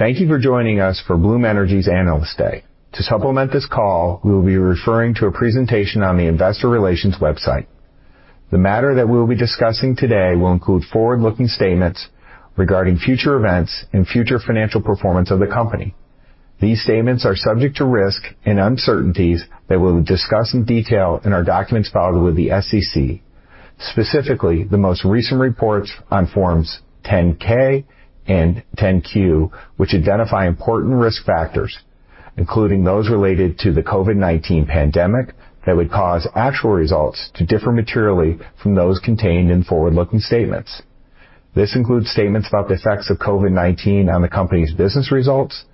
Thank you for joining us for Bloom Energy's Analyst Day. To supplement this call, we will be referring to a presentation on the Investor Relations website. The matter that we will be discussing today will include forward-looking statements regarding future events and future financial performance of the company. These statements are subject to risk and uncertainties that we will discuss in detail in our documents filed with the SEC, specifically the most recent reports on Forms 10-K and 10-Q, which identify important risk factors, including those related to the COVID-19 pandemic that would cause actual results to differ materially from those contained in forward-looking statements. This includes statements about the effects of COVID-19 on the company's business results,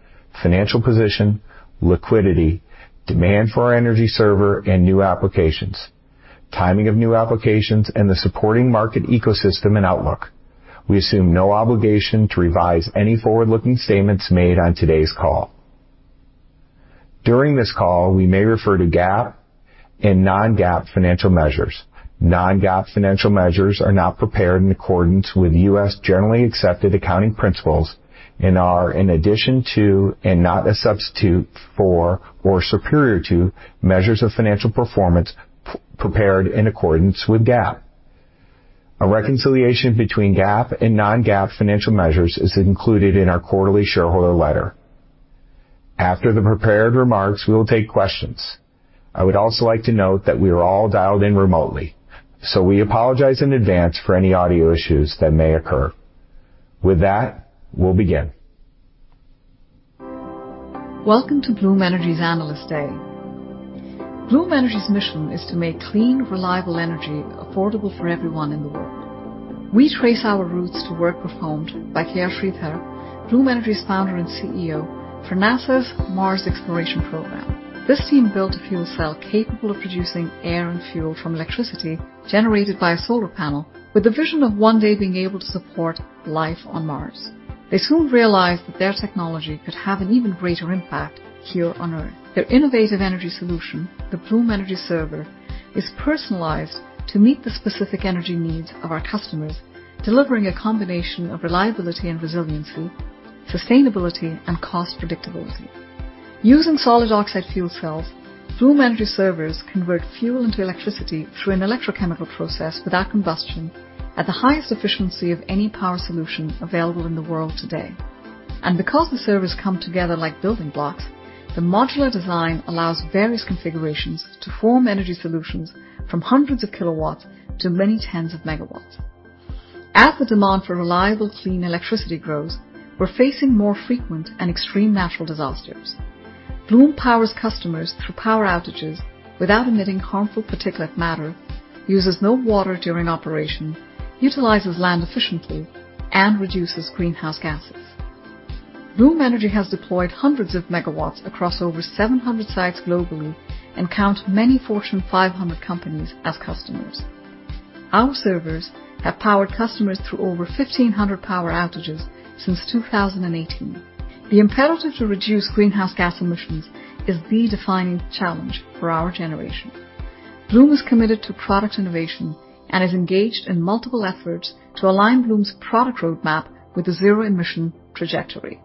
financial position, liquidity, demand for our energy server and new applications, timing of new applications, and the supporting market ecosystem and outlook. We assume no obligation to revise any forward-looking statements made on today's call. During this call, we may refer to GAAP and non-GAAP financial measures. Non-GAAP financial measures are not prepared in accordance with U.S. generally accepted accounting principles and are in addition to and not a substitute for or superior to measures of financial performance prepared in accordance with GAAP. A reconciliation between GAAP and non-GAAP financial measures is included in our quarterly shareholder letter. After the prepared remarks, we will take questions. I would also like to note that we are all dialed in remotely, so we apologize in advance for any audio issues that may occur. With that, we'll begin. Welcome to Bloom Energy's Analyst Day. Bloom Energy's mission is to make clean, reliable energy affordable for everyone in the world. We trace our roots to work performed by KR Sridhar, Bloom Energy's founder and CEO, for NASA's Mars Exploration Program. This team built a fuel cell capable of producing air and fuel from electricity generated by a solar panel, with the vision of one day being able to support life on Mars. They soon realized that their technology could have an even greater impact here on Earth. Their innovative energy solution, the Bloom Energy Server, is personalized to meet the specific energy needs of our customers, delivering a combination of reliability and resiliency, sustainability, and cost predictability. Using solid oxide fuel cells, Bloom Energy Servers convert fuel into electricity through an electrochemical process without combustion at the highest efficiency of any power solution available in the world today. And because the servers come together like building blocks, the modular design allows various configurations to form energy solutions from hundreds of kilowatts to many tens of megawatts. As the demand for reliable, clean electricity grows, we're facing more frequent and extreme natural disasters. Bloom powers customers through power outages without emitting harmful particulate matter, uses no water during operation, utilizes land efficiently, and reduces greenhouse gases. Bloom Energy has deployed hundreds of megawatts across over 700 sites globally and count many Fortune 500 companies as customers. Our servers have powered customers through over 1,500 power outages since 2018. The imperative to reduce greenhouse gas emissions is the defining challenge for our generation. Bloom is committed to product innovation and is engaged in multiple efforts to align Bloom's product roadmap with the zero-emission trajectory.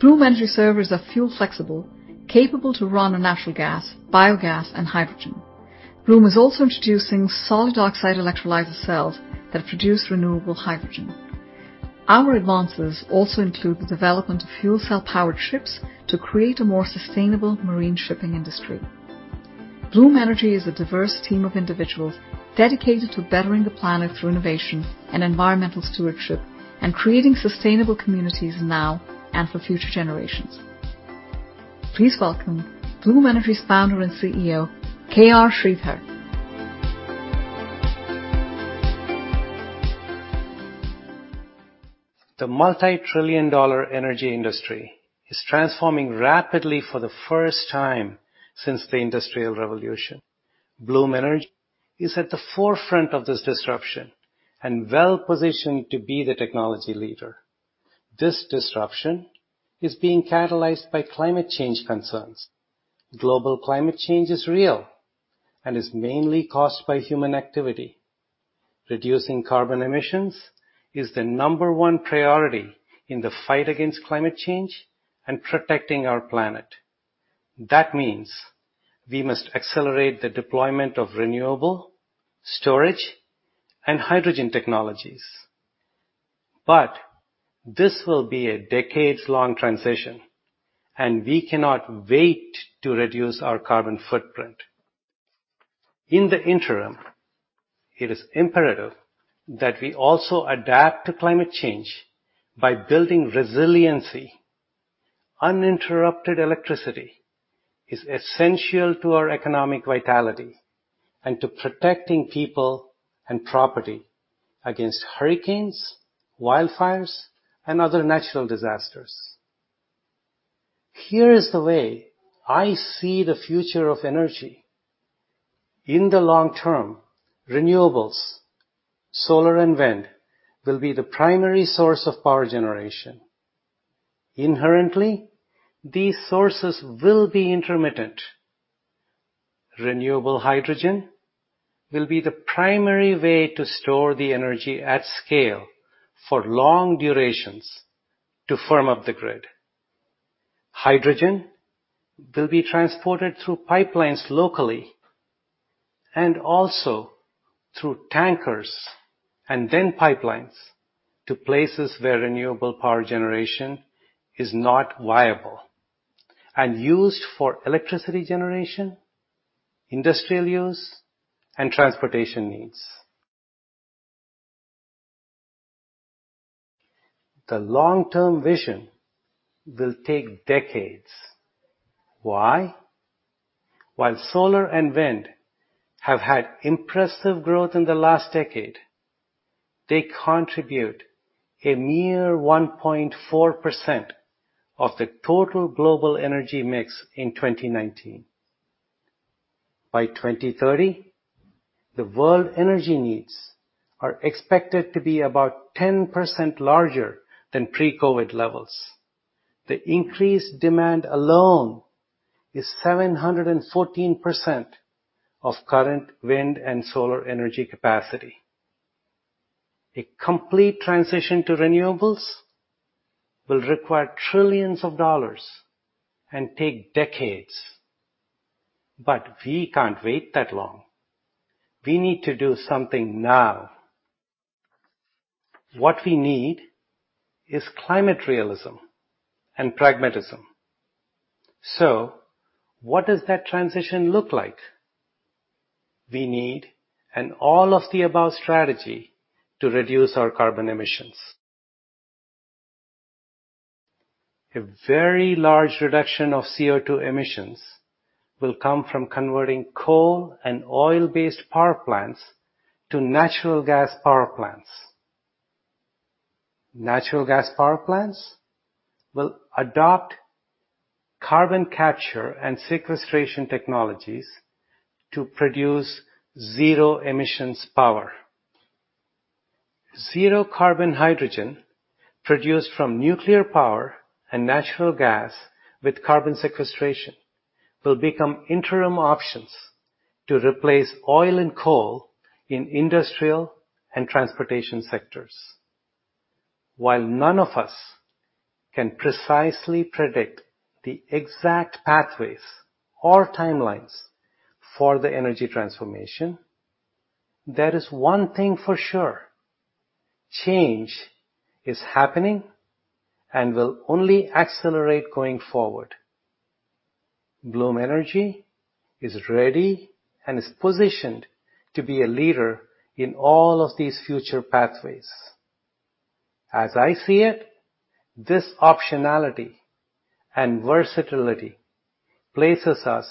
Bloom Energy servers are fuel-flexible, capable to run on natural gas, biogas, and hydrogen. Bloom is also introducing solid oxide electrolyzer cells that produce renewable hydrogen. Our advances also include the development of fuel cell-powered ships to create a more sustainable marine shipping industry. Bloom Energy is a diverse team of individuals dedicated to bettering the planet through innovation and environmental stewardship and creating sustainable communities now and for future generations. Please welcome Bloom Energy's founder and CEO, KR Sridhar. The multi-trillion-dollar energy industry is transforming rapidly for the first time since the Industrial Revolution. Bloom Energy is at the forefront of this disruption and well-positioned to be the technology leader. This disruption is being catalyzed by climate change concerns. Global climate change is real and is mainly caused by human activity. Reducing carbon emissions is the number one priority in the fight against climate change and protecting our planet. That means we must accelerate the deployment of renewable storage and hydrogen technologies. But this will be a decades-long transition, and we cannot wait to reduce our carbon footprint. In the interim, it is imperative that we also adapt to climate change by building resiliency. Uninterrupted electricity is essential to our economic vitality and to protecting people and property against hurricanes, wildfires, and other natural disasters. Here is the way I see the future of energy. In the long term, renewables, solar, and wind will be the primary source of power generation. Inherently, these sources will be intermittent. Renewable hydrogen will be the primary way to store the energy at scale for long durations to firm up the grid. Hydrogen will be transported through pipelines locally and also through tankers and then pipelines to places where renewable power generation is not viable and used for electricity generation, industrial use, and transportation needs. The long-term vision will take decades. Why? While solar and wind have had impressive growth in the last decade, they contribute a mere 1.4% of the total global energy mix in 2019. By 2030, the world energy needs are expected to be about 10% larger than pre-COVID levels. The increased demand alone is 714% of current wind and solar energy capacity. A complete transition to renewables will require trillions of dollars and take decades. But we can't wait that long. We need to do something now. What we need is climate realism and pragmatism. So what does that transition look like? We need an all-of-the-above strategy to reduce our carbon emissions. A very large reduction of CO2 emissions will come from converting coal and oil-based power plants to natural gas power plants. Natural gas power plants will adopt carbon capture and sequestration technologies to produce zero-emissions power. Zero-carbon hydrogen produced from nuclear power and natural gas with carbon sequestration will become interim options to replace oil and coal in industrial and transportation sectors. While none of us can precisely predict the exact pathways or timelines for the energy transformation, there is one thing for sure: change is happening and will only accelerate going forward. Bloom Energy is ready and is positioned to be a leader in all of these future pathways. As I see it, this optionality and versatility places us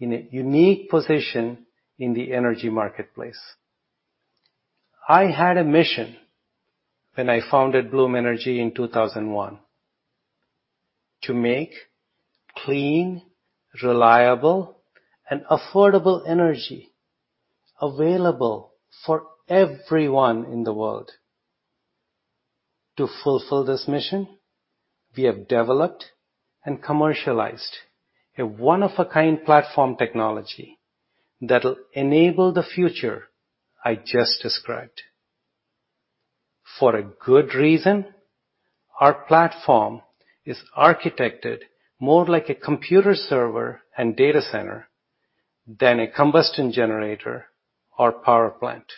in a unique position in the energy marketplace. I had a mission when I founded Bloom Energy in 2001: to make clean, reliable, and affordable energy available for everyone in the world. To fulfill this mission, we have developed and commercialized a one-of-a-kind platform technology that will enable the future I just described. For a good reason, our platform is architected more like a computer server and data center than a combustion generator or power plant.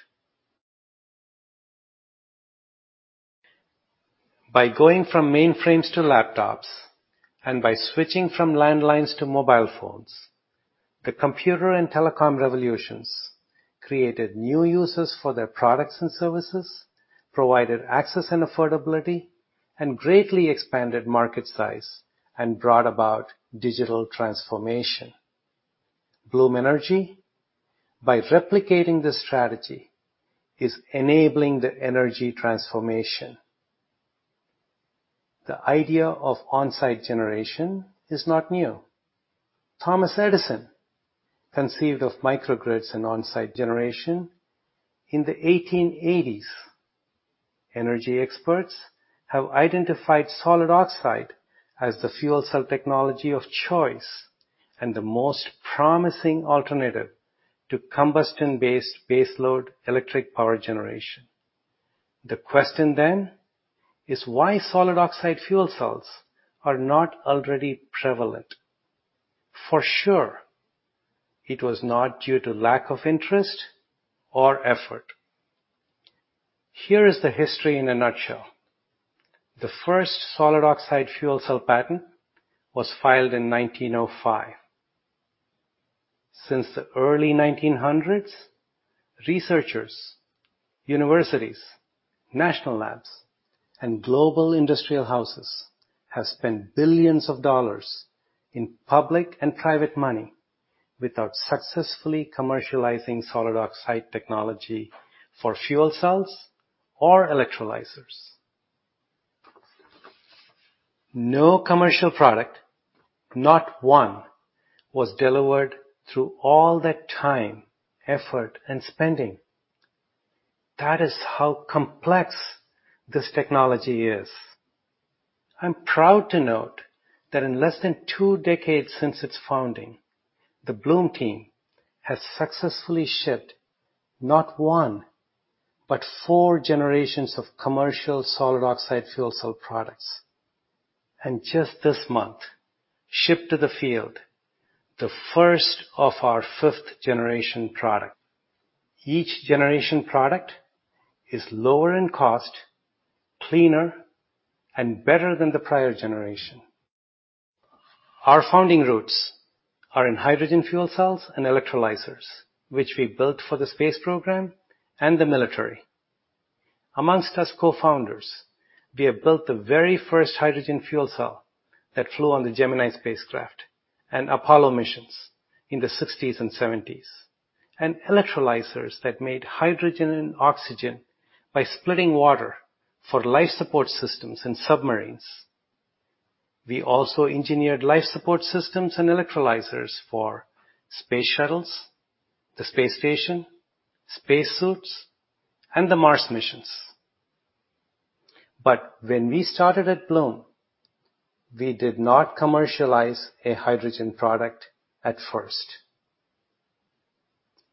By going from mainframes to laptops and by switching from landlines to mobile phones, the computer and telecom revolutions created new users for their products and services, provided access and affordability, and greatly expanded market size and brought about digital transformation. Bloom Energy, by replicating this strategy, is enabling the energy transformation. The idea of on-site generation is not new. Thomas Edison conceived of microgrids and on-site generation in the 1880s. Energy experts have identified solid oxide as the fuel cell technology of choice and the most promising alternative to combustion-based baseload electric power generation. The question then is why solid oxide fuel cells are not already prevalent. For sure, it was not due to lack of interest or effort. Here is the history in a nutshell. The first solid oxide fuel cell patent was filed in 1905. Since the early 1900s, researchers, universities, national labs, and global industrial houses have spent billions of dollars in public and private money without successfully commercializing solid oxide technology for fuel cells or electrolyzers. No commercial product, not one, was delivered through all that time, effort, and spending. That is how complex this technology is. I'm proud to note that in less than two decades since its founding, the Bloom team has successfully shipped not one, but four generations of commercial solid oxide fuel cell products, and just this month shipped to the field the first of our fifth-generation product. Each generation product is lower in cost, cleaner, and better than the prior generation. Our founding roots are in hydrogen fuel cells and electrolyzers, which we built for the space program and the military. Among us co-founders, we have built the very first hydrogen fuel cell that flew on the Gemini spacecraft and Apollo missions in the 1960s and 1970s, and electrolyzers that made hydrogen and oxygen by splitting water for life support systems and submarines. We also engineered life support systems and electrolyzers for space shuttles, the space station, spacesuits, and the Mars missions. But when we started at Bloom, we did not commercialize a hydrogen product at first.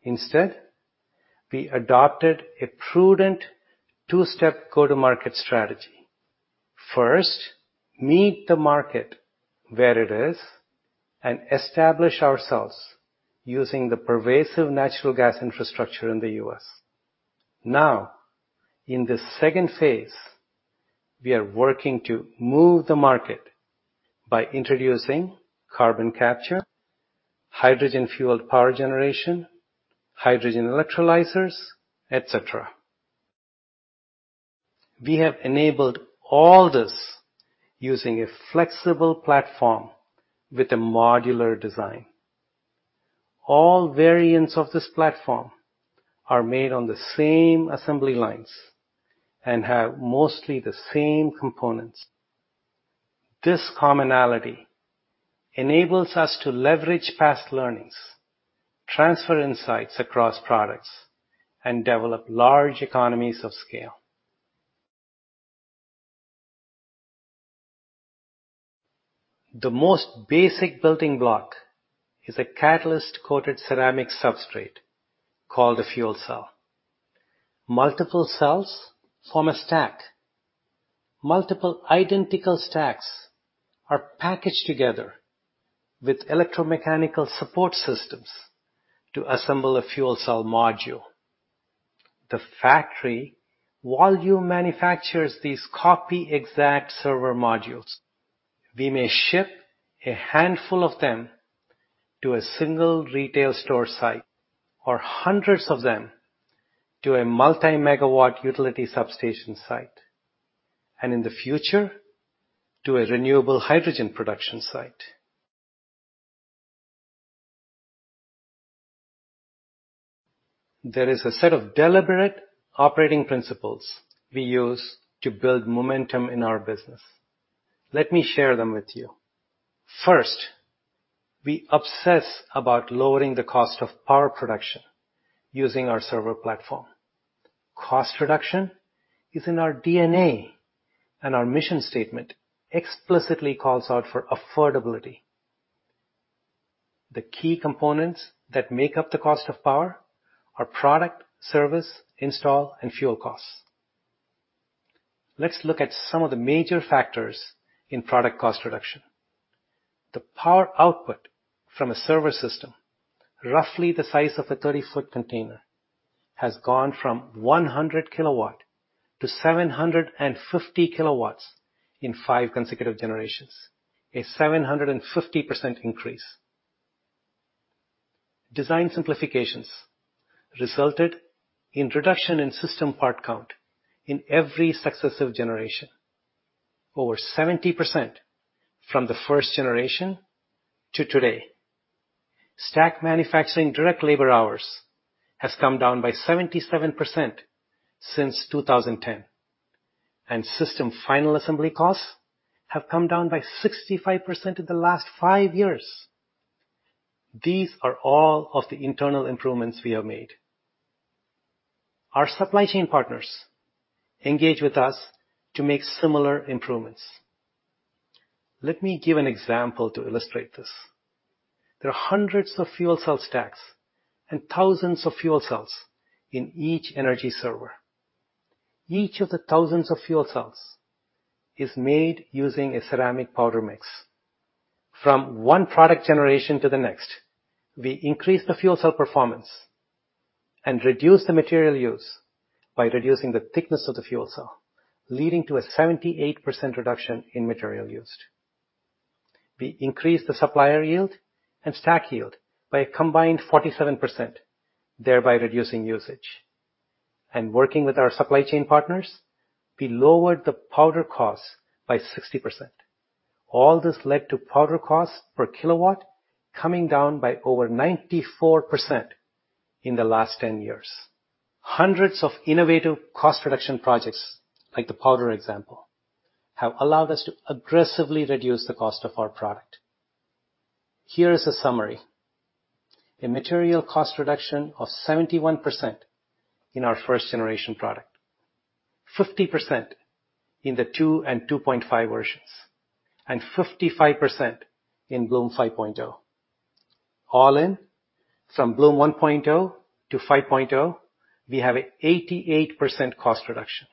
Instead, we adopted a prudent two-step go-to-market strategy. First, meet the market where it is and establish ourselves using the pervasive natural gas infrastructure in the U.S. Now, in the second phase, we are working to move the market by introducing carbon capture, hydrogen-fueled power generation, hydrogen electrolyzers, etc. We have enabled all this using a flexible platform with a modular design. All variants of this platform are made on the same assembly lines and have mostly the same components. This commonality enables us to leverage past learnings, transfer insights across products, and develop large economies of scale. The most basic building block is a catalyst-coated ceramic substrate called a fuel cell. Multiple cells form a stack. Multiple identical stacks are packaged together with electromechanical support systems to assemble a fuel cell module. The factory volume manufactures these copy-exact server modules. We may ship a handful of them to a single retail store site or hundreds of them to a multi-megawatt utility substation site, and in the future, to a renewable hydrogen production site. There is a set of deliberate operating principles we use to build momentum in our business. Let me share them with you. First, we obsess about lowering the cost of power production using our server platform. Cost reduction is in our DNA, and our mission statement explicitly calls out for affordability. The key components that make up the cost of power are product, service, install, and fuel costs. Let's look at some of the major factors in product cost reduction. The power output from a server system, roughly the size of a 30-ft container, has gone from 100 kW to 750 kW in five consecutive generations, a 750% increase. Design simplifications resulted in reduction in system part count in every successive generation, over 70% from the first generation to today. Stack manufacturing direct labor hours has come down by 77% since 2010, and system final assembly costs have come down by 65% in the last five years. These are all of the internal improvements we have made. Our supply chain partners engage with us to make similar improvements. Let me give an example to illustrate this. There are hundreds of fuel cell stacks and thousands of fuel cells in each energy server. Each of the thousands of fuel cells is made using a ceramic powder mix. From one product generation to the next, we increase the fuel cell performance and reduce the material use by reducing the thickness of the fuel cell, leading to a 78% reduction in material used. We increase the supplier yield and stack yield by a combined 47%, thereby reducing usage. And working with our supply chain partners, we lowered the powder cost by 60%. All this led to powder costs per kilowatt coming down by over 94% in the last 10 years. Hundreds of innovative cost reduction projects, like the powder example, have allowed us to aggressively reduce the cost of our product. Here is a summary: a material cost reduction of 71% in our first-generation product, 50% in the 2 and 2.5 versions, and 55% in Bloom 5.0. All in, from Bloom 1.0 to 5.0, we have an 88% cost reduction,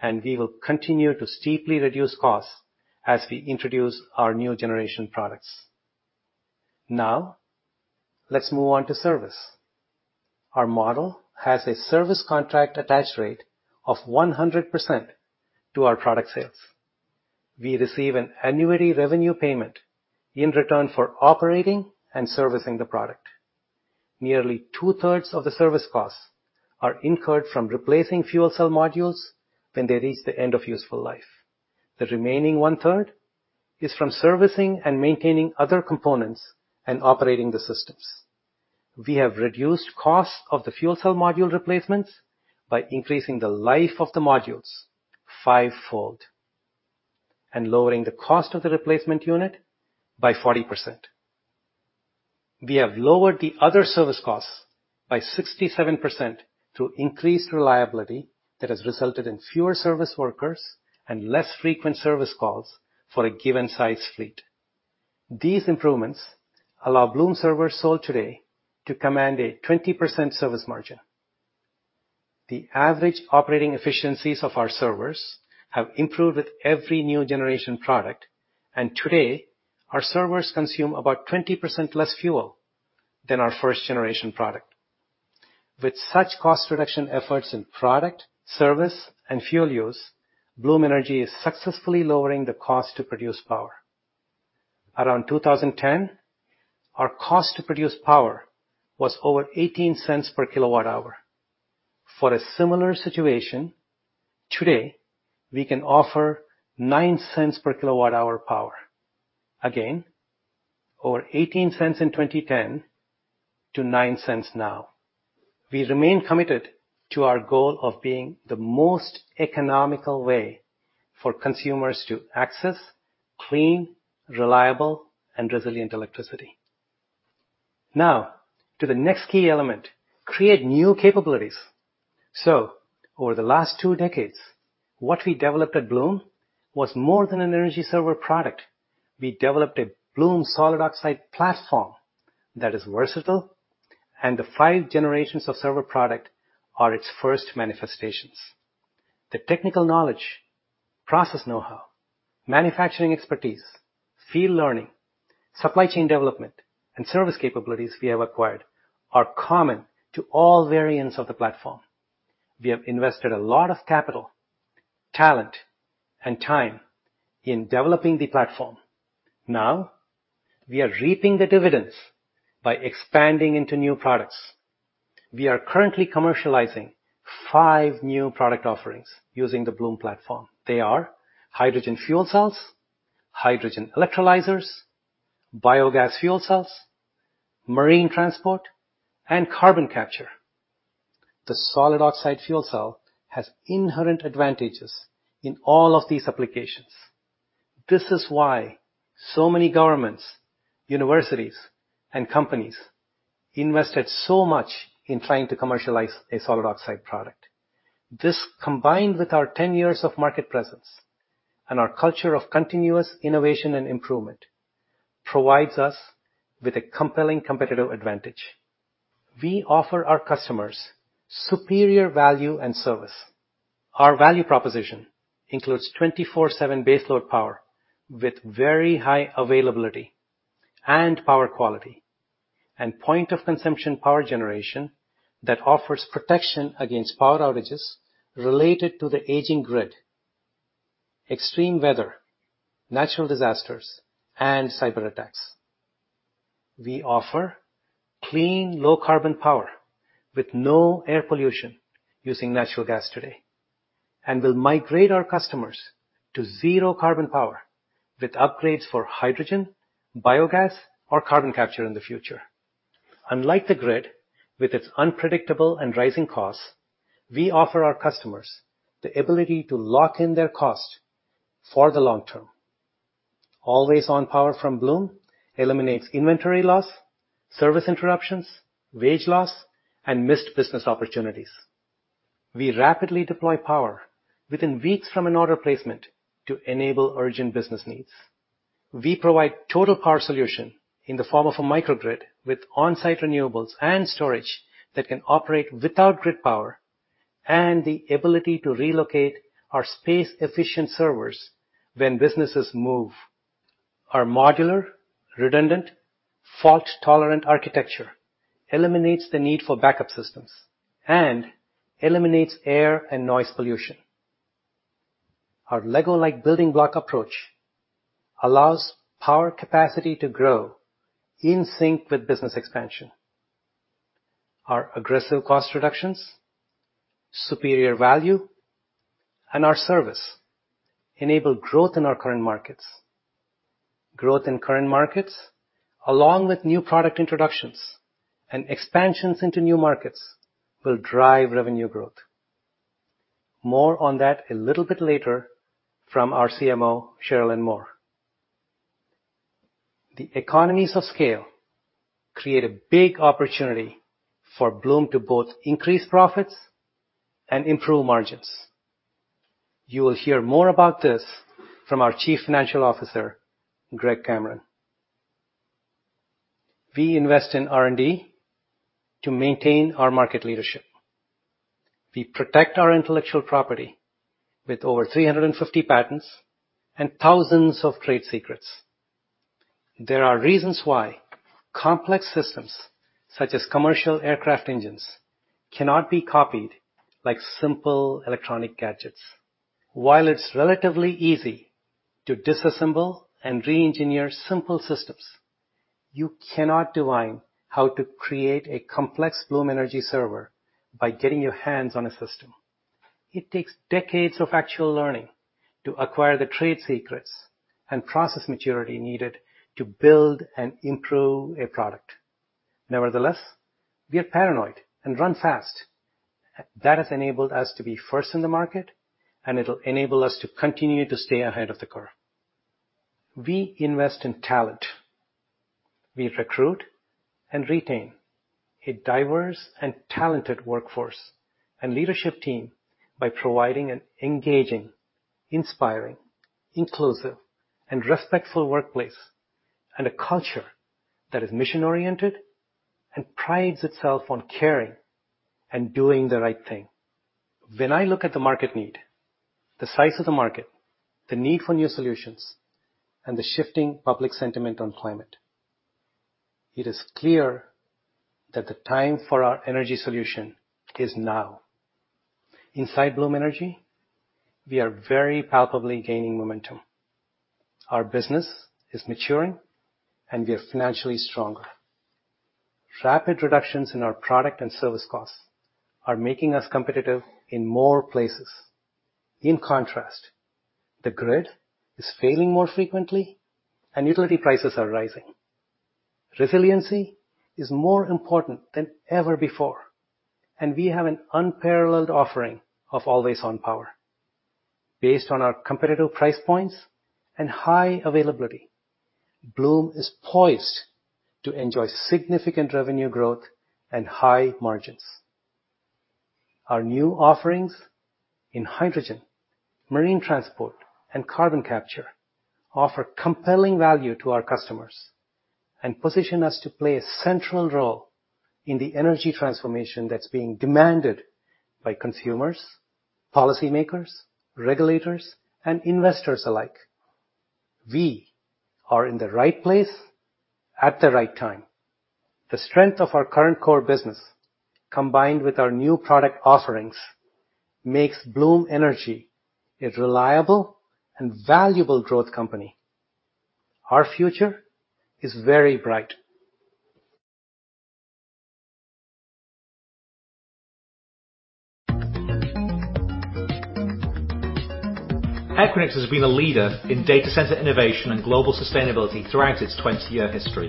and we will continue to steeply reduce costs as we introduce our new generation products. Now, let's move on to service. Our model has a service contract attached rate of 100% to our product sales. We receive an annuity revenue payment in return for operating and servicing the product. Nearly 2/3 of the service costs are incurred from replacing fuel cell modules when they reach the end of useful life. The remaining 1/3 is from servicing and maintaining other components and operating the systems. We have reduced the cost of the fuel cell module replacements by increasing the life of the modules fivefold and lowering the cost of the replacement unit by 40%. We have lowered the other service costs by 67% through increased reliability that has resulted in fewer service workers and less frequent service calls for a given size fleet. These improvements allow Bloom servers sold today to command a 20% service margin. The average operating efficiencies of our servers have improved with every new generation product, and today, our servers consume about 20% less fuel than our first-generation product. With such cost reduction efforts in product, service, and fuel use, Bloom Energy is successfully lowering the cost to produce power. Around 2010, our cost to produce power was over $0.18 per kWh. For a similar situation, today, we can offer $0.09 per kWh. Again, over $0.18 in 2010 to $0.09 now. We remain committed to our goal of being the most economical way for consumers to access clean, reliable, and resilient electricity. Now, to the next key element: create new capabilities. So, over the last two decades, what we developed at Bloom was more than an energy server product. We developed a Bloom solid oxide platform that is versatile, and the five generations of server product are its first manifestations. The technical knowledge, process know-how, manufacturing expertise, field learning, supply chain development, and service capabilities we have acquired are common to all variants of the platform. We have invested a lot of capital, talent, and time in developing the platform. Now, we are reaping the dividends by expanding into new products. We are currently commercializing five new product offerings using the Bloom platform. They are hydrogen fuel cells, hydrogen electrolyzers, biogas fuel cells, marine transport, and carbon capture. The solid oxide fuel cell has inherent advantages in all of these applications. This is why so many governments, universities, and companies invested so much in trying to commercialize a solid oxide product. This, combined with our 10 years of market presence and our culture of continuous innovation and improvement, provides us with a compelling competitive advantage. We offer our customers superior value and service. Our value proposition includes 24/7 baseload power with very high availability and power quality, and point-of-consumption power generation that offers protection against power outages related to the aging grid, extreme weather, natural disasters, and cyberattacks. We offer clean, low-carbon power with no air pollution using natural gas today and will migrate our customers to zero-carbon power with upgrades for hydrogen, biogas, or carbon capture in the future. Unlike the grid, with its unpredictable and rising costs, we offer our customers the ability to lock in their cost for the long term. Always-on power from Bloom eliminates inventory loss, service interruptions, wage loss, and missed business opportunities. We rapidly deploy power within weeks from an order placement to enable urgent business needs. We provide total power solution in the form of a microgrid with on-site renewables and storage that can operate without grid power and the ability to relocate our space-efficient servers when businesses move. Our modular, redundant, fault-tolerant architecture eliminates the need for backup systems and eliminates air and noise pollution. Our LEGO-like building block approach allows power capacity to grow in sync with business expansion. Our aggressive cost reductions, superior value, and our service enable growth in our current markets. Growth in current markets, along with new product introductions and expansions into new markets, will drive revenue growth. More on that a little bit later from our CMO, Sharelynn Moore. The economies of scale create a big opportunity for Bloom to both increase profits and improve margins. You will hear more about this from our Chief Financial Officer, Greg Cameron. We invest in R&D to maintain our market leadership. We protect our intellectual property with over 350 patents and thousands of trade secrets. There are reasons why complex systems such as commercial aircraft engines cannot be copied like simple electronic gadgets. While it's relatively easy to disassemble and re-engineer simple systems, you cannot divine how to create a complex Bloom Energy Server by getting your hands on a system. It takes decades of actual learning to acquire the trade secrets and process maturity needed to build and improve a product. Nevertheless, we are paranoid and run fast. That has enabled us to be first in the market, and it'll enable us to continue to stay ahead of the curve. We invest in talent. We recruit and retain a diverse and talented workforce and leadership team by providing an engaging, inspiring, inclusive, and respectful workplace and a culture that is mission-oriented and prides itself on caring and doing the right thing. When I look at the market need, the size of the market, the need for new solutions, and the shifting public sentiment on climate, it is clear that the time for our energy solution is now. Inside Bloom Energy, we are very palpably gaining momentum. Our business is maturing, and we are financially stronger. Rapid reductions in our product and service costs are making us competitive in more places. In contrast, the grid is failing more frequently, and utility prices are rising. Resiliency is more important than ever before, and we have an unparalleled offering of always-on power. Based on our competitive price points and high availability, Bloom is poised to enjoy significant revenue growth and high margins. Our new offerings in hydrogen, marine transport, and carbon capture offer compelling value to our customers and position us to play a central role in the energy transformation that's being demanded by consumers, policymakers, regulators, and investors alike. We are in the right place at the right time. The strength of our current core business, combined with our new product offerings, makes Bloom Energy a reliable and valuable growth company. Our future is very bright. Equinix has been a leader in data center innovation and global sustainability throughout its 20-year history.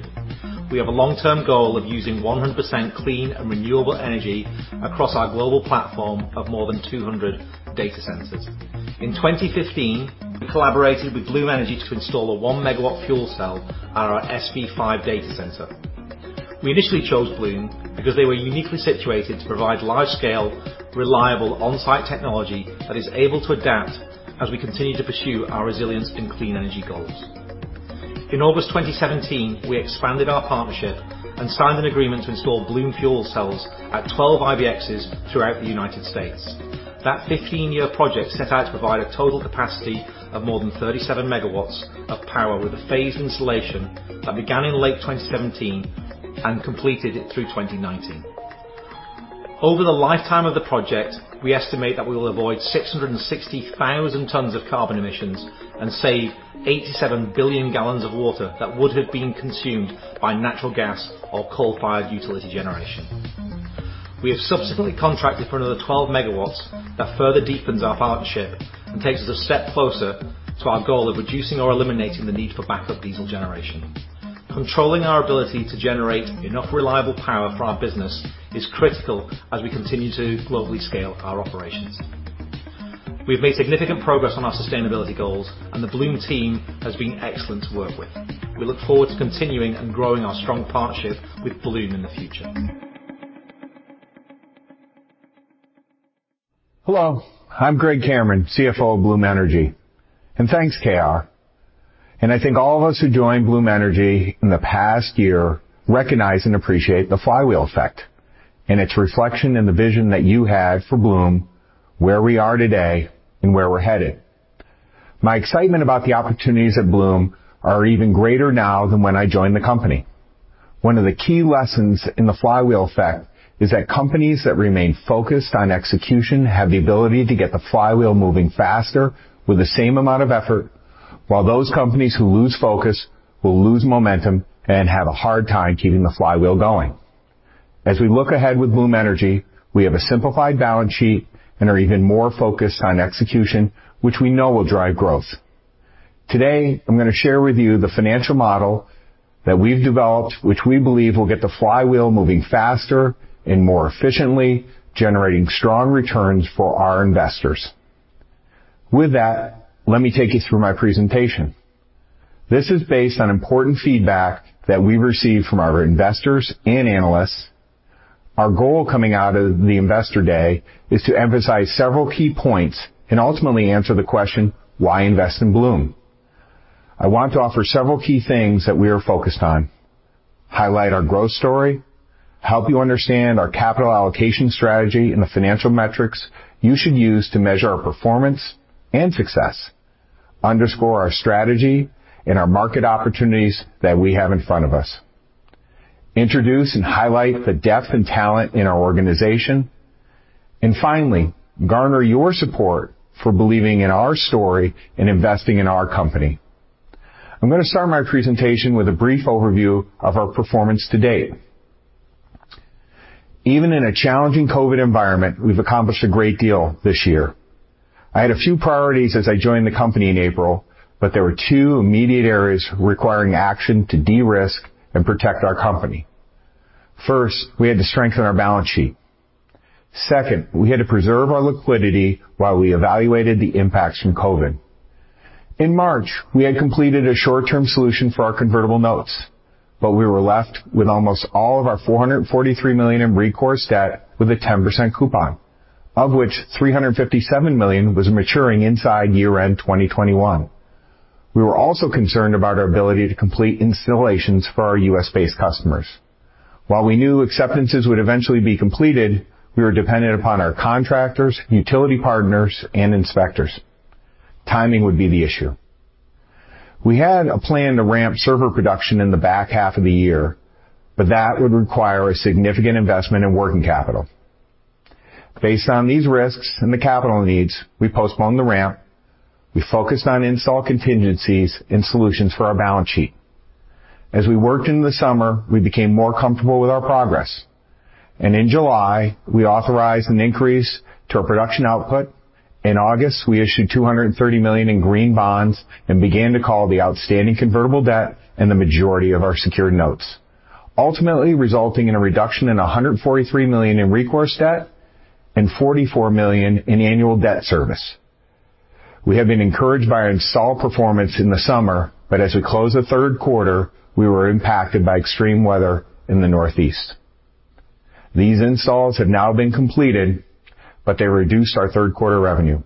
We have a long-term goal of using 100% clean and renewable energy across our global platform of more than 200 data centers. In 2015, we collaborated with Bloom Energy to install a 1 MW fuel cell at our SV5 data center. We initially chose Bloom because they were uniquely situated to provide large-scale, reliable on-site technology that is able to adapt as we continue to pursue our resilience and clean energy goals. In August 2017, we expanded our partnership and signed an agreement to install Bloom fuel cells at 12 IBXs throughout the United States. That 15-year project set out to provide a total capacity of more than 37 MW of power with a phased installation that began in late 2017 and completed it through 2019. Over the lifetime of the project, we estimate that we will avoid 660,000 tons of carbon emissions and save 87 billion gallons of water that would have been consumed by natural gas or coal-fired utility generation. We have subsequently contracted for another 12 MW that further deepens our partnership and takes us a step closer to our goal of reducing or eliminating the need for backup diesel generation. Controlling our ability to generate enough reliable power for our business is critical as we continue to globally scale our operations. We've made significant progress on our sustainability goals, and the Bloom team has been excellent to work with. We look forward to continuing and growing our strong partnership with Bloom in the future. Hello. I'm Greg Cameron, CFO of Bloom Energy, and thanks, KR. And I think all of us who joined Bloom Energy in the past year recognize and appreciate the flywheel effect and its reflection in the vision that you had for Bloom, where we are today and where we're headed. My excitement about the opportunities at Bloom are even greater now than when I joined the company. One of the key lessons in the flywheel effect is that companies that remain focused on execution have the ability to get the flywheel moving faster with the same amount of effort, while those companies who lose focus will lose momentum and have a hard time keeping the flywheel going. As we look ahead with Bloom Energy, we have a simplified balance sheet and are even more focused on execution, which we know will drive growth. Today, I'm going to share with you the financial model that we've developed, which we believe will get the flywheel moving faster and more efficiently, generating strong returns for our investors. With that, let me take you through my presentation. This is based on important feedback that we've received from our investors and analysts. Our goal coming out of the investor day is to emphasize several key points and ultimately answer the question, why invest in Bloom? I want to offer several key things that we are focused on: highlight our growth story, help you understand our capital allocation strategy and the financial metrics you should use to measure our performance and success, underscore our strategy and our market opportunities that we have in front of us, introduce and highlight the depth and talent in our organization, and finally, garner your support for believing in our story and investing in our company. I'm going to start my presentation with a brief overview of our performance to date. Even in a challenging COVID environment, we've accomplished a great deal this year. I had a few priorities as I joined the company in April, but there were two immediate areas requiring action to de-risk and protect our company. First, we had to strengthen our balance sheet. Second, we had to preserve our liquidity while we evaluated the impacts from COVID. In March, we had completed a short-term solution for our convertible notes, but we were left with almost all of our $443 million in recourse debt with a 10% coupon, of which $357 million was maturing inside year-end 2021. We were also concerned about our ability to complete installations for our U.S.-based customers. While we knew acceptances would eventually be completed, we were dependent upon our contractors, utility partners, and inspectors. Timing would be the issue. We had a plan to ramp server production in the back half of the year, but that would require a significant investment in working capital. Based on these risks and the capital needs, we postponed the ramp. We focused on install contingencies and solutions for our balance sheet. As we worked into the summer, we became more comfortable with our progress, and in July, we authorized an increase to our production output. In August, we issued $230 million in green bonds and began to call the outstanding convertible debt and the majority of our secured notes, ultimately resulting in a reduction in $143 million in recourse debt and $44 million in annual debt service. We have been encouraged by our install performance in the summer, but as we close the third quarter, we were impacted by extreme weather in the northeast. These installs have now been completed, but they reduced our third-quarter revenue.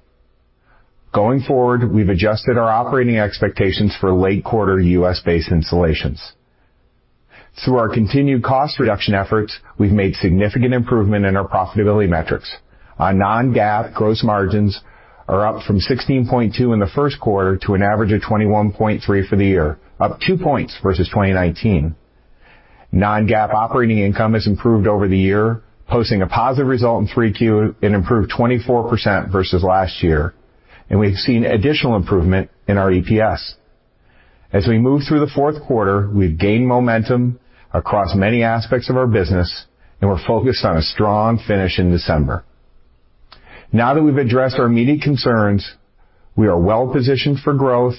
Going forward, we've adjusted our operating expectations for late-quarter U.S.-based installations. Through our continued cost reduction efforts, we've made significant improvement in our profitability metrics. Our non-GAAP gross margins are up from 16.2% in the first quarter to an average of 21.3% for the year, up two points versus 2019. Non-GAAP operating income has improved over the year, posting a positive result in 3Q and improved 24% versus last year. And we've seen additional improvement in our EPS. As we move through the fourth quarter, we've gained momentum across many aspects of our business, and we're focused on a strong finish in December. Now that we've addressed our immediate concerns, we are well-positioned for growth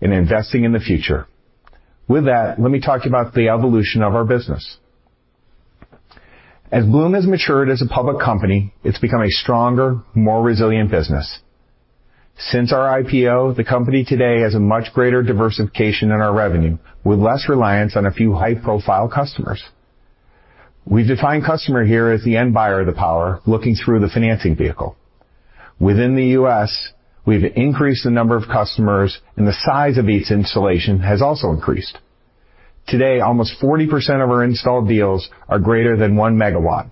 and investing in the future. With that, let me talk to you about the evolution of our business. As Bloom has matured as a public company, it's become a stronger, more resilient business. Since our IPO, the company today has a much greater diversification in our revenue, with less reliance on a few high-profile customers. We've defined customer here as the end buyer of the power, looking through the financing vehicle. Within the U.S., we've increased the number of customers, and the size of each installation has also increased. Today, almost 40% of our installed deals are greater than 1 MW,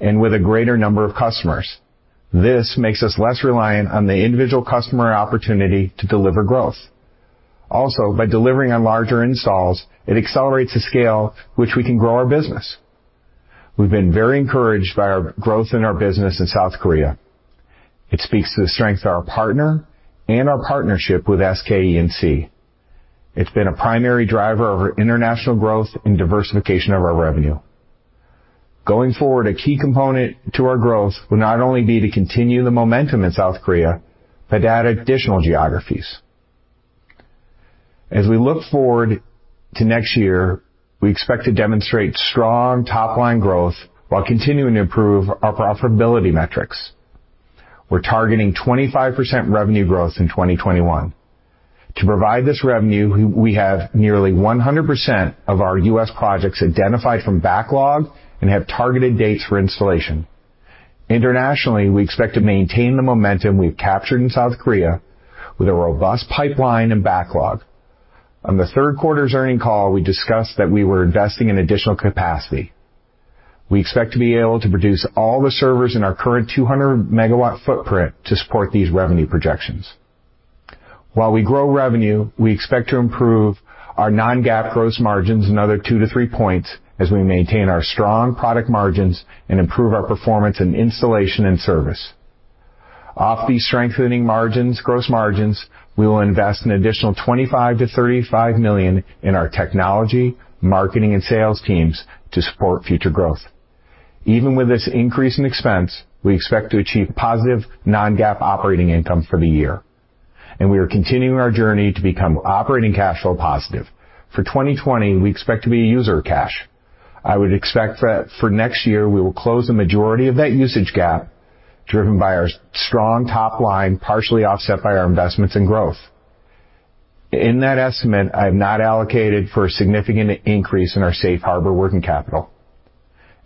and with a greater number of customers, this makes us less reliant on the individual customer opportunity to deliver growth. Also, by delivering on larger installs, it accelerates the scale, which we can grow our business. We've been very encouraged by our growth in our business in South Korea. It speaks to the strength of our partner and our partnership with SK E&C. It's been a primary driver of our international growth and diversification of our revenue. Going forward, a key component to our growth will not only be to continue the momentum in South Korea, but add additional geographies. As we look forward to next year, we expect to demonstrate strong top-line growth while continuing to improve our profitability metrics. We're targeting 25% revenue growth in 2021. To provide this revenue, we have nearly 100% of our U.S. projects identified from backlog and have targeted dates for installation. Internationally, we expect to maintain the momentum we've captured in South Korea with a robust pipeline and backlog. On the third quarter's earnings call, we discussed that we were investing in additional capacity. We expect to be able to produce all the servers in our current 200-MW footprint to support these revenue projections. While we grow revenue, we expect to improve our non-GAAP gross margins another two to three points as we maintain our strong product margins and improve our performance in installation and service. Off these strengthening gross margins, we will invest an additional $25 million-$35 million in our technology, marketing, and sales teams to support future growth. Even with this increase in expense, we expect to achieve positive non-GAAP operating income for the year. We are continuing our journey to become operating cash flow positive. For 2020, we expect to be cash use. I would expect that for next year, we will close the majority of that usage gap driven by our strong top line, partially offset by our investments and growth. In that estimate, I have not allocated for a significant increase in our safe harbor working capital.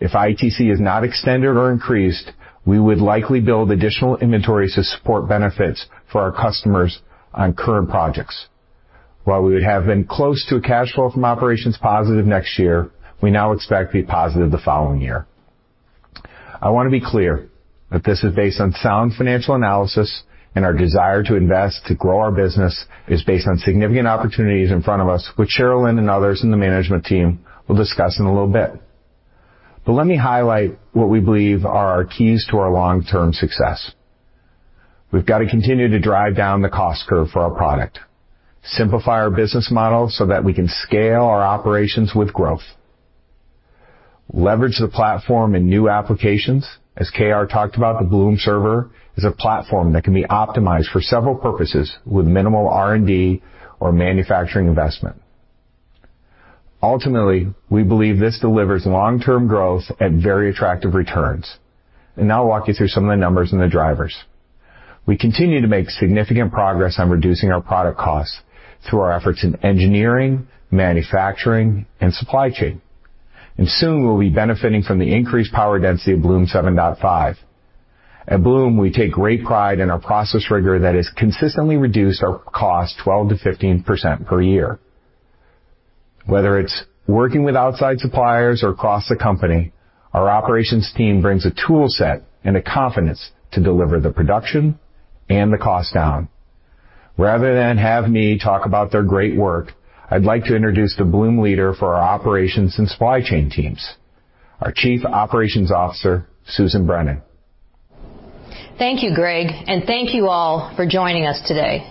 If ITC is not extended or increased, we would likely build additional inventory to support benefits for our customers on current projects. While we would have been close to a cash flow from operations positive next year, we now expect to be positive the following year. I want to be clear that this is based on sound financial analysis, and our desire to invest to grow our business is based on significant opportunities in front of us, which Sharelynn and others in the management team will discuss in a little bit. But let me highlight what we believe are our keys to our long-term success. We've got to continue to drive down the cost curve for our product, simplify our business model so that we can scale our operations with growth, leverage the platform in new applications. As KR talked about, the Bloom Server is a platform that can be optimized for several purposes with minimal R&D or manufacturing investment. Ultimately, we believe this delivers long-term growth at very attractive returns. Now I'll walk you through some of the numbers and the drivers. We continue to make significant progress on reducing our product costs through our efforts in engineering, manufacturing, and supply chain. Soon, we'll be benefiting from the increased power density of Bloom 7.5. At Bloom, we take great pride in our process rigor that has consistently reduced our costs 12%-15% per year. Whether it's working with outside suppliers or across the company, our operations team brings a toolset and a confidence to deliver the production and the cost down. Rather than have me talk about their great work, I'd like to introduce the Bloom leader for our operations and supply chain teams, our Chief Operations Officer, Susan Brennan. Thank you, Greg, and thank you all for joining us today.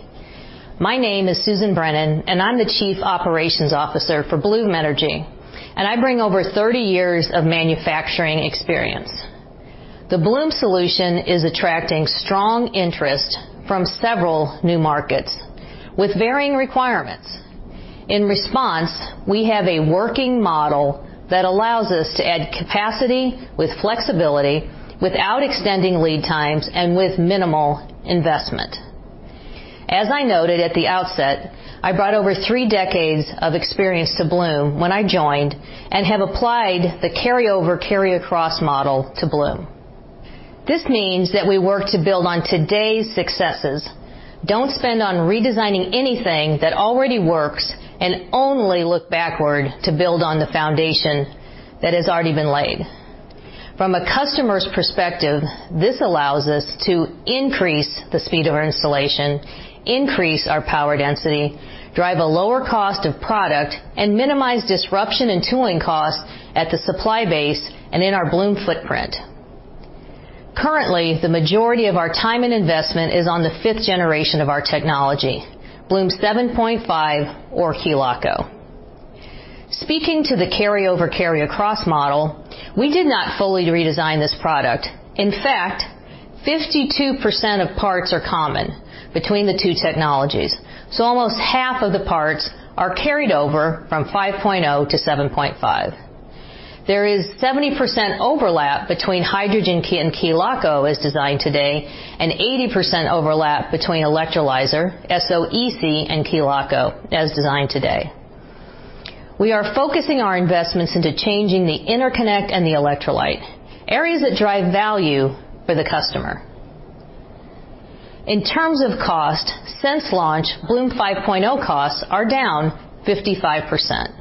My name is Susan Brennan, and I'm the Chief Operations Officer for Bloom Energy. I bring over 30 years of manufacturing experience. The Bloom Solution is attracting strong interest from several new markets with varying requirements. In response, we have a working model that allows us to add capacity with flexibility without extending lead times and with minimal investment. As I noted at the outset, I brought over three decades of experience to Bloom when I joined and have applied the carry-over/carry-across model to Bloom. This means that we work to build on today's successes, don't spend on redesigning anything that already works, and only look backward to build on the foundation that has already been laid. From a customer's perspective, this allows us to increase the speed of our installation, increase our power density, drive a lower cost of product, and minimize disruption and tooling costs at the supply base and in our Bloom footprint. Currently, the majority of our time and investment is on the fifth generation of our technology, Bloom 7.5 or Kiloco. Speaking to the carry-over/carry-across model, we did not fully redesign this product. In fact, 52% of parts are common between the two technologies, so almost half of the parts are carried over from 5.0 to 7.5. There is 70% overlap between hydrogen and Kiloco as designed today and 80% overlap between electrolyzer, SOEC, and Kiloco as designed today. We are focusing our investments into changing the interconnect and the electrolyte, areas that drive value for the customer. In terms of cost, since launch, Bloom 5.0 costs are down 55%.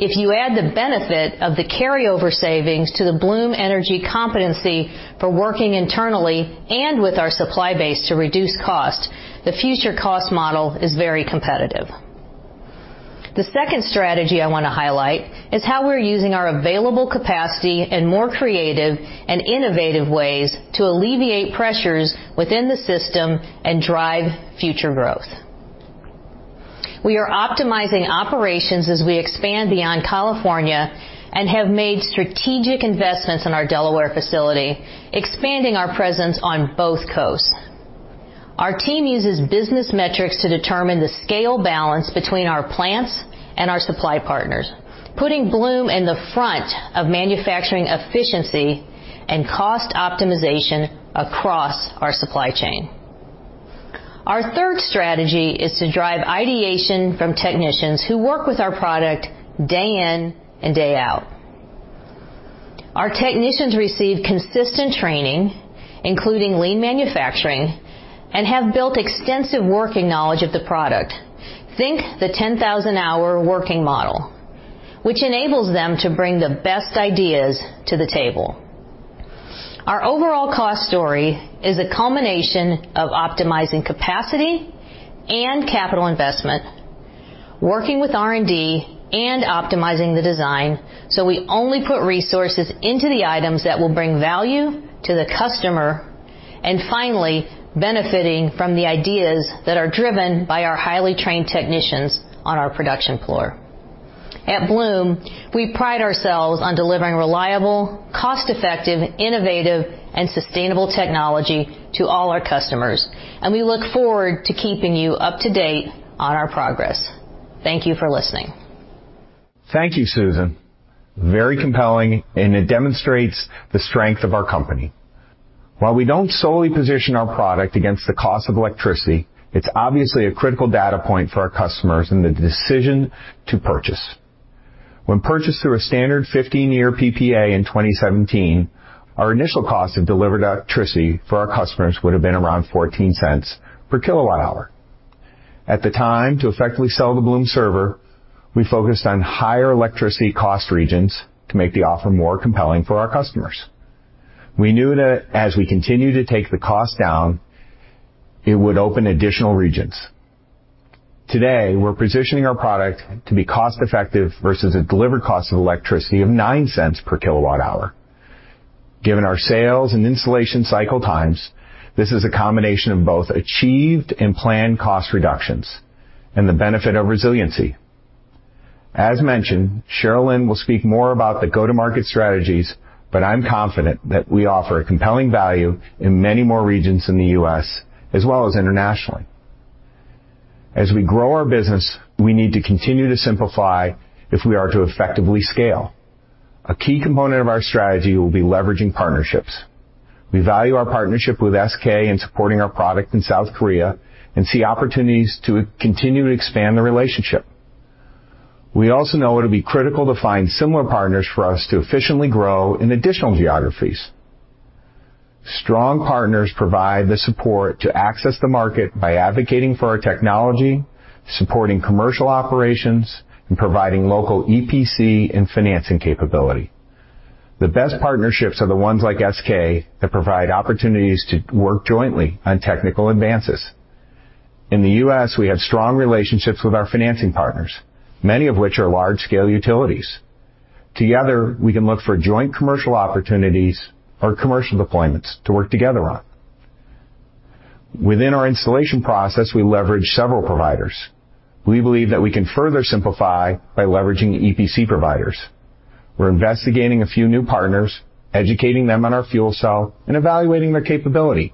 If you add the benefit of the carryover savings to the Bloom Energy competency for working internally and with our supply base to reduce cost, the future cost model is very competitive. The second strategy I want to highlight is how we're using our available capacity in more creative and innovative ways to alleviate pressures within the system and drive future growth. We are optimizing operations as we expand beyond California and have made strategic investments in our Delaware facility, expanding our presence on both coasts. Our team uses business metrics to determine the scale balance between our plants and our supply partners, putting Bloom in the front of manufacturing efficiency and cost optimization across our supply chain. Our third strategy is to drive ideation from technicians who work with our product day in and day out. Our technicians receive consistent training, including lean manufacturing, and have built extensive working knowledge of the product. Think the 10,000-hour working model, which enables them to bring the best ideas to the table. Our overall cost story is a culmination of optimizing capacity and capital investment, working with R&D and optimizing the design so we only put resources into the items that will bring value to the customer, and finally, benefiting from the ideas that are driven by our highly trained technicians on our production floor. At Bloom, we pride ourselves on delivering reliable, cost-effective, innovative, and sustainable technology to all our customers. And we look forward to keeping you up to date on our progress. Thank you for listening. Thank you, Susan. Very compelling, and it demonstrates the strength of our company. While we don't solely position our product against the cost of electricity, it's obviously a critical data point for our customers in the decision to purchase. When purchased through a standard 15-year PPA in 2017, our initial cost of delivered electricity for our customers would have been around $0.14 per kWh. At the time, to effectively sell the Bloom Server, we focused on higher electricity cost regions to make the offer more compelling for our customers. We knew that as we continued to take the cost down, it would open additional regions. Today, we're positioning our product to be cost-effective versus a delivered cost of electricity of $0.09 per kWh. Given our sales and installation cycle times, this is a combination of both achieved and planned cost reductions and the benefit of resiliency. As mentioned, Sharelynn will speak more about the go-to-market strategies, but I'm confident that we offer a compelling value in many more regions in the U.S., as well as internationally. As we grow our business, we need to continue to simplify if we are to effectively scale. A key component of our strategy will be leveraging partnerships. We value our partnership with SK in supporting our product in South Korea and see opportunities to continue to expand the relationship. We also know it will be critical to find similar partners for us to efficiently grow in additional geographies. Strong partners provide the support to access the market by advocating for our technology, supporting commercial operations, and providing local EPC and financing capability. The best partnerships are the ones like SK that provide opportunities to work jointly on technical advances. In the U.S., we have strong relationships with our financing partners, many of which are large-scale utilities. Together, we can look for joint commercial opportunities or commercial deployments to work together on. Within our installation process, we leverage several providers. We believe that we can further simplify by leveraging EPC providers. We're investigating a few new partners, educating them on our fuel cell, and evaluating their capability.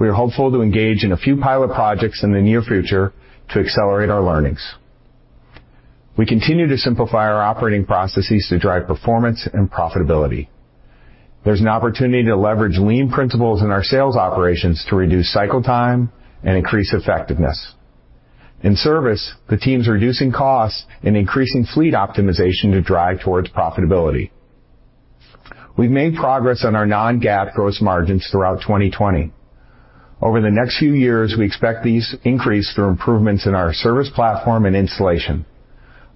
We are hopeful to engage in a few pilot projects in the near future to accelerate our learnings. We continue to simplify our operating processes to drive performance and profitability. There's an opportunity to leverage lean principles in our sales operations to reduce cycle time and increase effectiveness. In service, the team's reducing costs and increasing fleet optimization to drive towards profitability. We've made progress on our non-GAAP gross margins throughout 2020. Over the next few years, we expect these increases through improvements in our service platform and installation.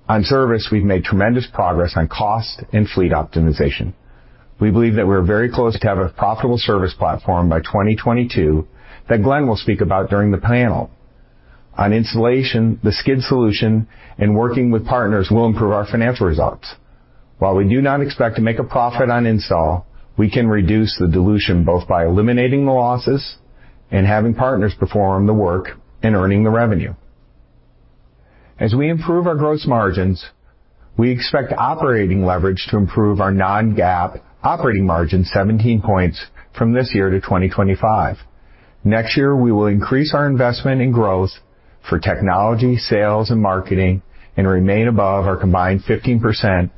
On service, we've made tremendous progress on cost and fleet optimization. We believe that we're very close to having a profitable service platform by 2022 that Glenn will speak about during the panel. On installation, the skid solution and working with partners will improve our financial results. While we do not expect to make a profit on install, we can reduce the dilution both by eliminating the losses and having partners perform the work and earning the revenue. As we improve our gross margins, we expect operating leverage to improve our non-GAAP operating margin 17 points from this year to 2025. Next year, we will increase our investment and growth for technology, sales, and marketing and remain above our combined 15%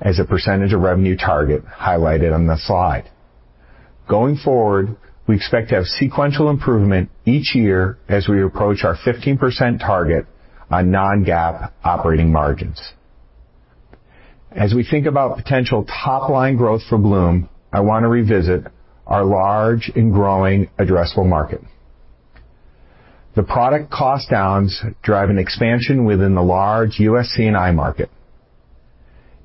as a percentage of revenue target highlighted on the slide. Going forward, we expect to have sequential improvement each year as we approach our 15% target on non-GAAP operating margins. As we think about potential top-line growth for Bloom, I want to revisit our large and growing addressable market. The product cost downs drive an expansion within the large U.S. C&I market.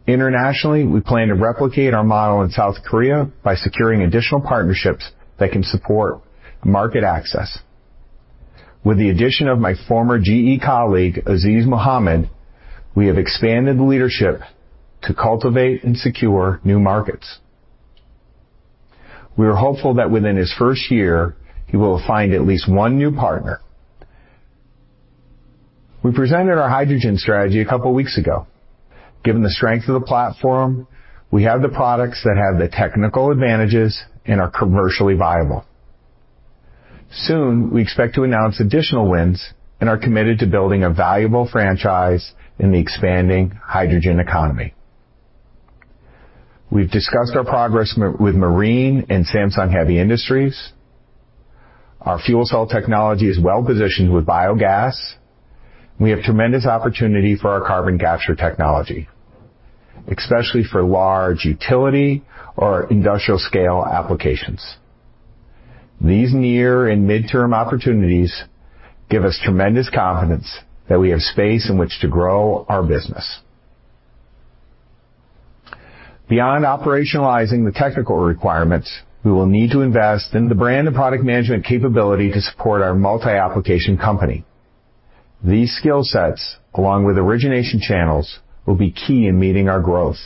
Internationally, we plan to replicate our model in South Korea by securing additional partnerships that can support market access. With the addition of my former GE colleague, Azeez Mohammed, we have expanded the leadership to cultivate and secure new markets. We are hopeful that within his first year, he will find at least one new partner. We presented our hydrogen strategy a couple of weeks ago. Given the strength of the platform, we have the products that have the technical advantages and are commercially viable. Soon, we expect to announce additional wins and are committed to building a valuable franchise in the expanding hydrogen economy. We've discussed our progress with marine and Samsung Heavy Industries. Our fuel cell technology is well-positioned with biogas. We have tremendous opportunity for our carbon capture technology, especially for large utility or industrial-scale applications. These near and mid-term opportunities give us tremendous confidence that we have space in which to grow our business. Beyond operationalizing the technical requirements, we will need to invest in the brand and product management capability to support our multi-application company. These skill sets, along with origination channels, will be key in meeting our growth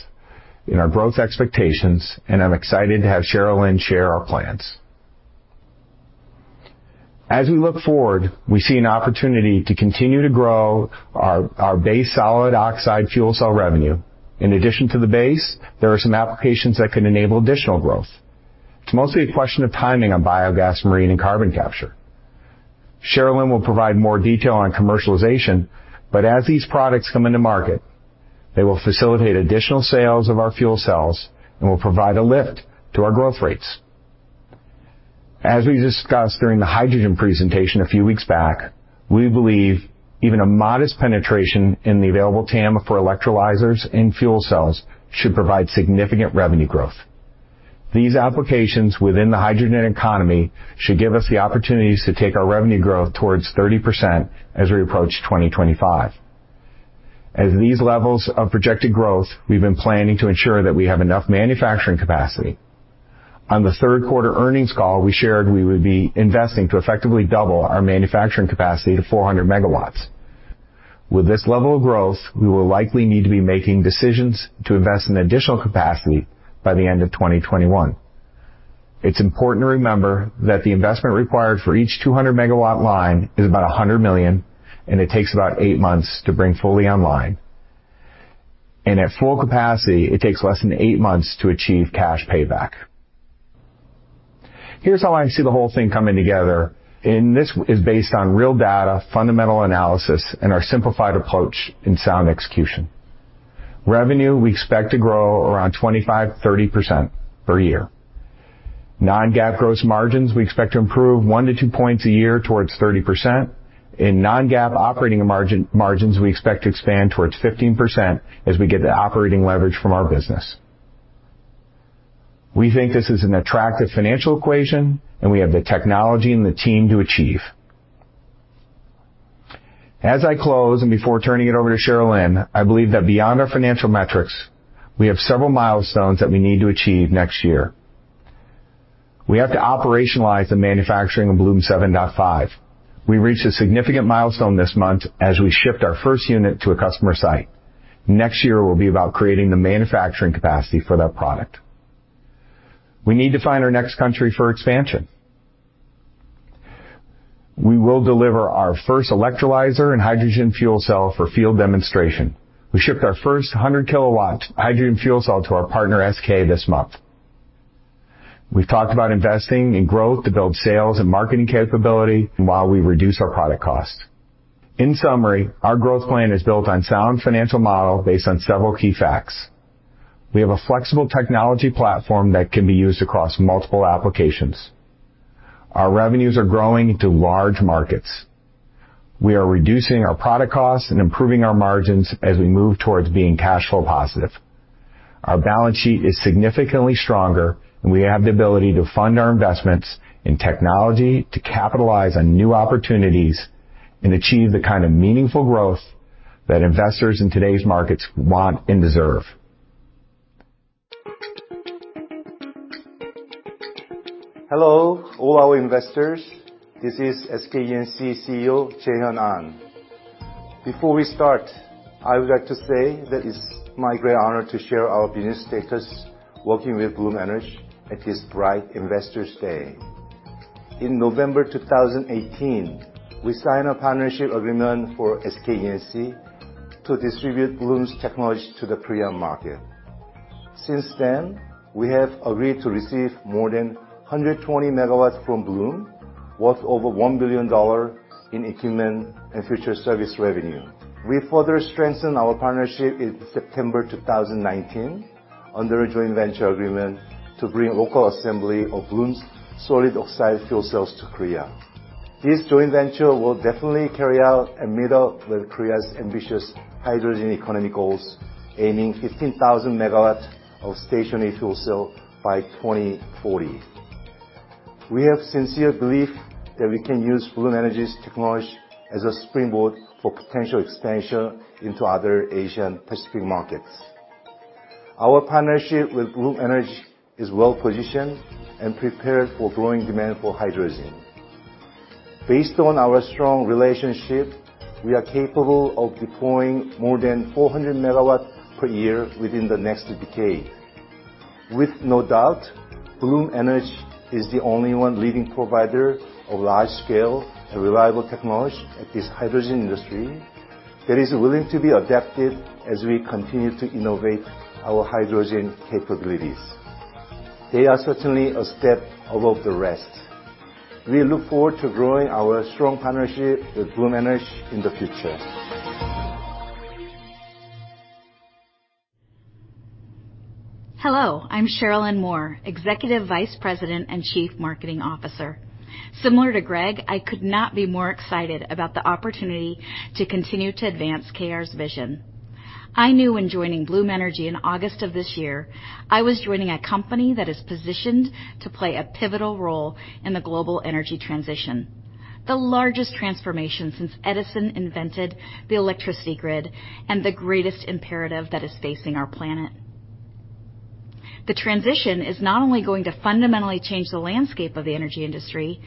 and our growth expectations, and I'm excited to have Sharelynn share our plans. As we look forward, we see an opportunity to continue to grow our base solid oxide fuel cell revenue. In addition to the base, there are some applications that can enable additional growth. It's mostly a question of timing on biogas, marine, and carbon capture. Sharelynn will provide more detail on commercialization, but as these products come into market, they will facilitate additional sales of our fuel cells and will provide a lift to our growth rates. As we discussed during the hydrogen presentation a few weeks back, we believe even a modest penetration in the available TAM for electrolyzers and fuel cells should provide significant revenue growth. These applications within the hydrogen economy should give us the opportunities to take our revenue growth towards 30% as we approach 2025. As these levels of projected growth, we've been planning to ensure that we have enough manufacturing capacity. On the third quarter earnings call, we shared we would be investing to effectively double our manufacturing capacity to 400 MW. With this level of growth, we will likely need to be making decisions to invest in additional capacity by the end of 2021. It's important to remember that the investment required for each 200-MW line is about $100 million, and it takes about eight months to bring fully online. At full capacity, it takes less than eight months to achieve cash payback. Here's how I see the whole thing coming together. This is based on real data, fundamental analysis, and our simplified approach in sound execution. Revenue, we expect to grow around 25%-30% per year. Non-GAAP gross margins, we expect to improve one to two points a year towards 30%. In non-GAAP operating margins, we expect to expand towards 15% as we get the operating leverage from our business. We think this is an attractive financial equation, and we have the technology and the team to achieve. As I close and before turning it over to Sharelynn, I believe that beyond our financial metrics, we have several milestones that we need to achieve next year. We have to operationalize the manufacturing of Bloom 7.5. We reached a significant milestone this month as we ship our first unit to a customer site. Next year will be about creating the manufacturing capacity for that product. We need to find our next country for expansion. We will deliver our first electrolyzer and hydrogen fuel cell for field demonstration. We shipped our first 100-kW hydrogen fuel cell to our partner SK this month. We've talked about investing in growth to build sales and marketing capability while we reduce our product cost. In summary, our growth plan is built on a sound financial model based on several key facts. We have a flexible technology platform that can be used across multiple applications. Our revenues are growing to large markets. We are reducing our product costs and improving our margins as we move towards being cash flow positive. Our balance sheet is significantly stronger, and we have the ability to fund our investments in technology to capitalize on new opportunities and achieve the kind of meaningful growth that investors in today's markets want and deserve. Hello, all our investors. This is SK E&C CEO, Jae-hyun Ahn. Before we start, I would like to say that it's my great honor to share our business status working with Bloom Energy at this bright Investors Day. In November 2018, we signed a partnership agreement for SK E&C to distribute Bloom's technology to the Korean market. Since then, we have agreed to receive more than 120 MW from Bloom, worth over $1 billion in equipment and future service revenue. We further strengthened our partnership in September 2019 under a joint venture agreement to bring local assembly of Bloom's solid oxide fuel cells to Korea. This joint venture will definitely carry out and meet up with Korea's ambitious hydrogen economy goals, aiming for 15,000 MW of stationary fuel cells by 2040. We have sincere belief that we can use Bloom Energy's technology as a springboard for potential expansion into other Asian Pacific markets. Our partnership with Bloom Energy is well-positioned and prepared for growing demand for hydrogen. Based on our strong relationship, we are capable of deploying more than 400 MW per year within the next decade. With no doubt, Bloom Energy is the only leading provider of large-scale and reliable technology in this hydrogen industry that is willing to be adapted as we continue to innovate our hydrogen capabilities. They are certainly a step above the rest. We look forward to growing our strong partnership with Bloom Energy in the future. Hello, I'm Sharelynn Moore, Executive Vice President and Chief Marketing Officer. Similar to Greg, I could not be more excited about the opportunity to continue to advance KR's vision. I knew when joining Bloom Energy in August of this year, I was joining a company that is positioned to play a pivotal role in the global energy transition, the largest transformation since Edison invented the electricity grid and the greatest imperative that is facing our planet. The transition is not only going to fundamentally change the landscape of the energy industry,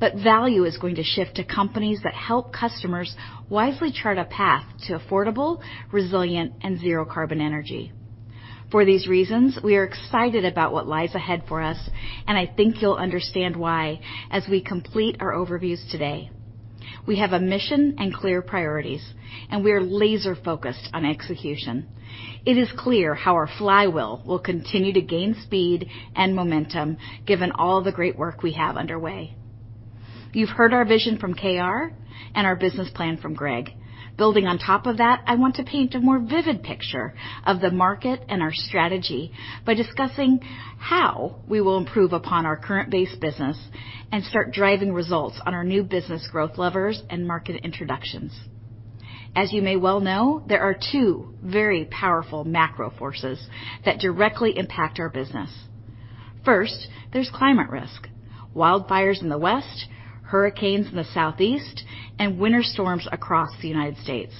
but value is going to shift to companies that help customers wisely chart a path to affordable, resilient, and zero-carbon energy. For these reasons, we are excited about what lies ahead for us, and I think you'll understand why as we complete our overviews today. We have a mission and clear priorities, and we are laser-focused on execution. It is clear how our flywheel will continue to gain speed and momentum given all the great work we have underway. You've heard our vision from KR and our business plan from Greg. Building on top of that, I want to paint a more vivid picture of the market and our strategy by discussing how we will improve upon our core-based business and start driving results on our new business growth levers and market introductions. As you may well know, there are two very powerful macro forces that directly impact our business. First, there's climate risk: wildfires in the west, hurricanes in the southeast, and winter storms across the United States.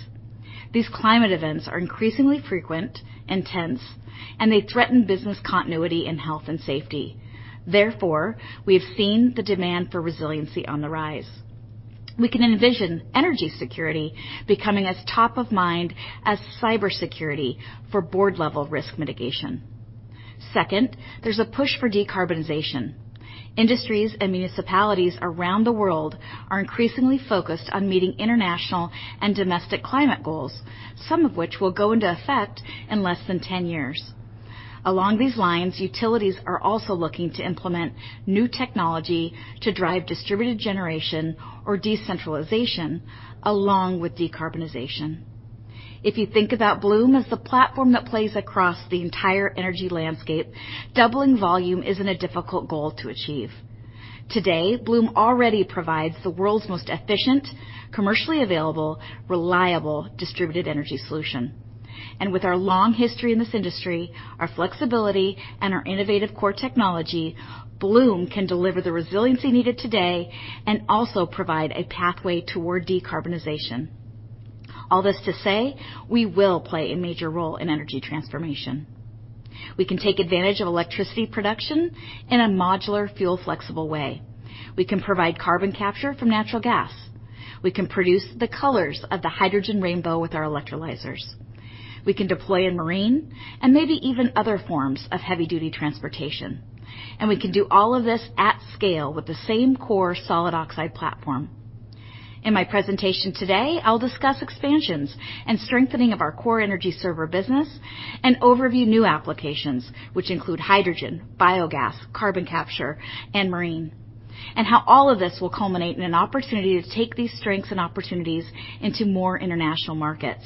These climate events are increasingly frequent and intense, and they threaten business continuity in health and safety. Therefore, we have seen the demand for resiliency on the rise. We can envision energy security becoming as top of mind as cybersecurity for board-level risk mitigation. Second, there's a push for decarbonization. Industries and municipalities around the world are increasingly focused on meeting international and domestic climate goals, some of which will go into effect in less than 10 years. Along these lines, utilities are also looking to implement new technology to drive distributed generation or decentralization along with decarbonization. If you think about Bloom as the platform that plays across the entire energy landscape, doubling volume isn't a difficult goal to achieve. Today, Bloom already provides the world's most efficient, commercially available, reliable distributed energy solution, and with our long history in this industry, our flexibility, and our innovative core technology, Bloom can deliver the resiliency needed today and also provide a pathway toward decarbonization. All this to say, we will play a major role in energy transformation. We can take advantage of electricity production in a modular, fuel-flexible way. We can provide carbon capture from natural gas. We can produce the colors of the hydrogen rainbow with our electrolyzers. We can deploy in marine and maybe even other forms of heavy-duty transportation. And we can do all of this at scale with the same core solid oxide platform. In my presentation today, I'll discuss expansions and strengthening of our core energy server business and overview new applications, which include hydrogen, biogas, carbon capture, and marine, and how all of this will culminate in an opportunity to take these strengths and opportunities into more international markets.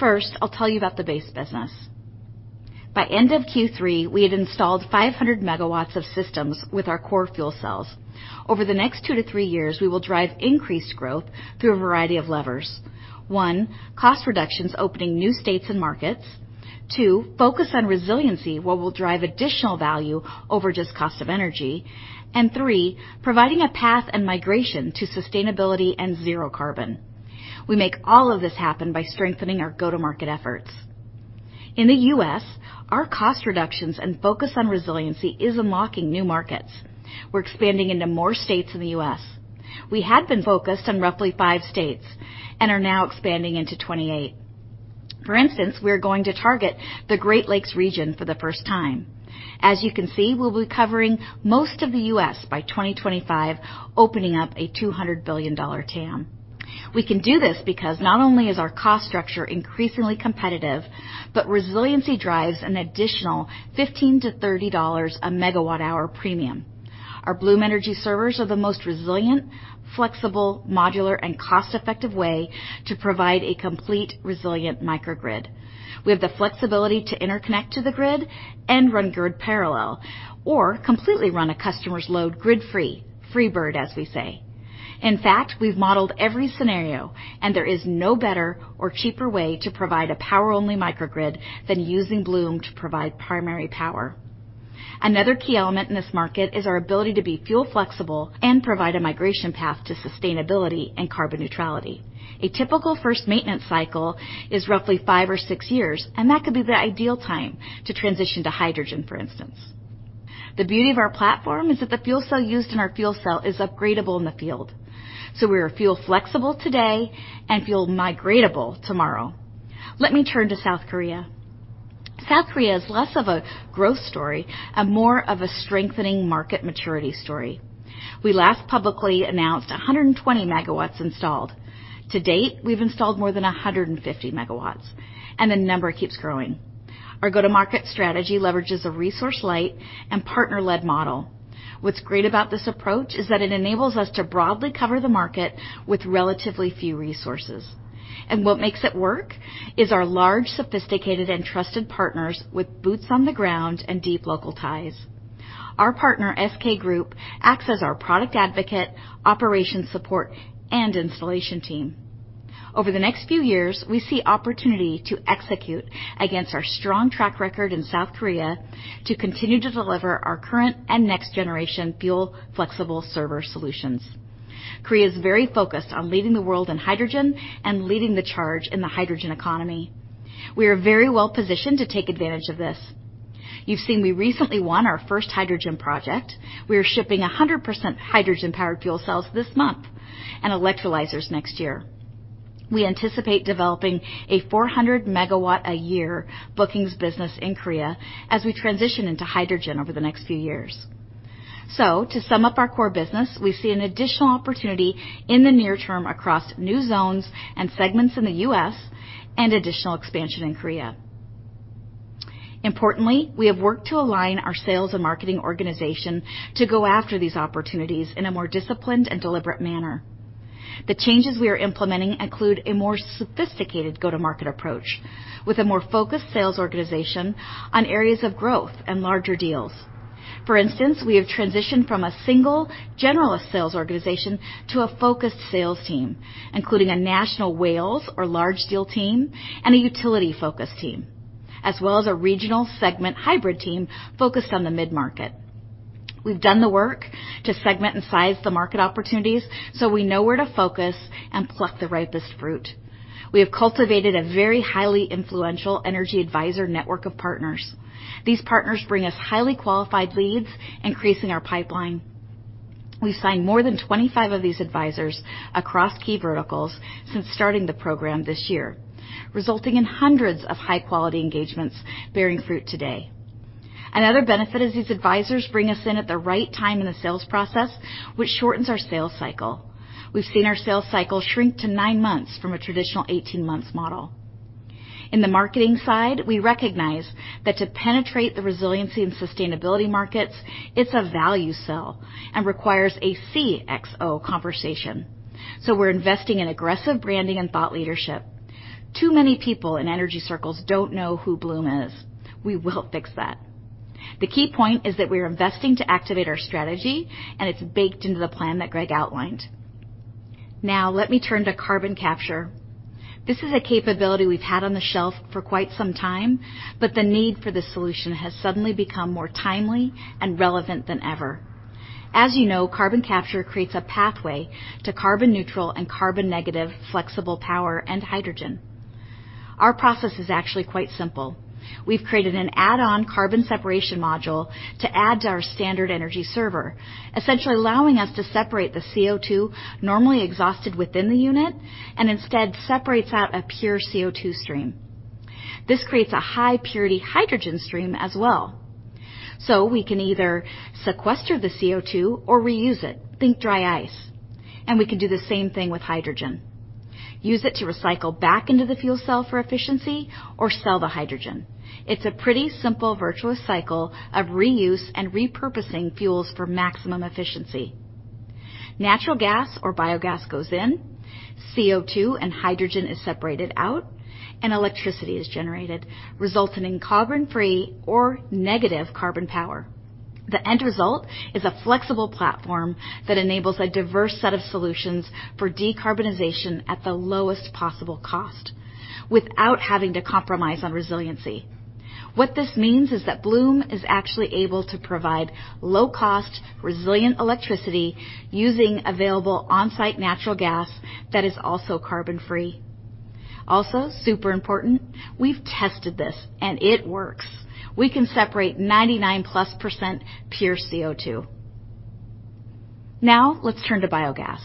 First, I'll tell you about the base business. By the end of Q3, we had installed 500 MW of systems with our core fuel cells. Over the next two to three years, we will drive increased growth through a variety of levers. One, cost reductions opening new states and markets. Two, focus on resiliency, what will drive additional value over just cost of energy. And three, providing a path and migration to sustainability and zero carbon. We make all of this happen by strengthening our go-to-market efforts. In the U.S., our cost reductions and focus on resiliency is unlocking new markets. We're expanding into more states in the U.S. We had been focused on roughly five states and are now expanding into 28. For instance, we are going to target the Great Lakes region for the first time. As you can see, we'll be covering most of the U.S. by 2025, opening up a $200 billion TAM. We can do this because not only is our cost structure increasingly competitive, but resiliency drives an additional $15-$30 a MWh premium. Our Bloom Energy servers are the most resilient, flexible, modular, and cost-effective way to provide a complete resilient microgrid. We have the flexibility to interconnect to the grid and run grid parallel or completely run a customer's load grid-free, free bird, as we say. In fact, we've modeled every scenario, and there is no better or cheaper way to provide a power-only microgrid than using Bloom to provide primary power. Another key element in this market is our ability to be fuel-flexible and provide a migration path to sustainability and carbon neutrality. A typical first maintenance cycle is roughly five or six years, and that could be the ideal time to transition to hydrogen, for instance. The beauty of our platform is that the fuel cell used in our fuel cell is upgradable in the field. So we are fuel-flexible today and fuel-migratable tomorrow. Let me turn to South Korea. South Korea is less of a growth story and more of a strengthening market maturity story. We last publicly announced 120 MW installed. To date, we've installed more than 150 MW, and the number keeps growing. Our go-to-market strategy leverages a resource-light and partner-led model. What's great about this approach is that it enables us to broadly cover the market with relatively few resources, and what makes it work is our large, sophisticated, and trusted partners with boots on the ground and deep local ties. Our partner, SK Group, acts as our product advocate, operations support, and installation team. Over the next few years, we see opportunity to execute against our strong track record in South Korea to continue to deliver our current and next-generation fuel-flexible server solutions. Korea is very focused on leading the world in hydrogen and leading the charge in the hydrogen economy. We are very well-positioned to take advantage of this. You've seen we recently won our first hydrogen project. We are shipping 100% hydrogen-powered fuel cells this month and electrolyzers next year. We anticipate developing a 400-MW-a-year bookings business in Korea as we transition into hydrogen over the next few years. So, to sum up our core business, we see an additional opportunity in the near term across new zones and segments in the U.S. and additional expansion in Korea. Importantly, we have worked to align our sales and marketing organization to go after these opportunities in a more disciplined and deliberate manner. The changes we are implementing include a more sophisticated go-to-market approach with a more focused sales organization on areas of growth and larger deals. For instance, we have transitioned from a single generalist sales organization to a focused sales team, including a national whales or large-deal team and a utility-focused team, as well as a regional segment hybrid team focused on the mid-market. We've done the work to segment and size the market opportunities so we know where to focus and pluck the ripest fruit. We have cultivated a very highly influential energy advisor network of partners. These partners bring us highly qualified leads, increasing our pipeline. We've signed more than 25 of these advisors across key verticals since starting the program this year, resulting in hundreds of high-quality engagements bearing fruit today. Another benefit is these advisors bring us in at the right time in the sales process, which shortens our sales cycle. We've seen our sales cycle shrink to nine months from a traditional 18-month model. In the marketing side, we recognize that to penetrate the resiliency and sustainability markets, it's a value sell and requires a CXO conversation. So we're investing in aggressive branding and thought leadership. Too many people in energy circles don't know who Bloom is. We will fix that. The key point is that we are investing to activate our strategy, and it's baked into the plan that Greg outlined. Now, let me turn to carbon capture. This is a capability we've had on the shelf for quite some time, but the need for the solution has suddenly become more timely and relevant than ever. As you know, carbon capture creates a pathway to carbon-neutral and carbon-negative flexible power and hydrogen. Our process is actually quite simple. We've created an add-on carbon separation module to add to our standard energy server, essentially allowing us to separate the CO2 normally exhausted within the unit and instead separates out a pure CO2 stream. This creates a high-purity hydrogen stream as well. So we can either sequester the CO2 or reuse it, think dry ice. And we can do the same thing with hydrogen. Use it to recycle back into the fuel cell for efficiency or sell the hydrogen. It's a pretty simple virtuous cycle of reuse and repurposing fuels for maximum efficiency. Natural gas or biogas goes in, CO2 and hydrogen is separated out, and electricity is generated, resulting in carbon-free or negative carbon power. The end result is a flexible platform that enables a diverse set of solutions for decarbonization at the lowest possible cost without having to compromise on resiliency. What this means is that Bloom is actually able to provide low-cost, resilient electricity using available on-site natural gas that is also carbon-free. Also, super important, we've tested this and it works. We can separate 99% pure CO2. Now, let's turn to biogas.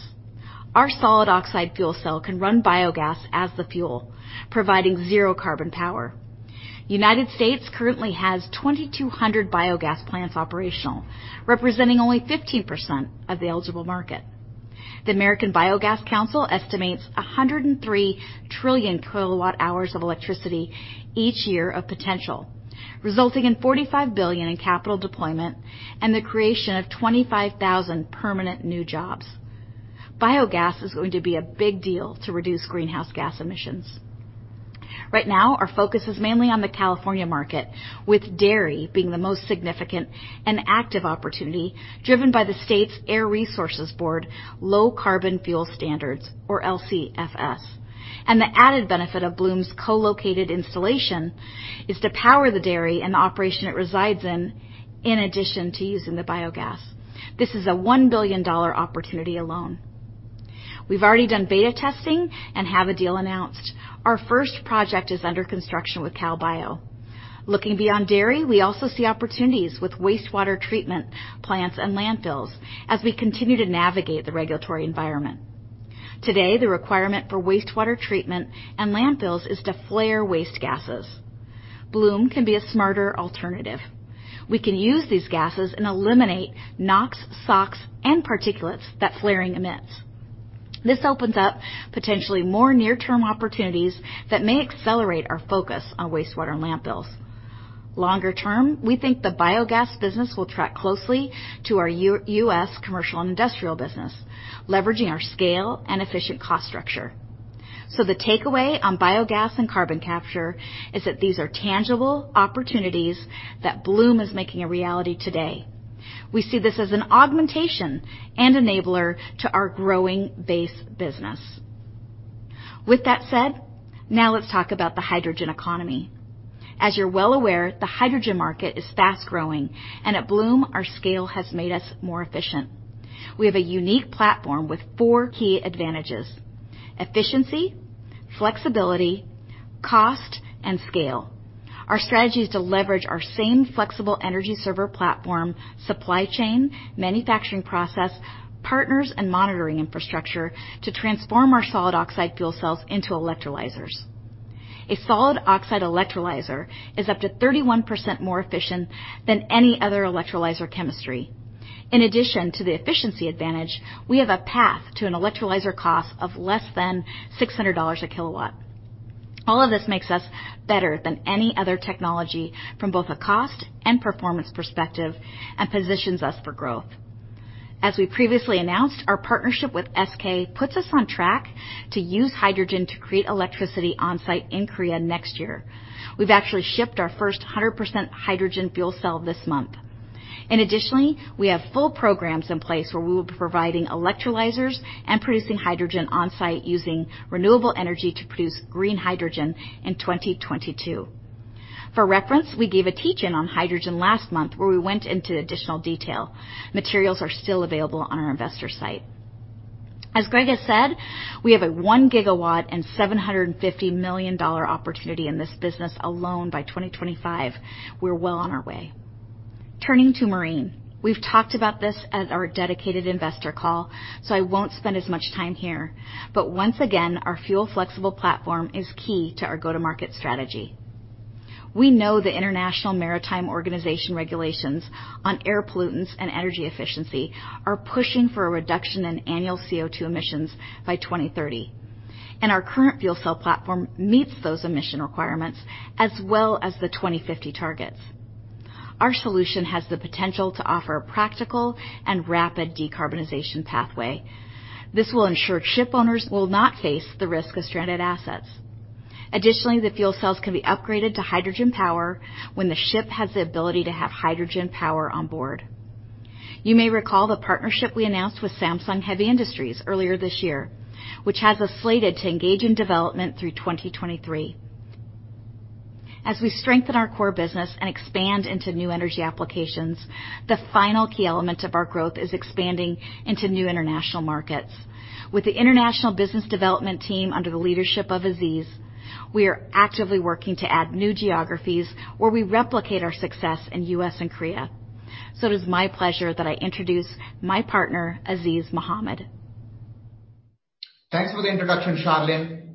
Our solid oxide fuel cell can run biogas as the fuel, providing zero-carbon power. The United States currently has 2,200 biogas plants operational, representing only 15% of the eligible market. The American Biogas Council estimates 103 trillionkWh of electricity each year of potential, resulting in $45 billion in capital deployment and the creation of 25,000 permanent new jobs. Biogas is going to be a big deal to reduce greenhouse gas emissions. Right now, our focus is mainly on the California market, with dairy being the most significant and active opportunity driven by the state's Air Resources Board's Low Carbon Fuel Standard, or LCFS, and the added benefit of Bloom's co-located installation is to power the dairy and the operation it resides in, in addition to using the biogas. This is a $1 billion opportunity alone. We've already done beta testing and have a deal announced. Our first project is under construction with CalBio. Looking beyond dairy, we also see opportunities with wastewater treatment plants and landfills as we continue to navigate the regulatory environment. Today, the requirement for wastewater treatment and landfills is to flare waste gases. Bloom can be a smarter alternative. We can use these gases and eliminate NOx, SOx, and particulates that flaring emits. This opens up potentially more near-term opportunities that may accelerate our focus on wastewater and landfills. Longer term, we think the biogas business will track closely to our U.S. commercial and industrial business, leveraging our scale and efficient cost structure. So the takeaway on biogas and carbon capture is that these are tangible opportunities that Bloom is making a reality today. We see this as an augmentation and enabler to our growing base business. With that said, now let's talk about the hydrogen economy. As you're well aware, the hydrogen market is fast growing, and at Bloom, our scale has made us more efficient. We have a unique platform with four key advantages: efficiency, flexibility, cost, and scale. Our strategy is to leverage our same flexible energy server platform, supply chain, manufacturing process, partners, and monitoring infrastructure to transform our solid oxide fuel cells into electrolyzers. A solid oxide electrolyzer is up to 31% more efficient than any other electrolyzer chemistry. In addition to the efficiency advantage, we have a path to an electrolyzer cost of less than $600 a kilowatt. All of this makes us better than any other technology from both a cost and performance perspective and positions us for growth. As we previously announced, our partnership with SK puts us on track to use hydrogen to create electricity on-site in Korea next year. We've actually shipped our first 100% hydrogen fuel cell this month, and additionally, we have full programs in place where we will be providing electrolyzers and producing hydrogen on-site using renewable energy to produce green hydrogen in 2022. For reference, we gave a teach-in on hydrogen last month where we went into additional detail. Materials are still available on our investor site. As Greg has said, we have a 1 GW and $750 million opportunity in this business alone by 2025. We're well on our way. Turning to marine, we've talked about this as our dedicated investor call, so I won't spend as much time here. But once again, our fuel-flexible platform is key to our go-to-market strategy. We know the International Maritime Organization regulations on air pollutants and energy efficiency are pushing for a reduction in annual CO2 emissions by 2030. And our current fuel cell platform meets those emission requirements as well as the 2050 targets. Our solution has the potential to offer a practical and rapid decarbonization pathway. This will ensure ship owners will not face the risk of stranded assets. Additionally, the fuel cells can be upgraded to hydrogen power when the ship has the ability to have hydrogen power on board. You may recall the partnership we announced with Samsung Heavy Industries earlier this year, which has us slated to engage in development through 2023. As we strengthen our core business and expand into new energy applications, the final key element of our growth is expanding into new international markets. With the International Business Development Team under the leadership of Azeez, we are actively working to add new geographies where we replicate our success in the U.S. and Korea. So it is my pleasure that I introduce my partner, Azeez Mohammed. Thanks for the introduction, Sharelynn.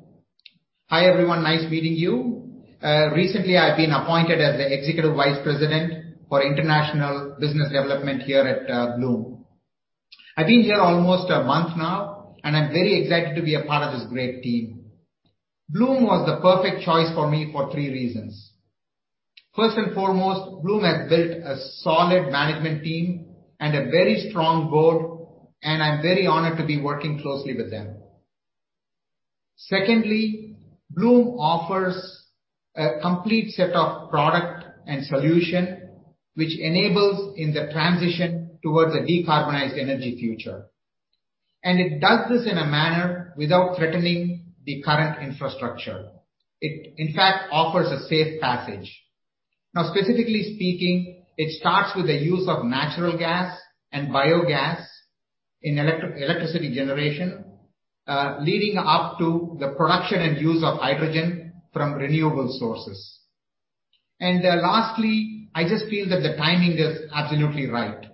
Hi, everyone. Nice meeting you. Recently, I've been appointed as the Executive Vice President for International Business Development here at Bloom. I've been here almost a month now, and I'm very excited to be a part of this great team. Bloom was the perfect choice for me for three reasons. First and foremost, Bloom has built a solid management team and a very strong board, and I'm very honored to be working closely with them. Secondly, Bloom offers a complete set of product and solution which enables the transition towards a decarbonized energy future, and it does this in a manner without threatening the current infrastructure. It, in fact, offers a safe passage. Now, specifically speaking, it starts with the use of natural gas and biogas in electricity generation, leading up to the production and use of hydrogen from renewable sources, and lastly, I just feel that the timing is absolutely right.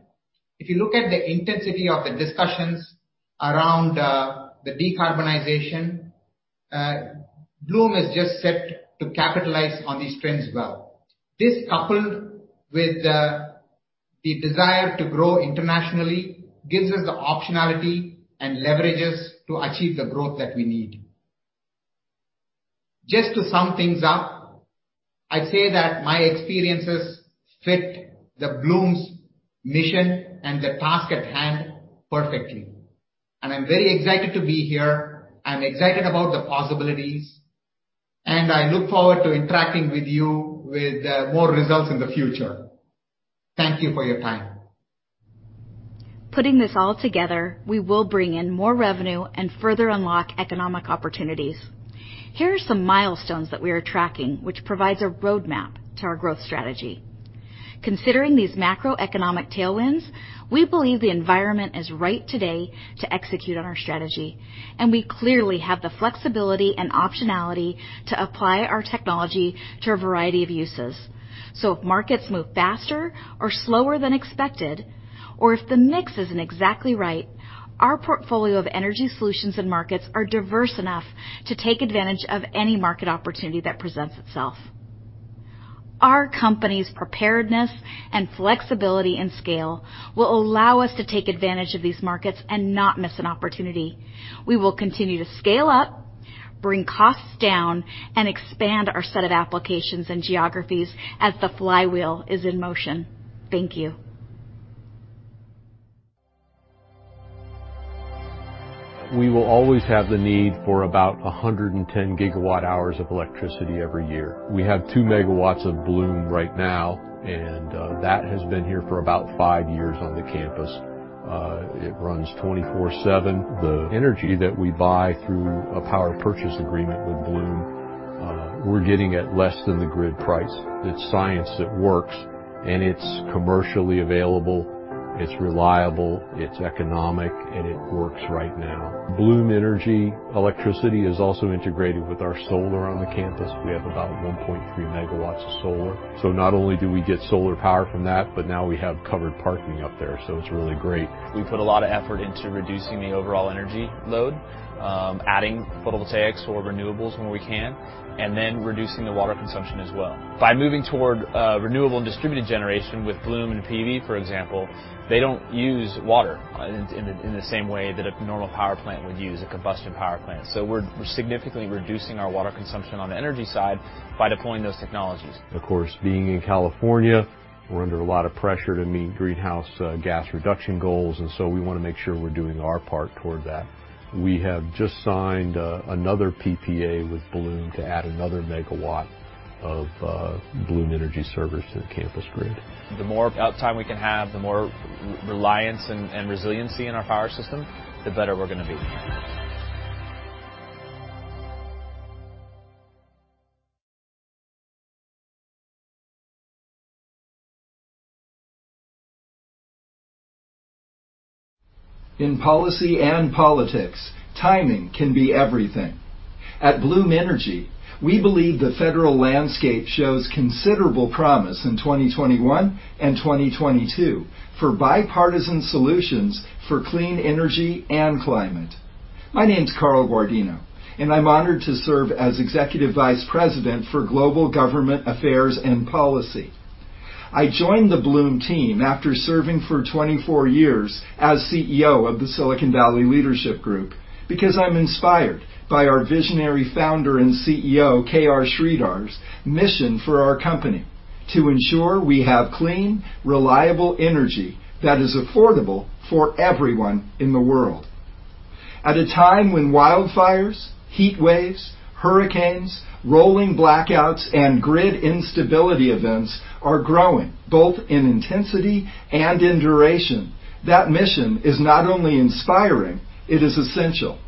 If you look at the intensity of the discussions around the decarbonization, Bloom is just set to capitalize on these trends well. This, coupled with the desire to grow internationally, gives us the optionality and leverages to achieve the growth that we need. Just to sum things up, I'd say that my experiences fit the Bloom's mission and the task at hand perfectly. And I'm very excited to be here. I'm excited about the possibilities, and I look forward to interacting with you with more results in the future. Thank you for your time. Putting this all together, we will bring in more revenue and further unlock economic opportunities. Here are some milestones that we are tracking, which provides a roadmap to our growth strategy. Considering these macroeconomic tailwinds, we believe the environment is right today to execute on our strategy, and we clearly have the flexibility and optionality to apply our technology to a variety of uses. So if markets move faster or slower than expected, or if the mix isn't exactly right, our portfolio of energy solutions and markets are diverse enough to take advantage of any market opportunity that presents itself. Our company's preparedness and flexibility and scale will allow us to take advantage of these markets and not miss an opportunity. We will continue to scale up, bring costs down, and expand our set of applications and geographies as the flywheel is in motion. Thank you. We will always have the need for about 110 GWh of electricity every year. We have 2 MW of Bloom right now, and that has been here for about five years on the campus. It runs 24/7. The energy that we buy through a power purchase agreement with Bloom, we're getting at less than the grid price. It's science that works, and it's commercially available. It's reliable. It's economic, and it works right now. Bloom Energy electricity is also integrated with our solar on the campus. We have about 1.3 MW of solar. So not only do we get solar power from that, but now we have covered parking up there, so it's really great. We put a lot of effort into reducing the overall energy load, adding photovoltaics or renewables when we can, and then reducing the water consumption as well. By moving toward renewable and distributed generation with Bloom and PV, for example, they don't use water in the same way that a normal power plant would use, a combustion power plant. So we're significantly reducing our water consumption on the energy side by deploying those technologies. Of course, being in California, we're under a lot of pressure to meet greenhouse gas reduction goals, and so we want to make sure we're doing our part toward that. We have just signed another PPA with Bloom to add another megawatt of Bloom Energy servers to the campus grid. The more time we can have, the more reliance and resiliency in our power system, the better we're going to be. In policy and politics, timing can be everything. At Bloom Energy, we believe the federal landscape shows considerable promise in 2021 and 2022 for bipartisan solutions for clean energy and climate. My name's Carl Guardino, and I'm honored to serve as Executive Vice President for Global Government Affairs and Policy. I joined the Bloom team after serving for 24 years as CEO of the Silicon Valley Leadership Group because I'm inspired by our visionary founder and CEO, KR Sridhar's mission for our company to ensure we have clean, reliable energy that is affordable for everyone in the world. At a time when wildfires, heat waves, hurricanes, rolling blackouts, and grid instability events are growing both in intensity and in duration, that mission is not only inspiring. It is essential.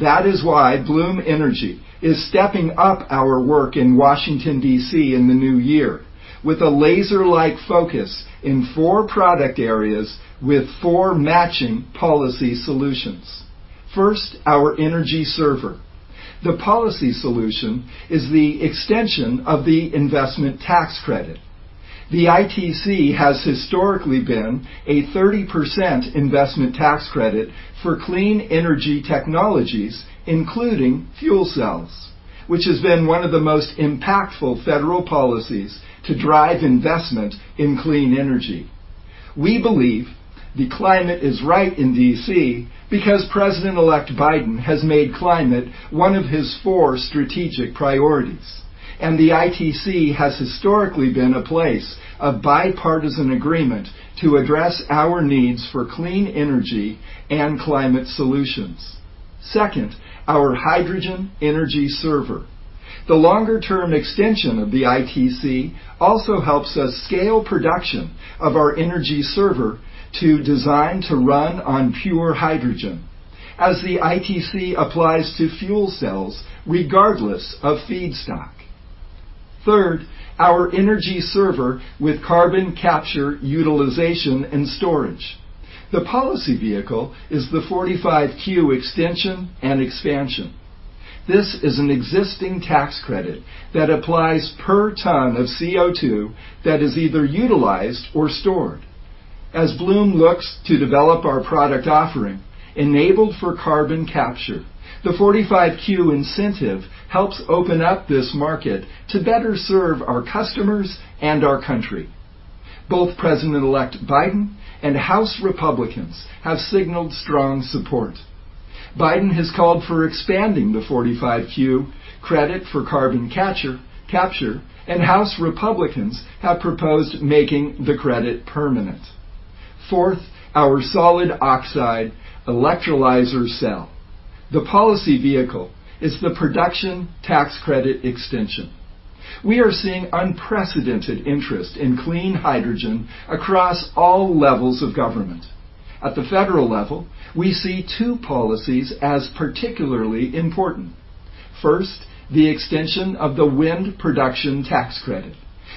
That is why Bloom Energy is stepping up our work in Washington, D.C., in the new year with a laser-like focus in four product areas with four matching policy solutions. First, our energy server. The policy solution is the extension of the investment tax credit. The ITC has historically been a 30% investment tax credit for clean energy technologies, including fuel cells, which has been one of the most impactful federal policies to drive investment in clean energy. We believe the climate is right in D.C. because President-elect Biden has made climate one of his four strategic priorities, and the ITC has historically been a place of bipartisan agreement to address our needs for clean energy and climate solutions. Second, our hydrogen energy server. The longer-term extension of the ITC also helps us scale production of our energy server to design to run on pure hydrogen, as the ITC applies to fuel cells regardless of feedstock. Third, our energy server with carbon capture, utilization, and storage. The policy vehicle is the 45Q extension and expansion. This is an existing tax credit that applies per ton of CO2 that is either utilized or stored. As Bloom looks to develop our product offering enabled for carbon capture, the 45Q incentive helps open up this market to better serve our customers and our country. Both President-elect Biden and House Republicans have signaled strong support. Biden has called for expanding the 45Q credit for carbon capture, and House Republicans have proposed making the credit permanent. Fourth, our solid oxide electrolyzer cell. The policy vehicle is the production tax credit extension. We are seeing unprecedented interest in clean hydrogen across all levels of government. At the federal level, we see two policies as particularly important. First, the extension of the wind production tax credit,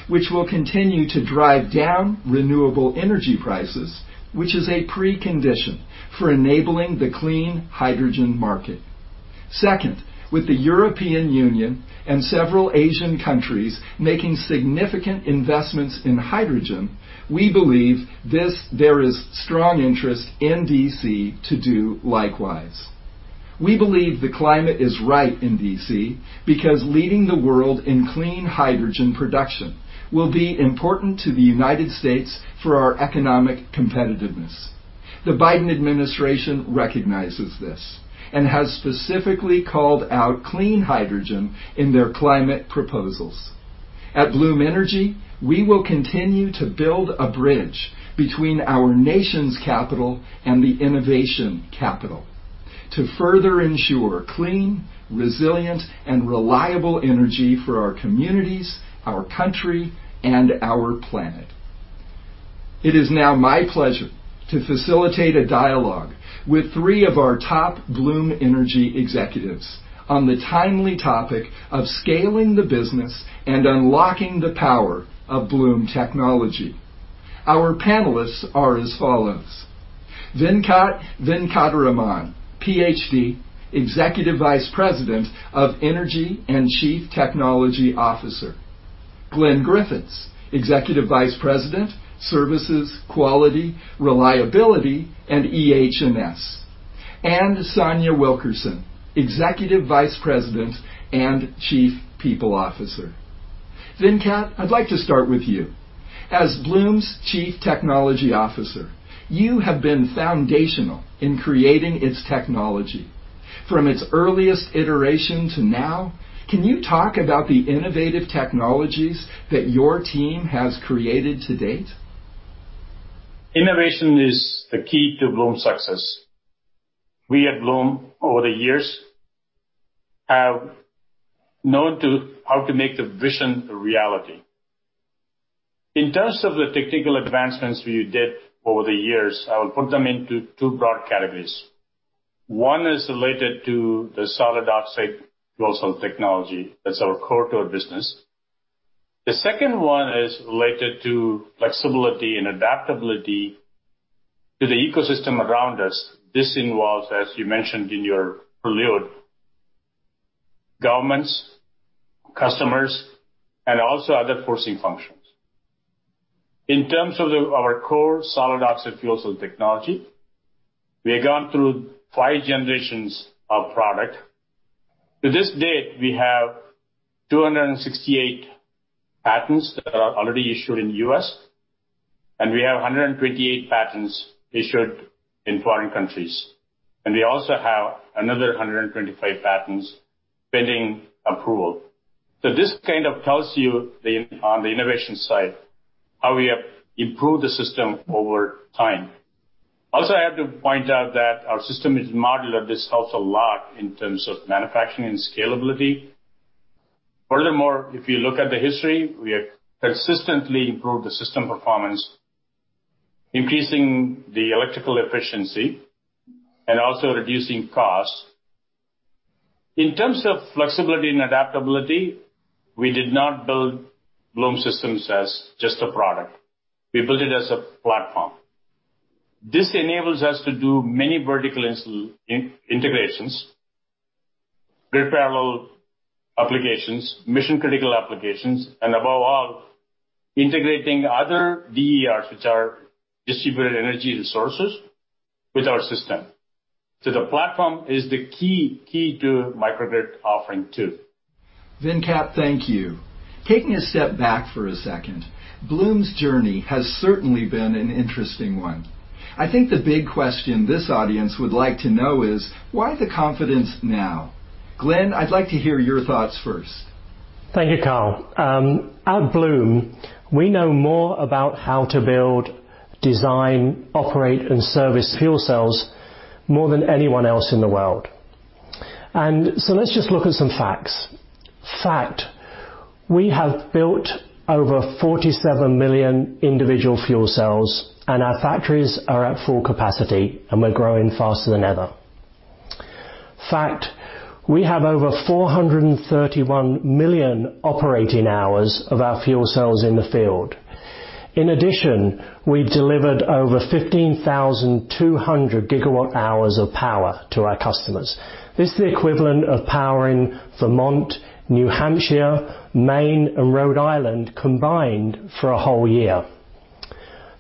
which will continue to drive down renewable energy prices, which is a precondition for enabling the clean hydrogen market. Second, with the European Union and several Asian countries making significant investments in hydrogen, we believe there is strong interest in D.C. to do likewise. We believe the climate is right in D.C. because leading the world in clean hydrogen production will be important to the United States for our economic competitiveness. The Biden administration recognizes this and has specifically called out clean hydrogen in their climate proposals. At Bloom Energy, we will continue to build a bridge between our nation's capital and the innovation capital to further ensure clean, resilient, and reliable energy for our communities, our country, and our planet. It is now my pleasure to facilitate a dialogue with three of our top Bloom Energy executives on the timely topic of scaling the business and unlocking the power of Bloom technology. Our panelists are as follows: Venkat Venkataraman, PhD, Executive Vice President of Energy and Chief Technology Officer; Glenn Griffiths, Executive Vice President, Services, Quality, Reliability, and EH&S; and Sonja Wilkerson, Executive Vice President and Chief People Officer. Venkat, I'd like to start with you. As Bloom's Chief Technology Officer, you have been foundational in creating its technology. From its earliest iteration to now, can you talk about the innovative technologies that your team has created to date? Innovation is the key to Bloom's success. We at Bloom, over the years, have known how to make the vision a reality. In terms of the technical advancements we did over the years, I will put them into two broad categories. One is related to the solid oxide fuel cell technology. That's our core to our business. The second one is related to flexibility and adaptability to the ecosystem around us. This involves, as you mentioned in your prelude, governments, customers, and also other forcing functions. In terms of our core solid oxide fuel cell technology, we have gone through five generations of product. To this date, we have 268 patents that are already issued in the U.S., and we have 128 patents issued in foreign countries. We also have another 125 patents pending approval. This kind of tells you, on the innovation side, how we have improved the system over time. Also, I have to point out that our system is modular. This helps a lot in terms of manufacturing and scalability. Furthermore, if you look at the history, we have consistently improved the system performance, increasing the electrical efficiency and also reducing costs. In terms of flexibility and adaptability, we did not build Bloom systems as just a product. We built it as a platform. This enables us to do many vertical integrations, grid parallel applications, mission-critical applications, and above all, integrating other DERs, which are distributed energy resources, with our system. The platform is the key to microgrid offering too. Venkat, thank you. Taking a step back for a second, Bloom's journey has certainly been an interesting one. I think the big question this audience would like to know is, why the confidence now? Glenn, I'd like to hear your thoughts first. Thank you, Carl. At Bloom, we know more about how to build, design, operate, and service fuel cells more than anyone else in the world. And so let's just look at some facts. Fact: we have built over 47 million individual fuel cells, and our factories are at full capacity, and we're growing faster than ever. Fact: we have over 431 million operating hours of our fuel cells in the field. In addition, we delivered over 15,200 GWh of power to our customers. This is the equivalent of powering Vermont, New Hampshire, Maine, and Rhode Island combined for a whole year.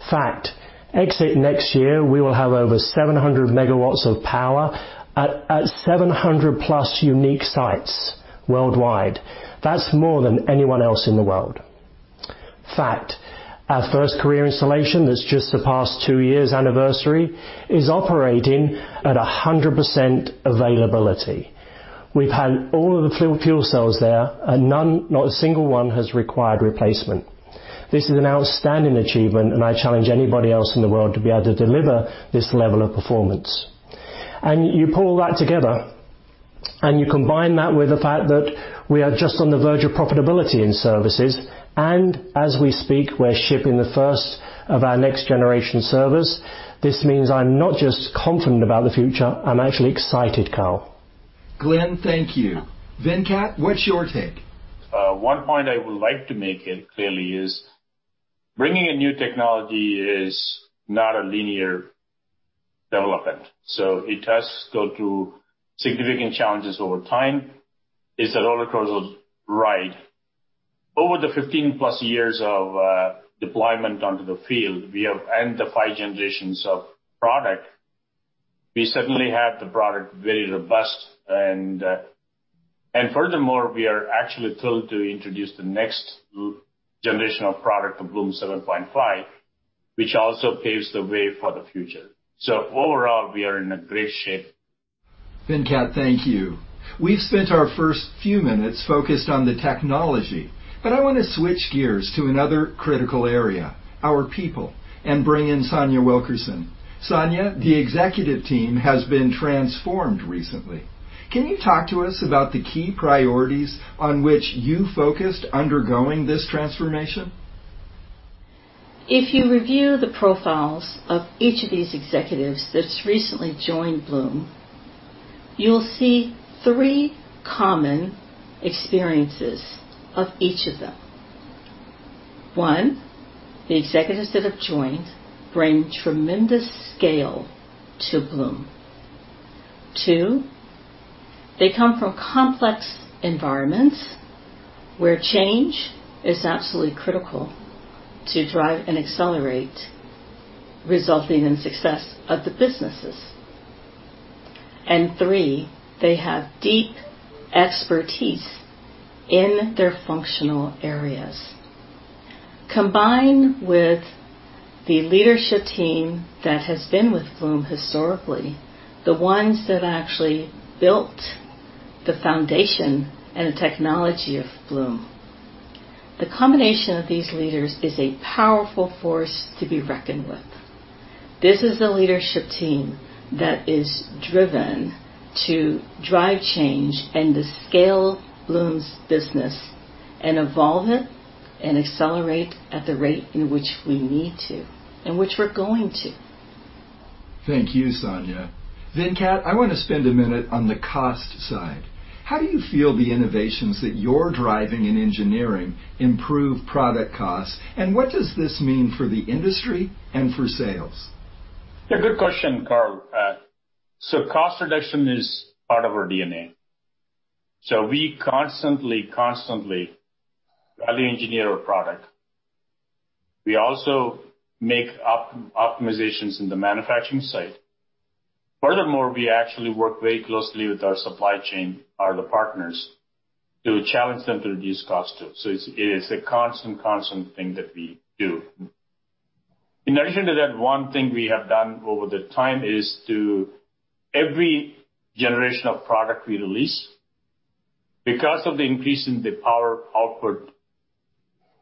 Fact: By the end of next year, we will have over 700 MW of power at 700-plus unique sites worldwide. That's more than anyone else in the world. Fact: our first commercial installation that's just surpassed two years' anniversary is operating at 100% availability. We've had all of the fuel cells there, and not a single one has required replacement. This is an outstanding achievement, and I challenge anybody else in the world to be able to deliver this level of performance. And you pull that together, and you combine that with the fact that we are just on the verge of profitability in services, and as we speak, we're shipping the first of our next-generation servers. This means I'm not just confident about the future. I'm actually excited, Carl. Glenn, thank you. Venkat, what's your take? One point I would like to make here clearly is bringing a new technology is not a linear development. So it has gone through significant challenges over time. It's a roller coaster ride. Over the 15-plus years of deployment onto the field and the five generations of product, we certainly have the product very robust. And furthermore, we are actually thrilled to introduce the next generation of product of Bloom 7.5, which also paves the way for the future. So overall, we are in great shape. Venkat, thank you. We've spent our first few minutes focused on the technology, but I want to switch gears to another critical area: our people, and bring in Sonja Wilkerson. Sonja, the executive team has been transformed recently. Can you talk to us about the key priorities on which you focused undergoing this transformation? If you review the profiles of each of these executives that's recently joined Bloom, you'll see three common experiences of each of them. One, the executives that have joined bring tremendous scale to Bloom. Two, they come from complex environments where change is absolutely critical to drive and accelerate, resulting in the success of the businesses. And three, they have deep expertise in their functional areas. Combined with the leadership team that has been with Bloom historically, the ones that actually built the foundation and the technology of Bloom, the combination of these leaders is a powerful force to be reckoned with. This is a leadership team that is driven to drive change and to scale Bloom's business and evolve it and accelerate at the rate in which we need to and which we're going to. Thank you, Sonja. Venkat, I want to spend a minute on the cost side. How do you feel the innovations that you're driving in engineering improve product costs, and what does this mean for the industry and for sales? Yeah, good question, Carl. Cost reduction is part of our DNA. We constantly, constantly value engineer our product. We also make optimizations in the manufacturing site. Furthermore, we actually work very closely with our supply chain, our partners, to challenge them to reduce costs too. It is a constant, constant thing that we do. In addition to that, one thing we have done over time is every generation of product we release, because of the increase in the power output,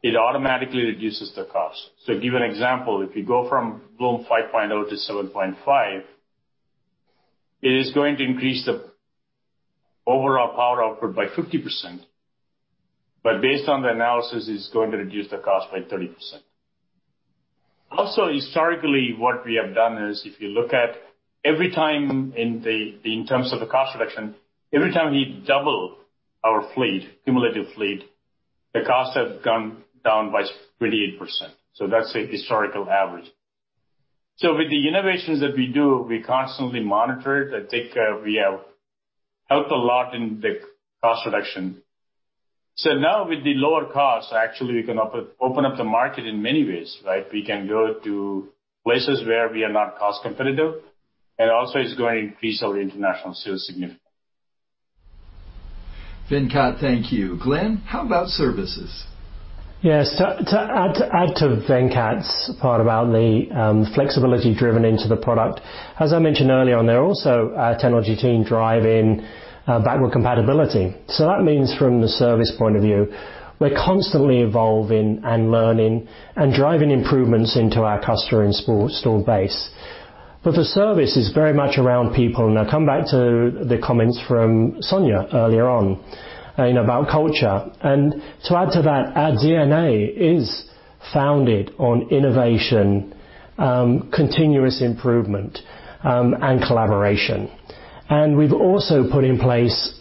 it automatically reduces the cost. To give you an example, if you go from Bloom 5.0 to Bloom 7.5, it is going to increase the overall power output by 50%, but based on the analysis, it's going to reduce the cost by 30%. Also, historically, what we have done is, if you look at every time in terms of the cost reduction, every time we double our fleet, cumulative fleet, the costs have gone down by 28%. So that's a historical average. So with the innovations that we do, we constantly monitor it. I think we have helped a lot in the cost reduction. So now, with the lower costs, actually, we can open up the market in many ways, right? We can go to places where we are not cost competitive, and also, it's going to increase our international sales significantly. Venkat, thank you. Glenn, how about services? Yeah, to Venkat's part about the flexibility driven into the product, as I mentioned earlier, there are also our technology team driving backward compatibility. So that means, from the service point of view, we're constantly evolving and learning and driving improvements into our customer and core base. But the service is very much around people. And I'll come back to the comments from Sonja earlier on about culture. And to add to that, our DNA is founded on innovation, continuous improvement, and collaboration. And we've also put in place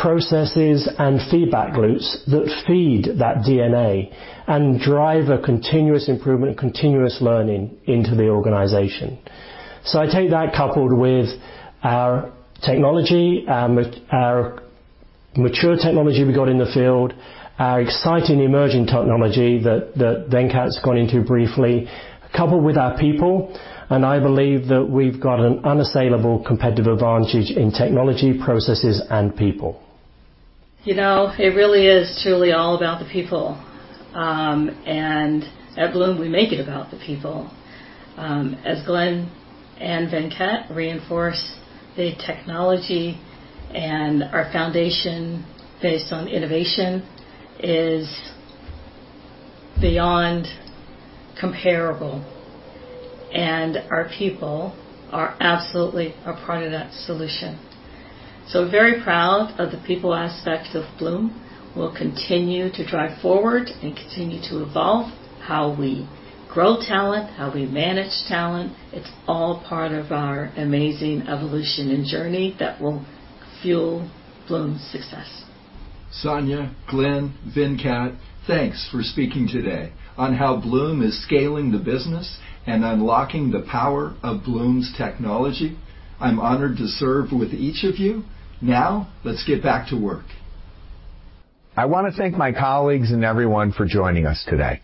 processes and feedback loops that feed that DNA and drive a continuous improvement, continuous learning into the organization. So I take that coupled with our technology, our mature technology we've got in the field, our exciting emerging technology that Venkat's gone into briefly, coupled with our people. And I believe that we've got an unassailable competitive advantage in technology, processes, and people. It really is truly all about the people. And at Bloom, we make it about the people. As Glenn and Venkat reinforce, the technology and our foundation based on innovation is beyond comparable, and our people are absolutely a part of that solution. So very proud of the people aspect of Bloom. We'll continue to drive forward and continue to evolve how we grow talent, how we manage talent. It's all part of our amazing evolution and journey that will fuel Bloom's success. Sonja, Glenn, Venkat, thanks for speaking today on how Bloom is scaling the business and unlocking the power of Bloom's technology. I'm honored to serve with each of you. Now, let's get back to work. I want to thank my colleagues and everyone for joining us today.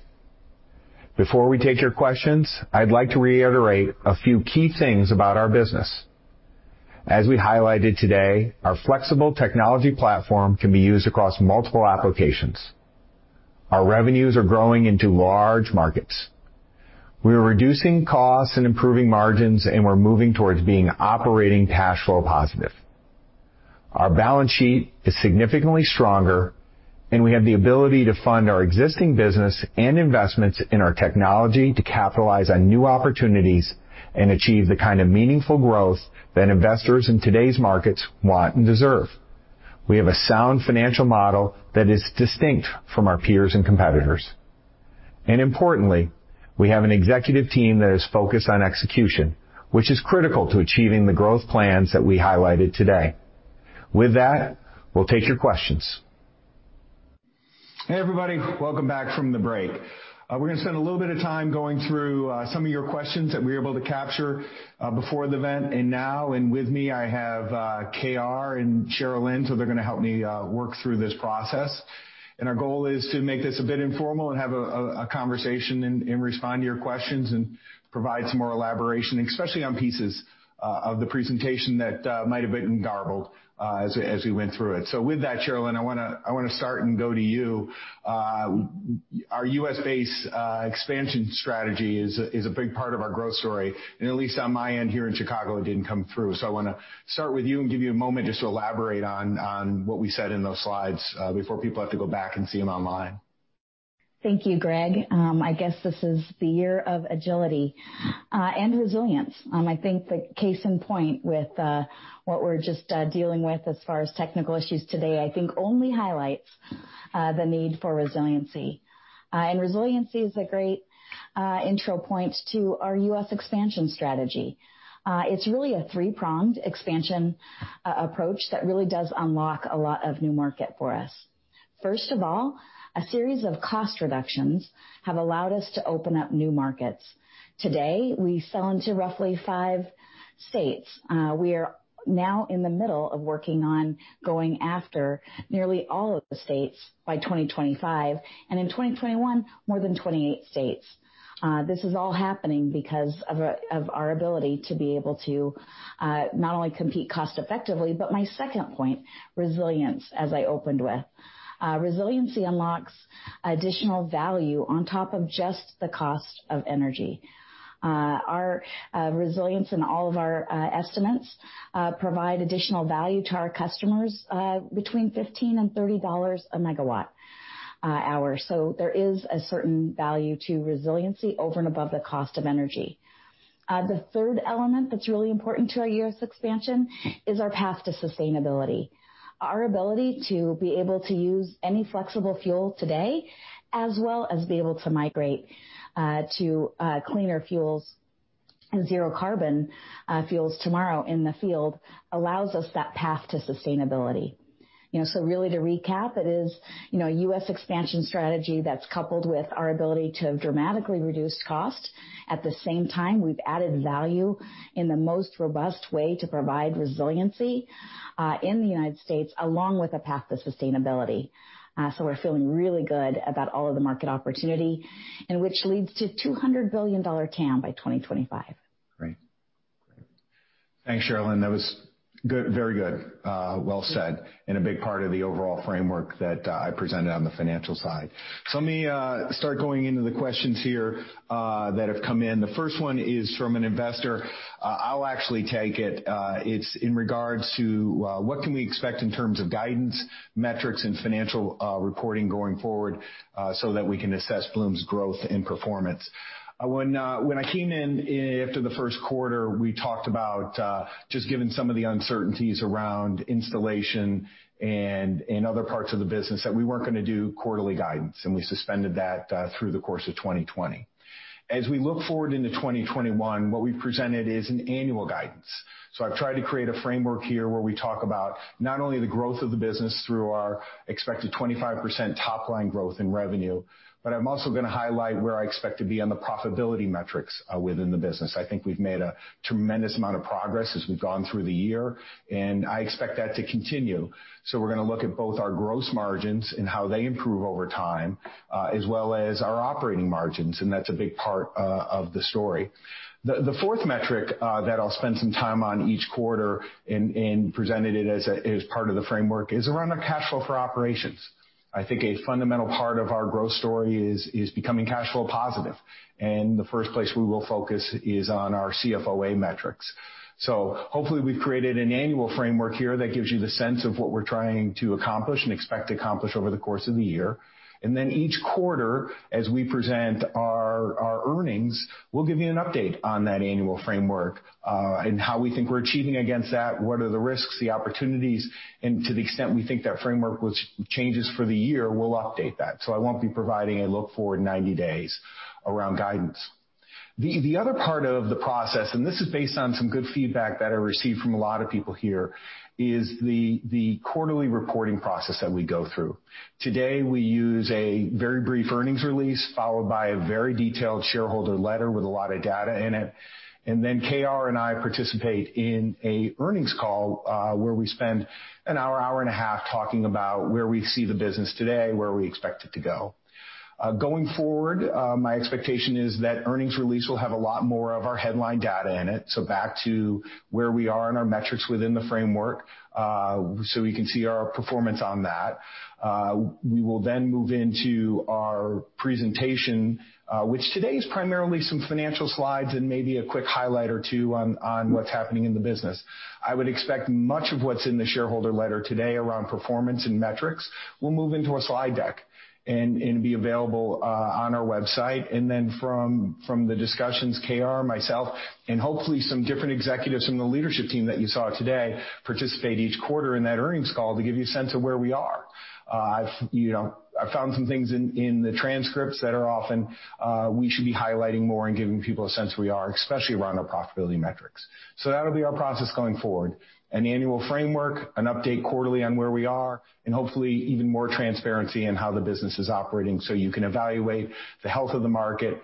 Before we take your questions, I'd like to reiterate a few key things about our business. As we highlighted today, our flexible technology platform can be used across multiple applications. Our revenues are growing into large markets. We are reducing costs and improving margins, and we're moving towards being operating cash flow positive. Our balance sheet is significantly stronger, and we have the ability to fund our existing business and investments in our technology to capitalize on new opportunities and achieve the kind of meaningful growth that investors in today's markets want and deserve. We have a sound financial model that is distinct from our peers and competitors. And importantly, we have an executive team that is focused on execution, which is critical to achieving the growth plans that we highlighted today. With that, we'll take your questions. Hey, everybody. Welcome back from the break. We're going to spend a little bit of time going through some of your questions that we were able to capture before the event. And now, with me, I have KR and Sharelynn, so they're going to help me work through this process. And our goal is to make this a bit informal and have a conversation and respond to your questions and provide some more elaboration, especially on pieces of the presentation that might have been garbled as we went through it. So with that, Sharelynn, I want to start and go to you. Our U.S.-based expansion strategy is a big part of our growth story. And at least on my end here in Chicago, it didn't come through. So I want to start with you and give you a moment just to elaborate on what we said in those slides before people have to go back and see them online. Thank you, Greg. I guess this is the year of agility and resilience. I think the case in point with what we're just dealing with as far as technical issues today, I think, only highlights the need for resiliency. And resiliency is a great intro point to our U.S. expansion strategy. It's really a three-pronged expansion approach that really does unlock a lot of new market for us. First of all, a series of cost reductions have allowed us to open up new markets. Today, we sell into roughly five states. We are now in the middle of working on going after nearly all of the states by 2025, and in 2021, more than 28 states. This is all happening because of our ability to be able to not only compete cost-effectively, but my second point, resilience, as I opened with. Resiliency unlocks additional value on top of just the cost of energy. Our resilience and all of our estimates provide additional value to our customers between $15 and $30 a megawatt-hour. So there is a certain value to resiliency over and above the cost of energy. The third element that's really important to our U.S. expansion is our path to sustainability. Our ability to be able to use any flexible fuel today, as well as be able to migrate to cleaner fuels and zero-carbon fuels tomorrow in the field, allows us that path to sustainability. So really, to recap, it is a U.S. expansion strategy that's coupled with our ability to dramatically reduce cost. At the same time, we've added value in the most robust way to provide resiliency in the United States, along with a path to sustainability. So we're feeling really good about all of the market opportunity, which leads to a $200 billion TAM by 2025. Great. Thanks, Sharelynn. That was very good, well said, and a big part of the overall framework that I presented on the financial side. So let me start going into the questions here that have come in. The first one is from an investor. I'll actually take it. It's in regards to what can we expect in terms of guidance, metrics, and financial reporting going forward so that we can assess Bloom's growth and performance. When I came in after the first quarter, we talked about, just given some of the uncertainties around installation and other parts of the business, that we weren't going to do quarterly guidance, and we suspended that through the course of 2020. As we look forward into 2021, what we've presented is an annual guidance. So I've tried to create a framework here where we talk about not only the growth of the business through our expected 25% top-line growth in revenue, but I'm also going to highlight where I expect to be on the profitability metrics within the business. I think we've made a tremendous amount of progress as we've gone through the year, and I expect that to continue. So we're going to look at both our gross margins and how they improve over time, as well as our operating margins, and that's a big part of the story. The fourth metric that I'll spend some time on each quarter and presented it as part of the framework is around our cash flow for operations. I think a fundamental part of our growth story is becoming cash flow positive. And the first place we will focus is on our CFOA metrics. Hopefully, we've created an annual framework here that gives you the sense of what we're trying to accomplish and expect to accomplish over the course of the year. Then each quarter, as we present our earnings, we'll give you an update on that annual framework and how we think we're achieving against that, what are the risks, the opportunities, and to the extent we think that framework changes for the year, we'll update that. I won't be providing a look forward 90 days around guidance. The other part of the process, and this is based on some good feedback that I received from a lot of people here, is the quarterly reporting process that we go through. Today, we use a very brief earnings release followed by a very detailed shareholder letter with a lot of data in it. Then KR and I participate in an earnings call where we spend an hour, hour and a half talking about where we see the business today, where we expect it to go. Going forward, my expectation is that earnings release will have a lot more of our headline data in it. Back to where we are on our metrics within the framework so we can see our performance on that. We will then move into our presentation, which today is primarily some financial slides and maybe a quick highlight or two on what's happening in the business. I would expect much of what's in the shareholder letter today around performance and metrics will move into a slide deck and be available on our website. And then from the discussions, KR, myself, and hopefully some different executives from the leadership team that you saw today participate each quarter in that earnings call to give you a sense of where we are. I've found some things in the transcripts that are often we should be highlighting more and giving people a sense where we are, especially around our profitability metrics. So that'll be our process going forward: an annual framework, an update quarterly on where we are, and hopefully even more transparency in how the business is operating so you can evaluate the health of the market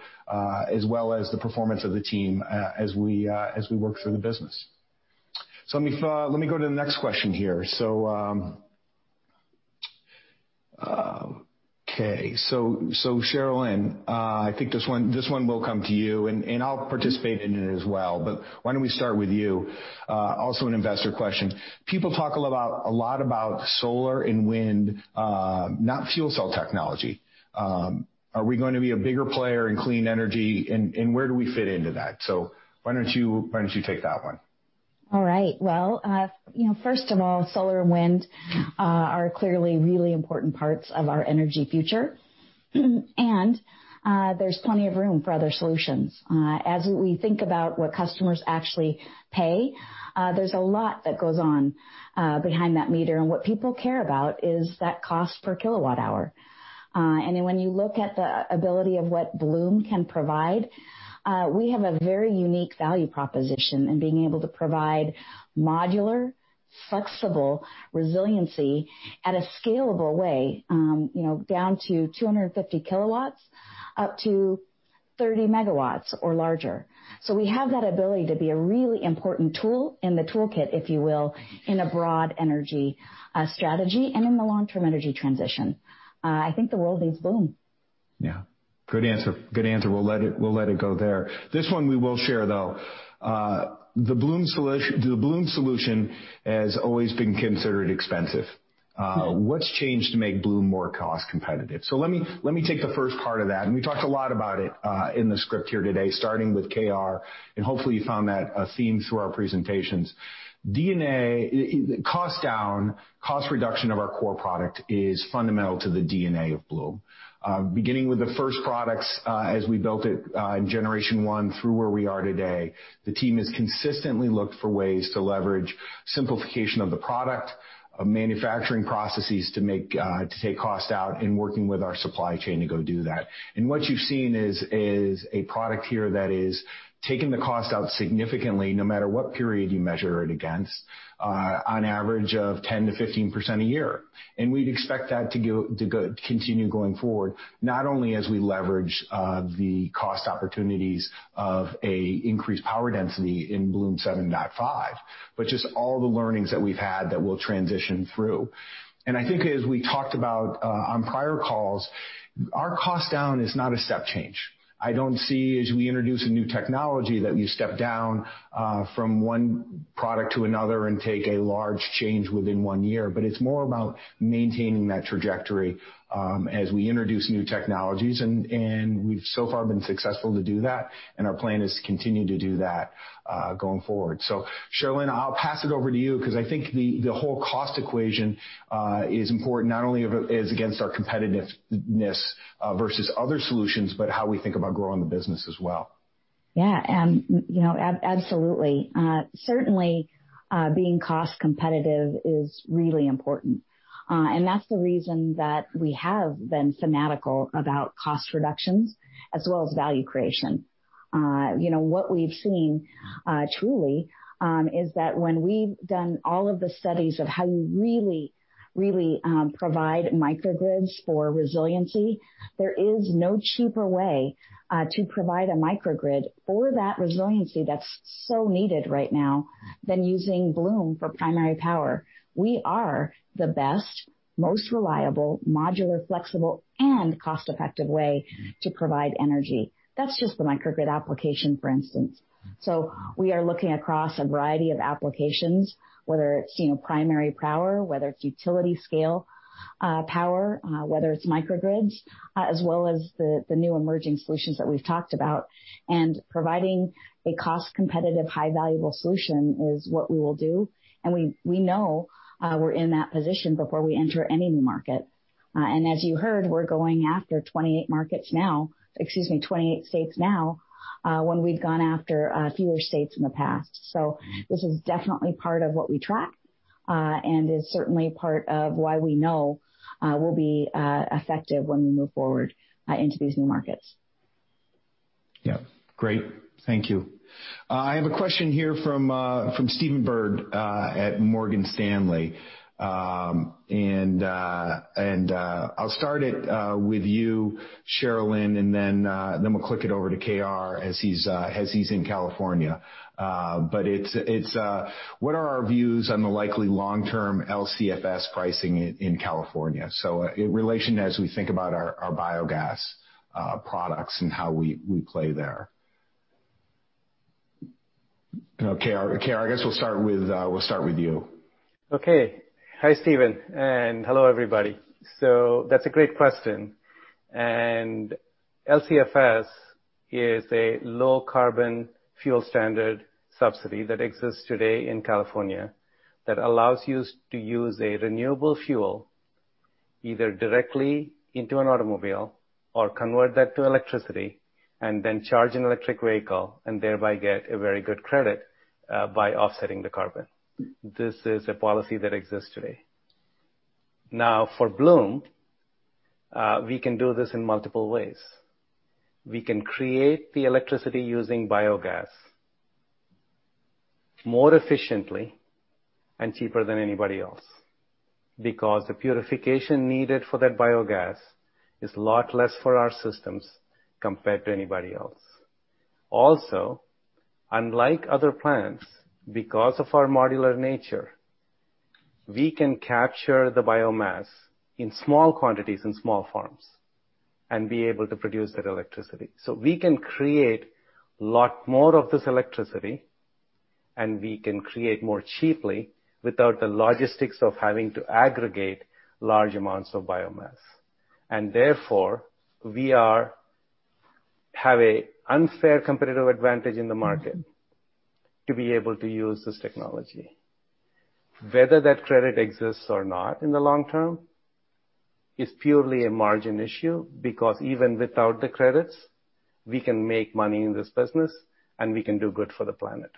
as well as the performance of the team as we work through the business. So let me go to the next question here. Okay. So Sharelynn, I think this one will come to you, and I'll participate in it as well. But why don't we start with you? Also an investor question. People talk a lot about solar and wind, not fuel cell technology. Are we going to be a bigger player in clean energy, and where do we fit into that? So why don't you take that one? All right. Well, first of all, solar and wind are clearly really important parts of our energy future. And there's plenty of room for other solutions. As we think about what customers actually pay, there's a lot that goes on behind that meter. And what people care about is that cost per kilowatt-hour. And when you look at the ability of what Bloom can provide, we have a very unique value proposition in being able to provide modular, flexible resiliency at a scalable way down to 250 kW, up to 30 MW or larger. So we have that ability to be a really important tool in the toolkit, if you will, in a broad energy strategy and in the long-term energy transition. I think the world needs Bloom. Yeah. Good answer. We'll let it go there. This one we will share, though. The Bloom solution has always been considered expensive. What's changed to make Bloom more cost-competitive? So let me take the first part of that. And we talked a lot about it in the script here today, starting with KR. And hopefully, you found that a theme through our presentations. Cost down, cost reduction of our core product is fundamental to the DNA of Bloom. Beginning with the first products as we built it in generation one through where we are today, the team has consistently looked for ways to leverage simplification of the product, manufacturing processes to take cost out, and working with our supply chain to go do that. What you've seen is a product here that is taking the cost out significantly, no matter what period you measure it against, on average of 10%-15% a year. We'd expect that to continue going forward, not only as we leverage the cost opportunities of an increased power density in Bloom 7.5, but just all the learnings that we've had that we'll transition through. I think as we talked about on prior calls, our cost down is not a step change. I don't see as we introduce a new technology that we step down from one product to another and take a large change within one year. But it's more about maintaining that trajectory as we introduce new technologies. And we've so far been successful to do that, and our plan is to continue to do that going forward. So Sharelynn, I'll pass it over to you because I think the whole cost equation is important not only as against our competitiveness versus other solutions, but how we think about growing the business as well. Yeah. Absolutely. Certainly, being cost-competitive is really important. And that's the reason that we have been fanatical about cost reductions as well as value creation. What we've seen truly is that when we've done all of the studies of how you really, really provide microgrids for resiliency, there is no cheaper way to provide a microgrid for that resiliency that's so needed right now than using Bloom for primary power. We are the best, most reliable, modular, flexible, and cost-effective way to provide energy. That's just the microgrid application, for instance. So we are looking across a variety of applications, whether it's primary power, whether it's utility-scale power, whether it's microgrids, as well as the new emerging solutions that we've talked about. And providing a cost-competitive, high-valuable solution is what we will do. And we know we're in that position before we enter any new market. And as you heard, we're going after 28 markets now, excuse me, 28 states now, when we've gone after fewer states in the past. So this is definitely part of what we track and is certainly part of why we know we'll be effective when we move forward into these new markets. Yeah. Great. Thank you. I have a question here from Stephen Byrd at Morgan Stanley. And I'll start it with you, Sharelynn, and then we'll kick it over to KR as he's in California. But what are our views on the likely long-term LCFS pricing in California? So in relation as we think about our biogas products and how we play there. KR, I guess we'll start with you. Okay. Hi, Stephen. And hello, everybody. So that's a great question. And LCFS is a Low Carbon Fuel Standard subsidy that exists today in California that allows you to use a renewable fuel either directly into an automobile or convert that to electricity and then charge an electric vehicle and thereby get a very good credit by offsetting the carbon. This is a policy that exists today. Now, for Bloom, we can do this in multiple ways. We can create the electricity using biogas more efficiently and cheaper than anybody else because the purification needed for that biogas is a lot less for our systems compared to anybody else. Also, unlike other plants, because of our modular nature, we can capture the biomass in small quantities in small farms and be able to produce that electricity. So we can create a lot more of this electricity, and we can create more cheaply without the logistics of having to aggregate large amounts of biomass. And therefore, we have an unfair competitive advantage in the market to be able to use this technology. Whether that credit exists or not in the long term is purely a margin issue because even without the credits, we can make money in this business, and we can do good for the planet.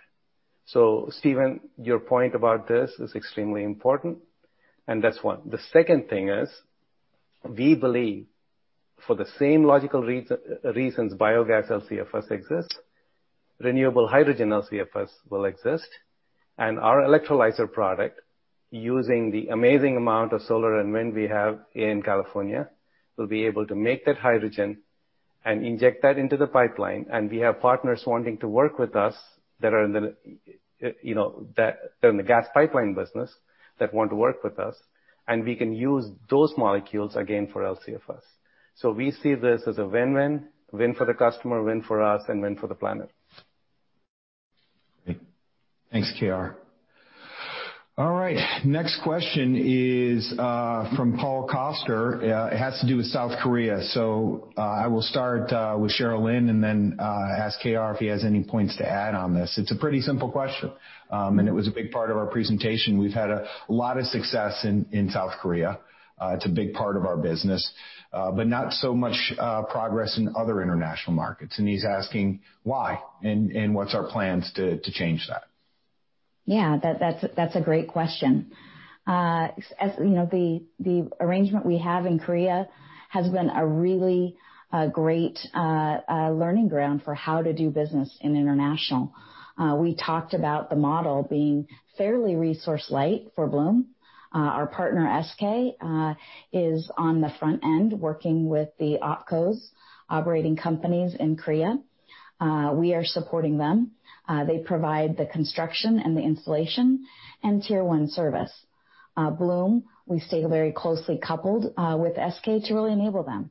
So Stephen, your point about this is extremely important. And that's one. The second thing is we believe for the same logical reasons biogas LCFS exists, renewable hydrogen LCFS will exist. And our electrolyzer product, using the amazing amount of solar and wind we have in California, will be able to make that hydrogen and inject that into the pipeline. And we have partners wanting to work with us that are in the gas pipeline business that want to work with us. And we can use those molecules again for LCFS. So we see this as a win-win, win for the customer, win for us, and win for the planet. Great. Thanks, KR. All right. Next question is from Paul Coster. It has to do with South Korea. So I will start with Sharelynn and then ask KR if he has any points to add on this. It's a pretty simple question, and it was a big part of our presentation. We've had a lot of success in South Korea. It's a big part of our business, but not so much progress in other international markets. And he's asking why and what's our plans to chang e that. Yeah. That's a great question. The arrangement we have in Korea has been a really great learning ground for how to do business in international. We talked about the model being fairly resource-light for Bloom. Our partner, SK, is on the front end working with the OPCOs, operating companies in Korea. We are supporting them. They provide the construction and the installation and tier-one service. Bloom, we stay very closely coupled with SK to really enable them.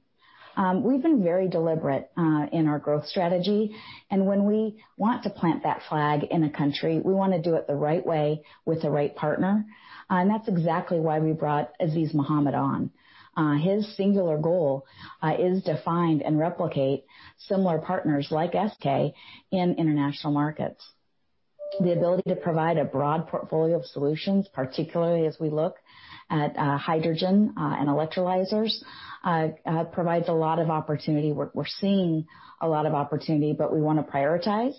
We've been very deliberate in our growth strategy. When we want to plant that flag in a country, we want to do it the right way with the right partner. That's exactly why we brought Azeez Mohammed on. His singular goal is to find and replicate similar partners like SK in international markets. The ability to provide a broad portfolio of solutions, particularly as we look at hydrogen and electrolyzers, provides a lot of opportunity. We're seeing a lot of opportunity, but we want to prioritize,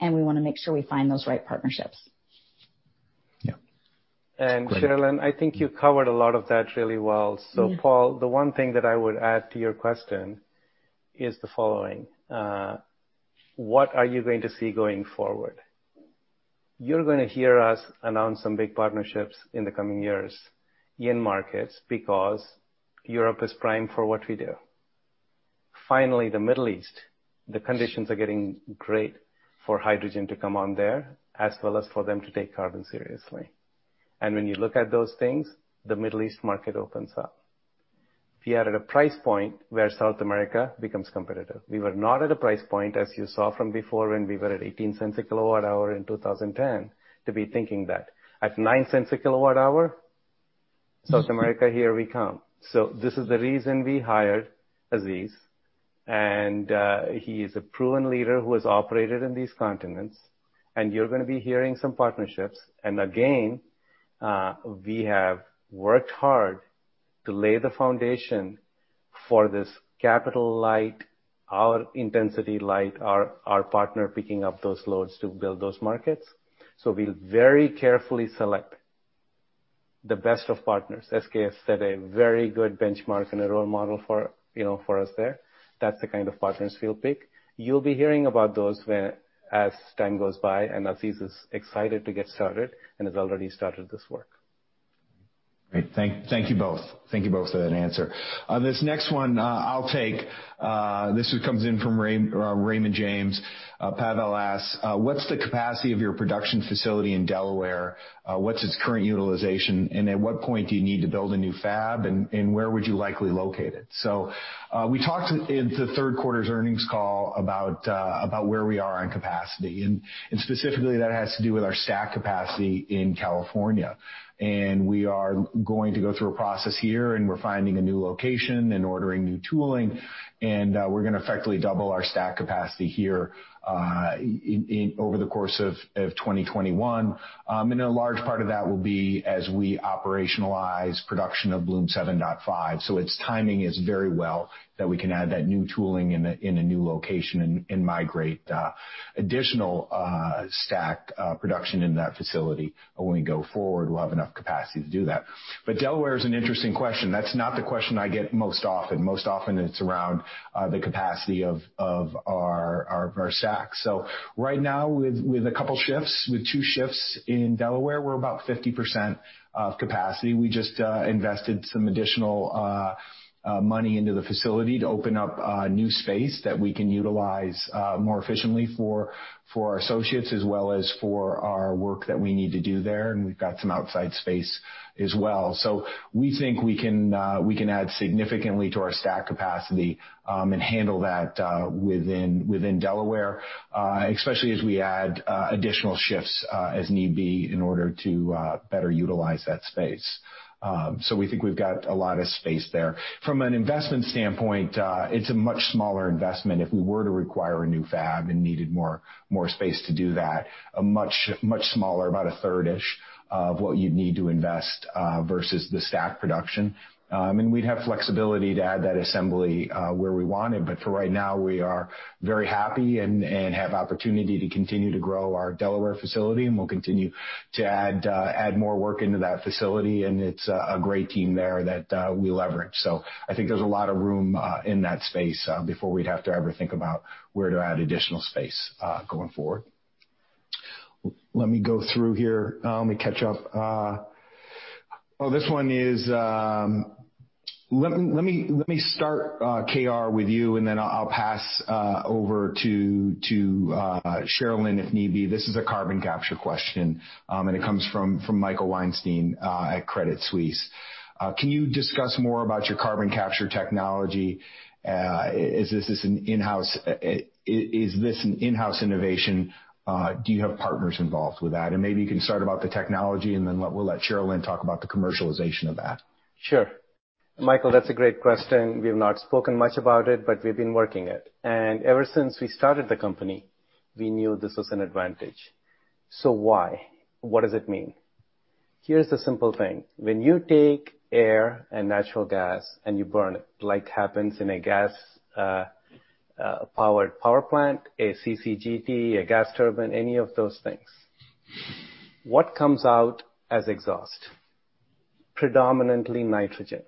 and we want to make sure we find those right partnerships. Yeah. And Sharelynn, I think you covered a lot of that really well. Paul, the one thing that I would add to your question is the following. What are you going to see going forward? You're going to hear us announce some big partnerships in the coming years in markets because Europe is primed for what we do. Finally, the Middle East, the conditions are getting great for hydrogen to come on there as well as for them to take carbon seriously. And when you look at those things, the Middle East market opens up. We are at a price point where South America becomes competitive. We were not at a price point, as you saw from before when we were at $0.18 per kWh in 2010, to be thinking that. At $0.09 per kWh, South America, here we come. So this is the reason we hired Azeez. And he is a proven leader who has operated in these continents. And you're going to be hearing some partnerships. And again, we have worked hard to lay the foundation for this capital-light, our intensity-light, our partner picking up those loads to build those markets. So we'll very carefully select the best of partners. SK has set a very good benchmark and a role model for us there. That's the kind of partners we'll pick. You'll be hearing about those as time goes by, and Azeez is excited to get started and has already started this work. Great. Thank you both. Thank you both for that answer. This next one, I'll take. This comes in from Raymond James. Pavel asks, "What's the capacity of your production facility in Delaware? What's its current utilization? And at what point do you need to build a new fab? And where would you likely locate it?" So we talked in the third quarter's earnings call about where we are on capacity. And specifically, that has to do with our stack capacity in California. And we are going to go through a process here, and we're finding a new location and ordering new tooling. And we're going to effectively double our stack capacity here over the course of 2021. And a large part of that will be as we operationalize production of Bloom 7.5. So, its timing is very well that we can add that new tooling in a new location and migrate additional stack production into that facility when we go forward. We'll have enough capacity to do that. But Delaware is an interesting question. That's not the question I get most often. Most often, it's around the capacity of our stack. So right now, with a couple of shifts, with two shifts in Delaware, we're about 50% of capacity. We just invested some additional money into the facility to open up new space that we can utilize more efficiently for our associates as well as for our work that we need to do there. And we've got some outside space as well. So we think we can add significantly to our stack capacity and handle that within Delaware, especially as we add additional shifts as need be in order to better utilize that space. So we think we've got a lot of space there. From an investment standpoint, it's a much smaller investment if we were to require a new fab and needed more space to do that, a much smaller, about a third-ish of what you'd need to invest versus the stack production. And we'd have flexibility to add that assembly where we wanted. But for right now, we are very happy and have the opportunity to continue to grow our Delaware facility. And we'll continue to add more work into that facility. And it's a great team there that we leverage. So I think there's a lot of room in that space before we'd have to ever think about where to add additional space going forward. Let me go through here. Let me catch up. Oh, this one is. Let me start, KR, with you, and then I'll pass over to Sharelynn if need be. This is a carbon capture question, and it comes from Michael Weinstein at Credit Suisse. Can you discuss more about your carbon capture technology? Is this an in-house innovation? Do you have partners involved with that? And maybe you can start about the technology, and then we'll let Sharelynn talk about the commercialization of that. Sure. Michael, that's a great question. We have not spoken much about it, but we've been working it. And ever since we started the company, we knew this was an advantage. So why? What does it mean? Here's the simple thing. When you take air and natural gas and you burn it, like happens in a gas-powered power plant, a CCGT, a gas turbine, any of those things, what comes out as exhaust? Predominantly nitrogen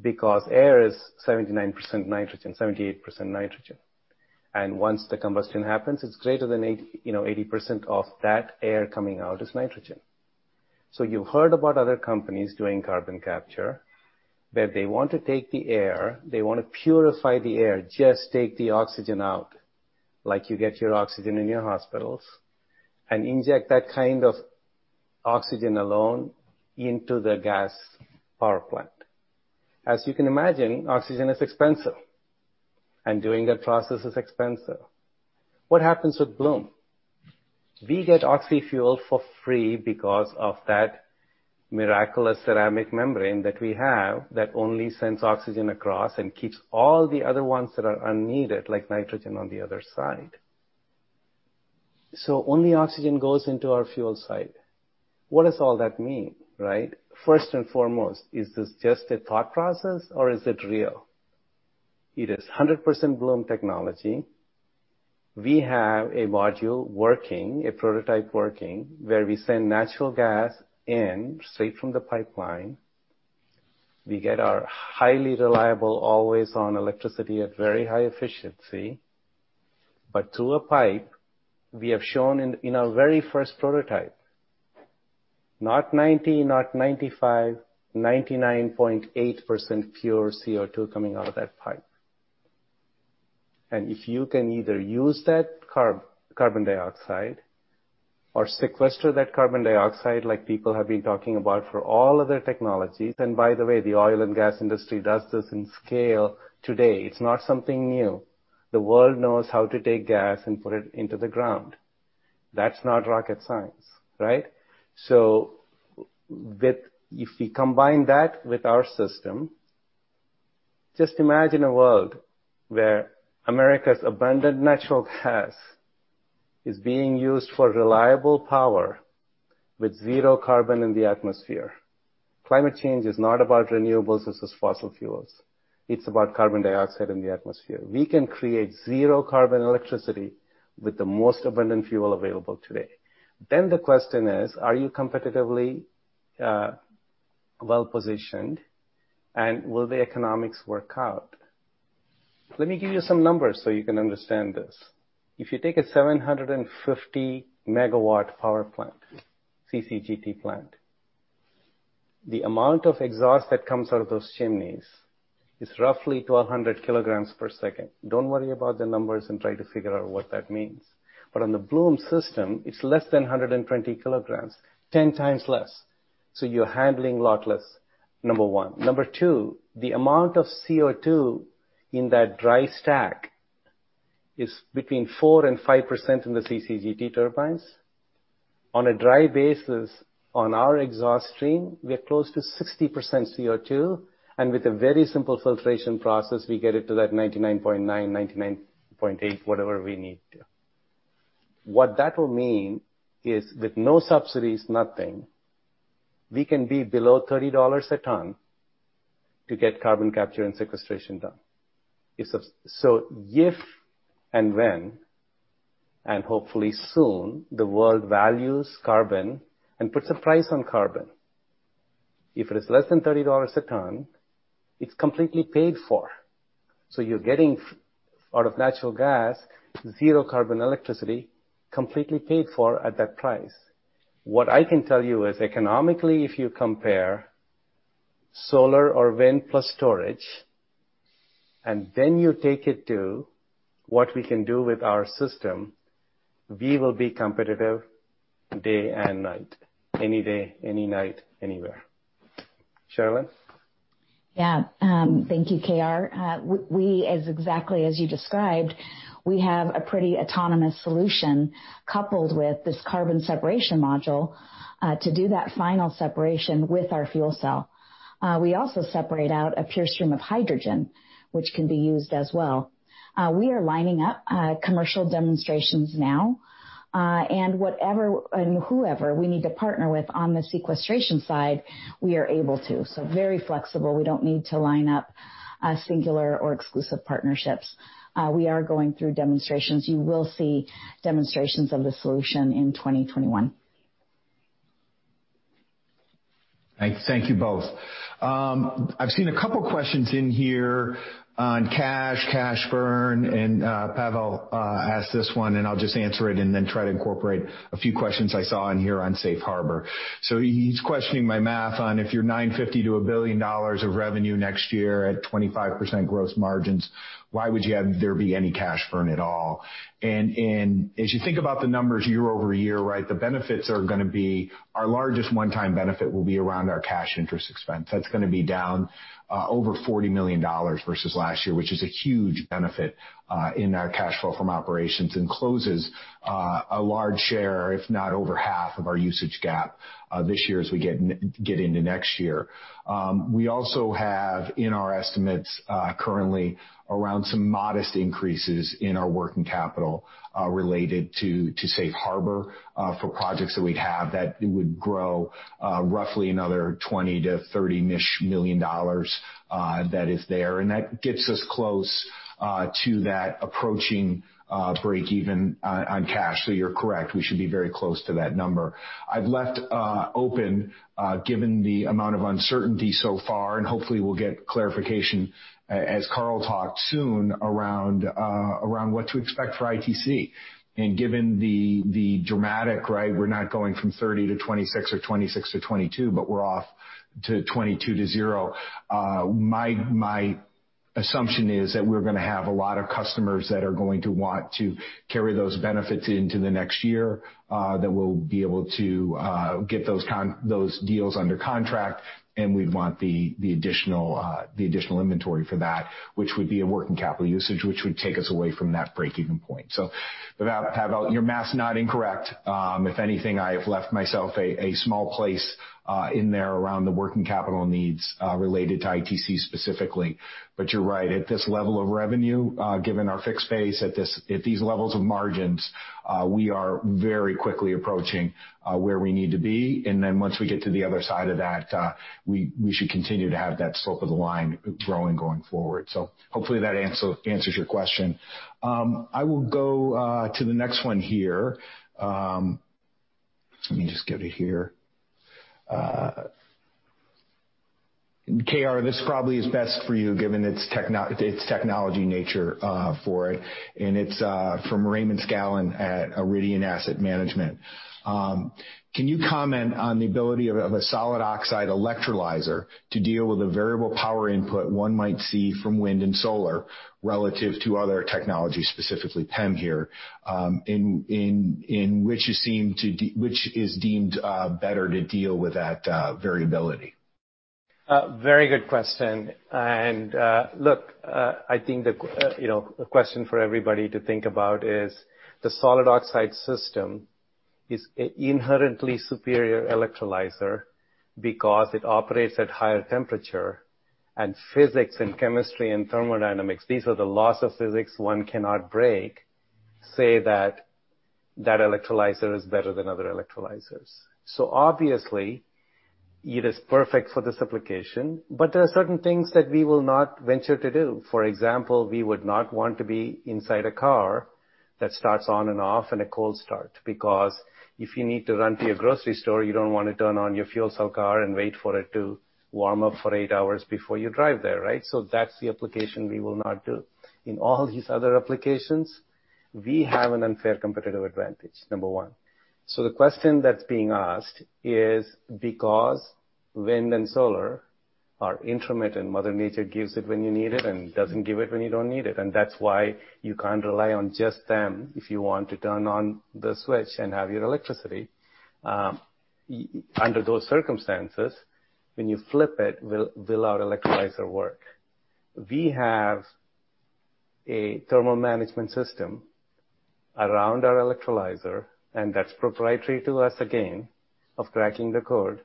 because air is 79% nitrogen, 78% nitrogen. And once the combustion happens, it's greater than 80% of that air coming out is nitrogen. So you've heard about other companies doing carbon capture where they want to take the air, they want to purify the air, just take the oxygen out like you get your oxygen in your hospitals and inject that kind of oxygen alone into the gas power plant. As you can imagine, oxygen is expensive, and doing that process is expensive. What happens with Bloom? We get oxy-fuel for free because of that miraculous ceramic membrane that we have that only sends oxygen across and keeps all the other ones that are unneeded like nitrogen on the other side. So only oxygen goes into our fuel side. What does all that mean, right? First and foremost, is this just a thought process, or is it real? It is 100% Bloom technology. We have a module working, a prototype working where we send natural gas in straight from the pipeline. We get our highly reliable, always-on electricity at very high efficiency. But through a pipe, we have shown in our very first prototype, not 90%, not 95%, 99.8% pure CO2 coming out of that pipe. And if you can either use that carbon dioxide or sequester that carbon dioxide like people have been talking about for all other technologies (and by the way, the oil and gas industry does this in scale today), it's not something new. The world knows how to take gas and put it into the ground. That's not rocket science, right? So if we combine that with our system, just imagine a world where America's abundant natural gas is being used for reliable power with zero carbon in the atmosphere. Climate change is not about renewables versus fossil fuels. It's about carbon dioxide in the atmosphere. We can create zero carbon electricity with the most abundant fuel available today. Then the question is, are you competitively well-positioned, and will the economics work out? Let me give you some numbers so you can understand this. If you take a 750-mMWpower plant, CCGT plant, the amount of exhaust that comes out of those chimneys is roughly 1,200 kg per second. Don't worry about the numbers and try to figure out what that means. But on the Bloom system, it's less than 120 kg, 10x less. So you're handling a lot less, number one. Number two, the amount of CO2 in that dry stack is between 4% and 5% in the CCGT turbines. On a dry basis, on our exhaust stream, we are close to 60% CO2. And with a very simple filtration process, we get it to that 99.9%, 99.8%, whatever we need to. What that will mean is with no subsidies, nothing, we can be below $30 a ton to get carbon capture and sequestration done. So if and when, and hopefully soon, the world values carbon and puts a price on carbon, if it is less than $30 a ton, it's completely paid for. So you're getting out of natural gas zero carbon electricity completely paid for at that price. What I can tell you is economically, if you compare solar or wind plus storage, and then you take it to what we can do with our system, we will be competitive day and night, any day, any night, anywhere. Sharelynn? Yeah. Thank you, KR. We, exactly as you described, we have a pretty autonomous solution coupled with this carbon separation module to do that final separation with our fuel cell. We also separate out a pure stream of hydrogen, which can be used as well. We are lining up commercial demonstrations now. And whatever and whoever we need to partner with on the sequestration side, we are able to. So very flexible. We don't need to line up singular or exclusive partnerships. We are going through demonstrations. You will see demonstrations of the solution in 2021. Thank you both. I've seen a couple of questions in here on cash, cash burn. And Pavel asked this one, and I'll just answer it and then try to incorporate a few questions I saw in here on safe harbor. So he's questioning my math on if you're $950 million to $1 billion of revenue next year at 25% gross margins, why would you have there be any cash burn at all? And as you think about the numbers year-over-year, right, the benefits are going to be our largest one-time benefit will be around our cash interest expense. That's going to be down over $40 million versus last year, which is a huge benefit in our cash flow from operations and closes a large share, if not over half, of our usage gap this year as we get into next year. We also have in our estimates currently around some modest increases in our working capital related to safe harbor for projects that we'd have that would grow roughly another $20 million-$30 million-ish that is there, and that gets us close to that approaching break-even on cash, so you're correct. We should be very close to that number. I've left open given the amount of uncertainty so far, and hopefully, we'll get clarification as Carl talked soon around what to expect for ITC, and given the dramatic, right, we're not going from 30 to 26 or 26 to 22, but we're off to 22 to 0. My assumption is that we're going to have a lot of customers that are going to want to carry those benefits into the next year that will be able to get those deals under contract, and we'd want the additional inventory for that, which would be a working capital usage, which would take us away from that break-even point, so Pavel, your math's not incorrect. If anything, I have left myself a small place in there around the working capital needs related to ITC specifically, but you're right. At this level of revenue, given our fixed pace, at these levels of margins, we are very quickly approaching where we need to be, and then once we get to the other side of that, we should continue to have that slope of the line growing going forward, so hopefully, that answers your question. I will go to the next one here. Let me just get it here. KR, this probably is best for you given its technology nature for it. And it's from Raymond Scanlan at Iridian Asset Management. Can you comment on the ability of a solid oxide electrolyzer to deal with a variable power input one might see from wind and solar relative to other technology, specifically PEM here, in which you seem to which is deemed better to deal with that variability? Very good question. And look, I think the question for everybody to think about is the solid oxide system is an inherently superior electrolyzer because it operates at higher temperature. And physics and chemistry and thermodynamics, these are the laws of physics one cannot break, say that that electrolyzer is better than other electrolyzers. So obviously, it is perfect for this application. But there are certain things that we will not venture to do. For example, we would not want to be inside a car that starts on and off and a cold start because if you need to run to your grocery store, you don't want to turn on your fuel cell car and wait for it to warm up for eight hours before you drive there, right? So that's the application we will not do. In all these other applications, we have an unfair competitive advantage, number one. So the question that's being asked is because wind and solar are intermittent. Mother Nature gives it when you need it and doesn't give it when you don't need it, and that's why you can't rely on just them if you want to turn on the switch and have your electricity. Under those circumstances, when you flip it, will our electrolyzer work? We have a thermal management system around our electrolyzer, and that's proprietary to us again of cracking the code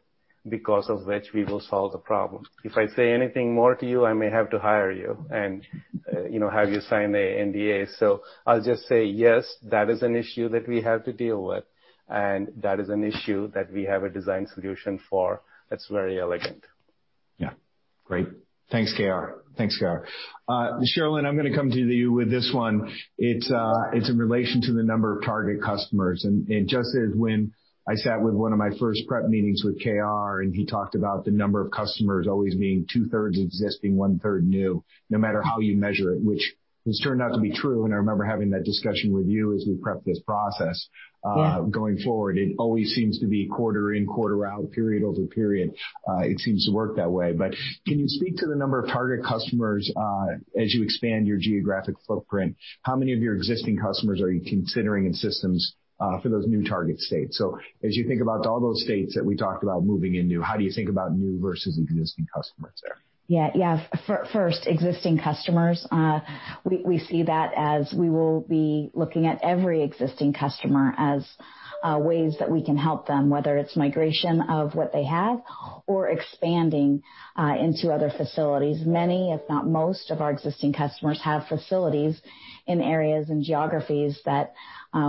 because of which we will solve the problem. If I say anything more to you, I may have to hire you and have you sign an NDA. So I'll just say, yes, that is an issue that we have to deal with, and that is an issue that we have a design solution for that's very elegant. Yeah. Great. Thanks, KR. Thanks, KR. Sharelynn, I'm going to come to you with this one. It's in relation to the number of target customers. And just as when I sat with one of my first prep meetings with KR, and he talked about the number of customers always being 2/3 existing, 1/3 new, no matter how you measure it, which has turned out to be true. And I remember having that discussion with you as we prepped this process. Going forward, it always seems to be quarter in, quarter out, period over period. It seems to work that way. But can you speak to the number of target customers as you expand your geographic footprint? How many of your existing customers are you considering in systems for those new target states? So as you think about all those states that we talked about moving into new, how do you think about new versus existing customers there? Yeah. Yeah. First, existing customers. We see that as we will be looking at every existing customer as ways that we can help them, whether it's migration of what they have or expanding into other facilities. Many, if not most, of our existing customers have facilities in areas and geographies that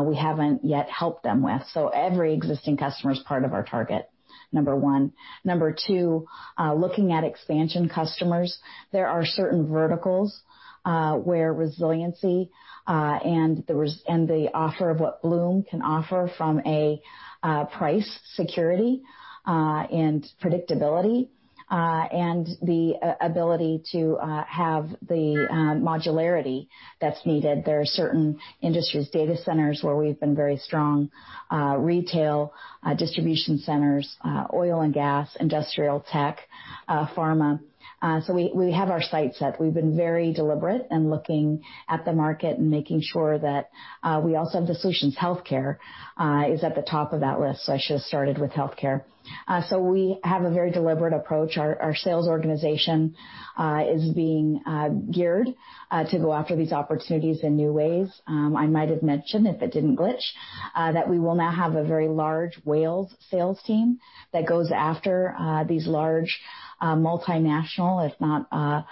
we haven't yet helped them with. So every existing customer is part of our target, number one. Number two, looking at expansion customers, there are certain verticals where resiliency and the offer of what Bloom can offer from a price, security, and predictability, and the ability to have the modularity that's needed. There are certain industries, data centers where we've been very strong, retail distribution centers, oil and gas, industrial tech, pharma. So we have our sights set. We've been very deliberate in looking at the market and making sure that we also have the solutions. Healthcare is at the top of that list. So I should have started with healthcare. So we have a very deliberate approach. Our sales organization is being geared to go after these opportunities in new ways. I might have mentioned, if it didn't glitch, that we will now have a very large whales sales team that goes after these large multinational, if not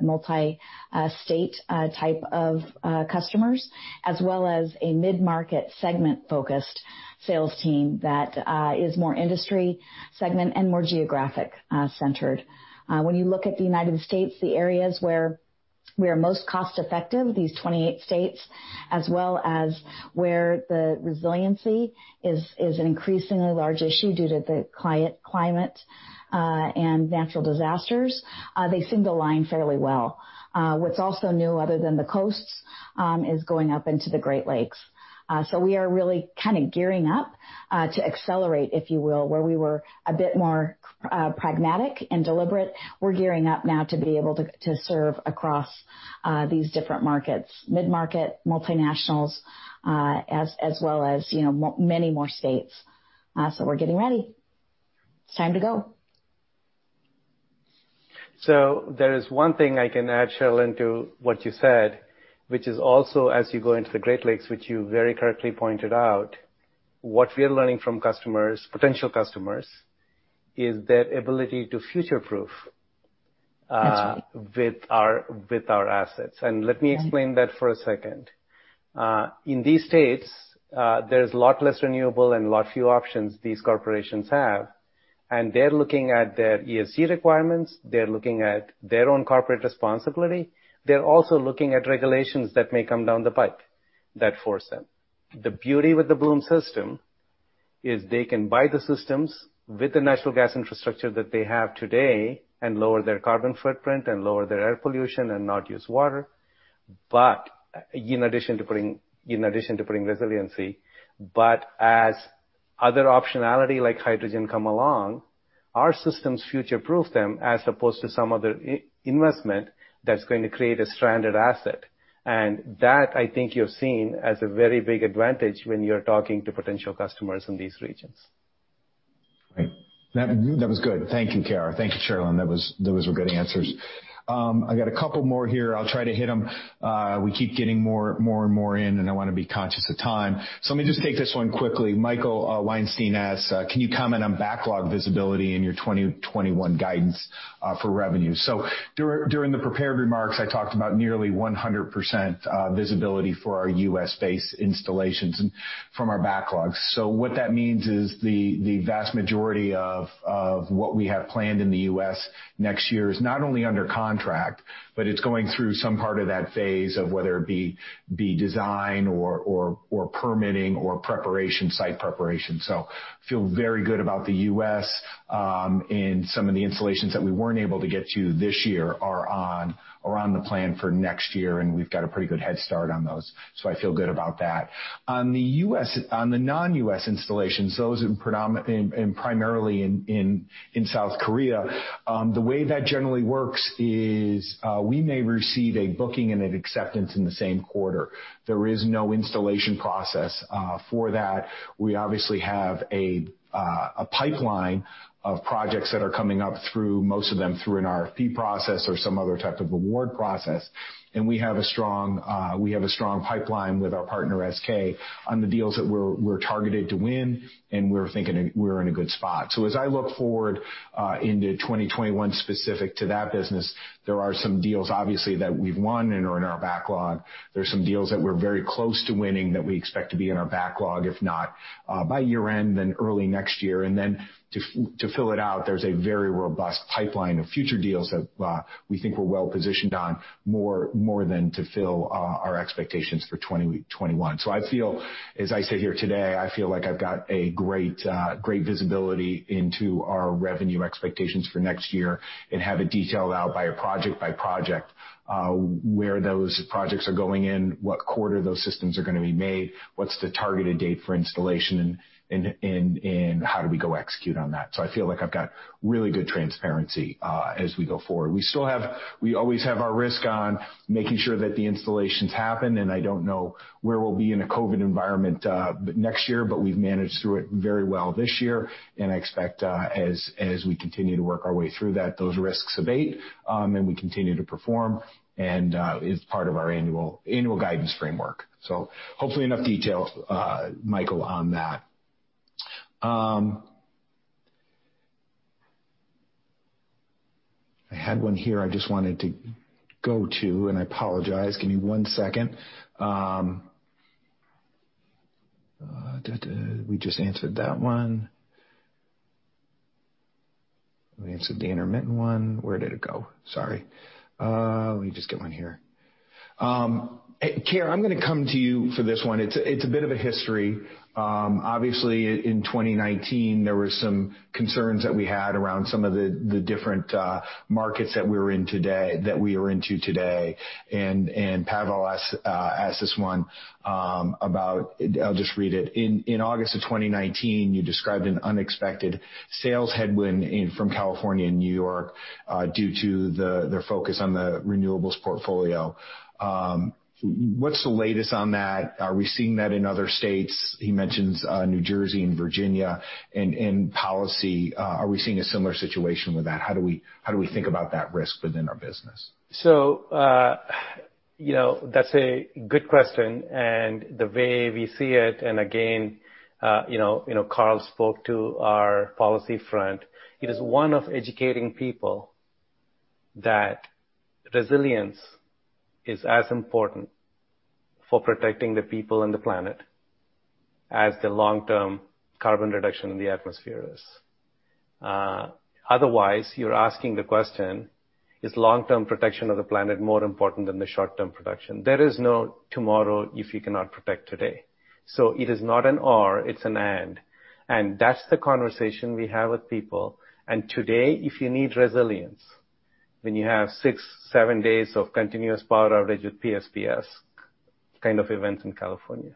multi-state type of customers, as well as a mid-market segment-focused sales team that is more industry segment and more geographic-centered. When you look at the United States, the areas where we are most cost-effective, these 28 states, as well as where the resiliency is an increasingly large issue due to the climate and natural disasters, they seem to align fairly well. What's also new, other than the coasts, is going up into the Great Lakes. So we are really kind of gearing up to accelerate, if you will, where we were a bit more pragmatic and deliberate. We're gearing up now to be able to serve across these different markets, mid-market, multinationals, as well as many more states. So we're getting ready. It's time to go. So there is one thing I can add, Sharelynn, to what you said, which is also, as you go into the Great Lakes, which you very correctly pointed out, what we are learning from customers, potential customers, is their ability to future-proof with our assets. And let me explain that for a second. In these states, there's a lot less renewable and a lot fewer options these corporations have. And they're looking at their ESG requirements. They're looking at their own corporate responsibility. They're also looking at regulations that may come down the pipe that force them. The beauty with the Bloom system is they can buy the systems with the natural gas infrastructure that they have today and lower their carbon footprint and lower their air pollution and not use water, in addition to putting resiliency. But as other optionality like hydrogen comes along, our systems future-proof them as opposed to some other investment that's going to create a stranded asset. And that, I think, you've seen as a very big advantage when you're talking to potential customers in these regions. Great. That was good. Thank you, KR. Thank you, Sharelynn. Those were good answers. I got a couple more here. I'll try to hit them. We keep getting more and more in, and I want to be conscious of time. So let me just take this one quickly. Michael Weinstein asked, "Can you comment on backlog visibility in your 2021 guidance for revenue?" So during the prepared remarks, I talked about nearly 100% visibility for our U.S.-based installations from our backlogs. So what that means is the vast majority of what we have planned in the U.S. next year is not only under contract, but it's going through some part of that phase of whether it be design or permitting or site preparation. So I feel very good about the U.S. And some of the installations that we weren't able to get to this year are on the plan for next year, and we've got a pretty good head start on those. So I feel good about that. On the non-U.S. installations, those primarily in South Korea, the way that generally works is we may receive a booking and an acceptance in the same quarter. There is no installation process for that. We obviously have a pipeline of projects that are coming up, most of them through an RFP process or some other type of award process. And we have a strong pipeline with our partner, SK, on the deals that we're targeted to win, and we're in a good spot. So as I look forward into 2021, specific to that business, there are some deals, obviously, that we've won and are in our backlog. There are some deals that we're very close to winning that we expect to be in our backlog, if not by year-end, then early next year. And then to fill it out, there's a very robust pipeline of future deals that we think we're well-positioned on more than to fill our expectations for 2021. So as I sit here today, I feel like I've got a great visibility into our revenue expectations for next year and have it detailed out by a project by project where those projects are going in, what quarter those systems are going to be made, what's the targeted date for installation, and how do we go execute on that. So I feel like I've got really good transparency as we go forward. We always have our risk on making sure that the installations happen. And I don't know where we'll be in a COVID environment next year, but we've managed through it very well this year. And I expect, as we continue to work our way through that, those risks abate and we continue to perform. And it's part of our annual guidance framework. So hopefully, enough detail, Michael, on that. I had one here I just wanted to go to, and I apologize. Give me one second. We just answered that one. We answered the intermittent one. Where did it go? Sorry. Let me just get one here. KR, I'm going to come to you for this one. It's a bit of a history. Obviously, in 2019, there were some concerns that we had around some of the different markets that we are into today. Pavel asked this one about, I'll just read it. In August of 2019, you described an unexpected sales headwind from California and New York due to their focus on the renewables portfolio. What's the latest on that? Are we seeing that in other states? He mentions New Jersey and Virginia. Policy, are we seeing a similar situation with that? How do we think about that risk within our business? That's a good question. And the way we see it, and again, Carl spoke to our policy front. It is one of educating people that resilience is as important for protecting the people and the planet as the long-term carbon reduction in the atmosphere is. Otherwise, you're asking the question, is long-term protection of the planet more important than the short-term protection? There is no tomorrow if you cannot protect today. So it is not an or. It's an and. And that's the conversation we have with people. And today, if you need resilience, when you have six, seven days of continuous power outage with PSPS kind of events in California,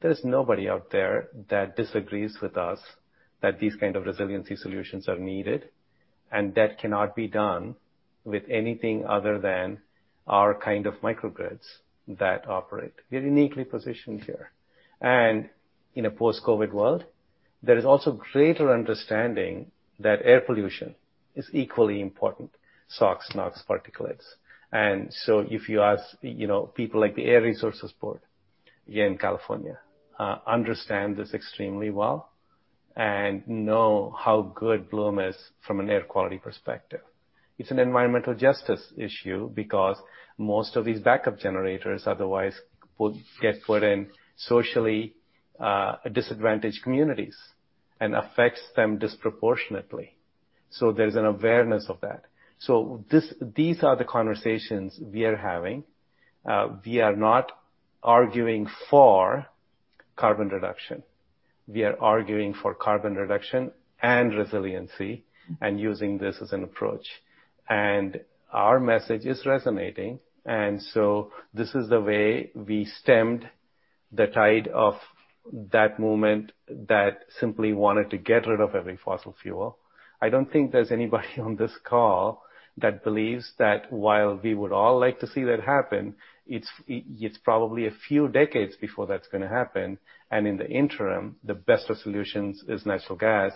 there is nobody out there that disagrees with us that these kinds of resiliency solutions are needed. And that cannot be done with anything other than our kind of microgrids that operate. We're uniquely positioned here. In a post-COVID world, there is also greater understanding that air pollution is equally important, SOx, NOx, particulates. So if you ask people like the Air Resources Board, again California, understand this extremely well and know how good Bloom is from an air quality perspective. It's an environmental justice issue because most of these backup generators otherwise get put in socially disadvantaged communities and affects them disproportionately. So there's an awareness of that. So these are the conversations we are having. We are not arguing for carbon reduction. We are arguing for carbon reduction and resiliency and using this as an approach. And our message is resonating. And so this is the way we stemmed the tide of that movement that simply wanted to get rid of every fossil fuel. I don't think there's anybody on this call that believes that while we would all like to see that happen, it's probably a few decades before that's going to happen. And in the interim, the best of solutions is natural gas.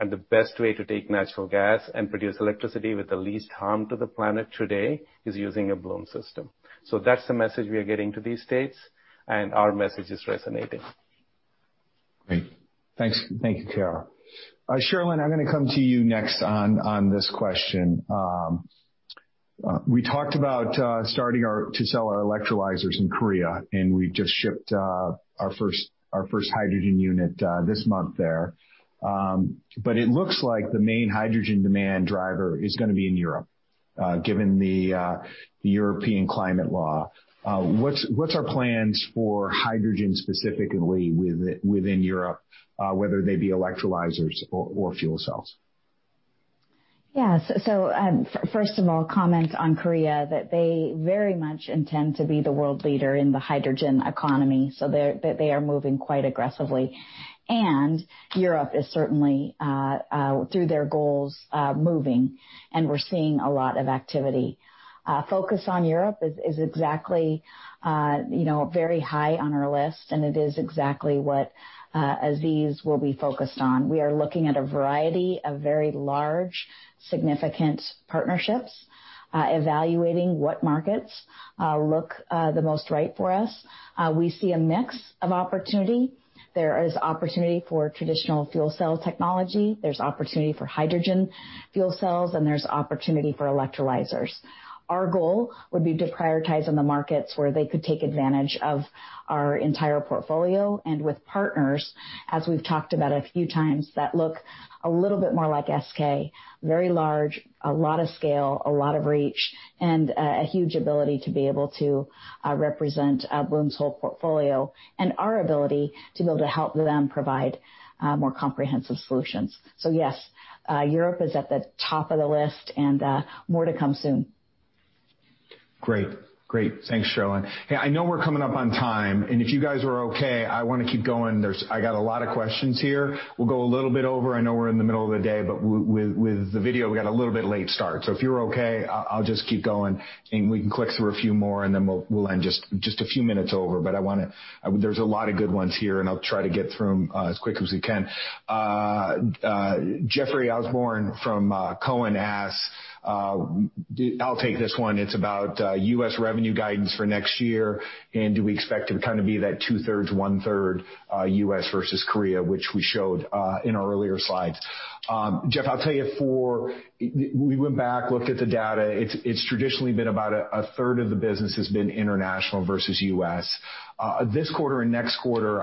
And the best way to take natural gas and produce electricity with the least harm to the planet today is using a Bloom system. So that's the message we are getting to these states. And our message is resonating. Great. Thank you, KR. Sharelynn, I'm going to come to you next on this question. We talked about starting to sell our electrolyzers in Korea, and we just shipped our first hydrogen unit this month there. But it looks like the main hydrogen demand driver is going to be in Europe, given the European climate law. What's our plans for hydrogen specifically within Europe, whether they be electrolyzers or fuel cells? Yeah. So first of all, comment on Korea that they very much intend to be the world leader in the hydrogen economy. So they are moving quite aggressively. And Europe is certainly, through their goals, moving. And we're seeing a lot of activity. Focus on Europe is exactly very high on our list, and it is exactly what Azeez will be focused on. We are looking at a variety of very large, significant partnerships, evaluating what markets look the most right for us. We see a mix of opportunity. There is opportunity for traditional fuel cell technology. There's opportunity for hydrogen fuel cells, and there's opportunity for electrolyzers. Our goal would be to prioritize on the markets where they could take advantage of our entire portfolio. And with partners, as we've talked about a few times, that look a little bit more like SK, very large, a lot of scale, a lot of reach, and a huge ability to be able to represent Bloom's whole portfolio and our ability to be able to help them provide more comprehensive solutions. So yes, Europe is at the top of the list and more to come soon. Great. Great. Thanks, Sharelynn. Hey, I know we're coming up on time. And if you guys are okay, I want to keep going. I got a lot of questions here. We'll go a little bit over. I know we're in the middle of the day, but with the video, we got a little bit late start. So if you're okay, I'll just keep going. And we can click through a few more, and then we'll end just a few minutes over. But there's a lot of good ones here, and I'll try to get through them as quick as we can. Jeffrey Osborne from Cowen asked, "I'll take this one. It's about U.S. revenue guidance for next year. And do we expect to kind of be that 2/3, 1/3 U.S. versus Korea, which we showed in our earlier slides?" Jeff, I'll tell you, we went back, looked at the data. It's traditionally been about a third of the business has been international versus U.S. This quarter and next quarter,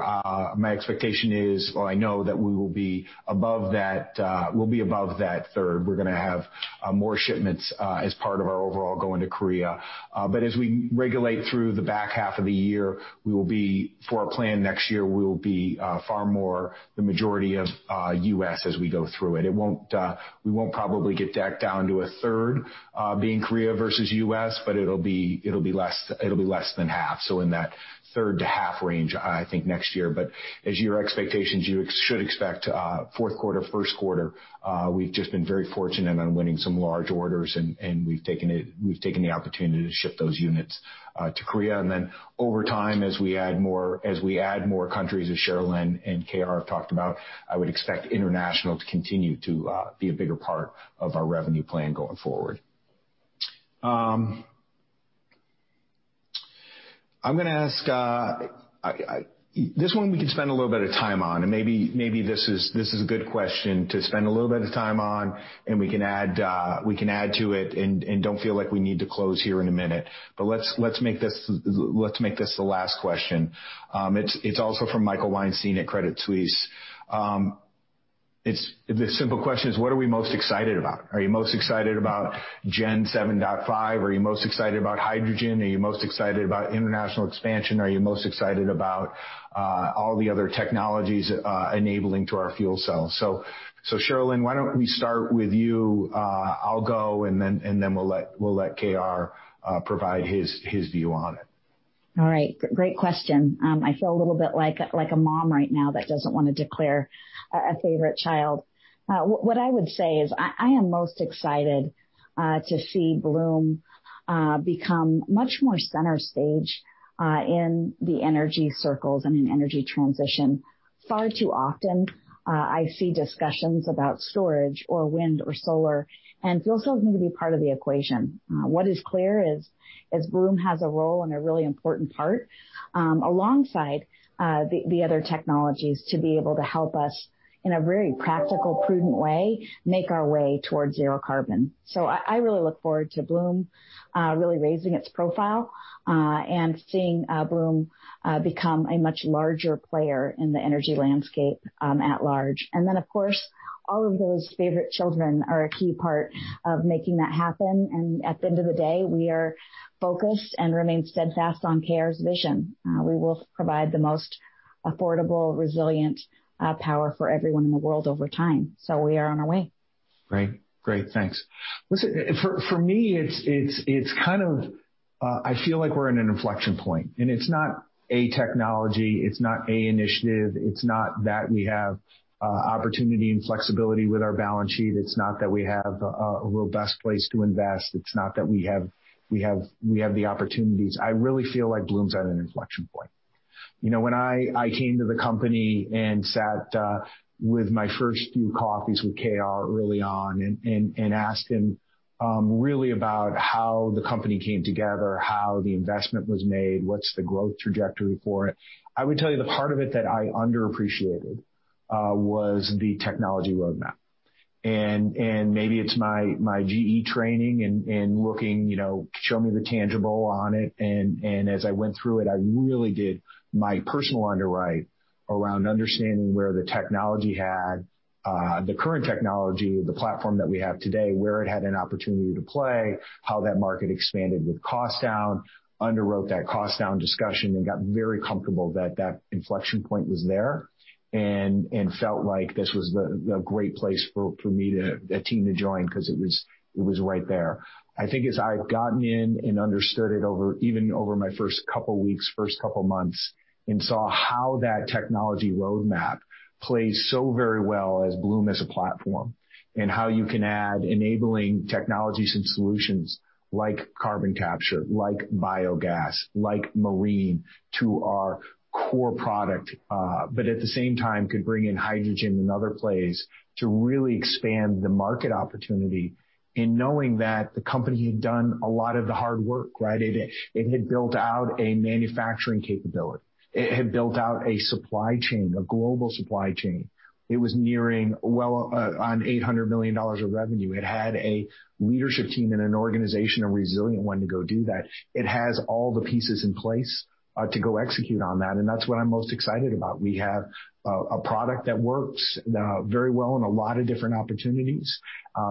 my expectation is, well, I know that we will be above that. We'll be above that third. We're going to have more shipments as part of our overall going to Korea. But as we go through the back half of the year, for our plan next year, we will be far more the majority of U.S. as we go through it. We won't probably get dialed down to a third being Korea versus U.S., but it'll be less than half, so in that third to half range, I think, next year. But as your expectations, you should expect fourth quarter, first quarter. We've just been very fortunate on winning some large orders, and we've taken the opportunity to ship those units to Korea, and then over time, as we add more countries, as Sharelynn and KR have talked about, I would expect international to continue to be a bigger part of our revenue plan going forward. I'm going to ask this one, we can spend a little bit of time on, and maybe this is a good question to spend a little bit of time on, and we can add to it and don't feel like we need to close here in a minute. But let's make this the last question. It's also from Michael Weinstein at Credit Suisse. The simple question is, what are we most excited about? Are you most excited about Gen 7.5? Are you most excited about hydrogen? Are you most excited about international expansion? Are you most excited about all the other technologies enabling to our fuel cells? So Sharelynn, why don't we start with you? I'll go, and then we'll let KR provide his view on it. All right. Great question. I feel a little bit like a mom right now that doesn't want to declare a favorite child. What I would say is I am most excited to see Bloom become much more center stage in the energy circles and in energy transition. Far too often, I see discussions about storage or wind or solar, and fuel cells need to be part of the equation. What is clear is Bloom has a role and a really important part alongside the other technologies to be able to help us in a very practical, prudent way make our way towards zero carbon. So I really look forward to Bloom really raising its profile and seeing Bloom become a much larger player in the energy landscape at large. And then, of course, all of those favorite children are a key part of making that happen. And at the end of the day, we are focused and remain steadfast on KR's vision. We will provide the most affordable, resilient power for everyone in the world over time. So we are on our way. Great. Great. Thanks. For me, it's kind of I feel like we're at an inflection point. And it's not a technology. It's not an initiative. It's not that we have opportunity and flexibility with our balance sheet. It's not that we have a robust place to invest. It's not that we have the opportunities. I really feel like Bloom's at an inflection point. When I came to the company and sat with my first few coffees with KR early on and asked him really about how the company came together, how the investment was made, what's the growth trajectory for it, I would tell you the part of it that I underappreciated was the technology roadmap. And maybe it's my GE training and looking, show me the tangible on it. And as I went through it, I really did my personal underwrite around understanding where the current technology, the platform that we have today, where it had an opportunity to play, how that market expanded with cost down, underwrote that cost down discussion, and got very comfortable that that inflection point was there and felt like this was a great place for me to attend to join because it was right there. I think as I've gotten in and understood it even over my first couple of weeks, first couple of months, and saw how that technology roadmap plays so very well as Bloom as a platform and how you can add enabling technologies and solutions like carbon capture, like biogas, like marine to our core product, but at the same time could bring in hydrogen in other plays to really expand the market opportunity in knowing that the company had done a lot of the hard work, right? It had built out a manufacturing capability. It had built out a supply chain, a global supply chain. It was nearing well on $800 million of revenue. It had a leadership team and an organization, a resilient one to go do that. It has all the pieces in place to go execute on that, and that's what I'm most excited about. We have a product that works very well in a lot of different opportunities.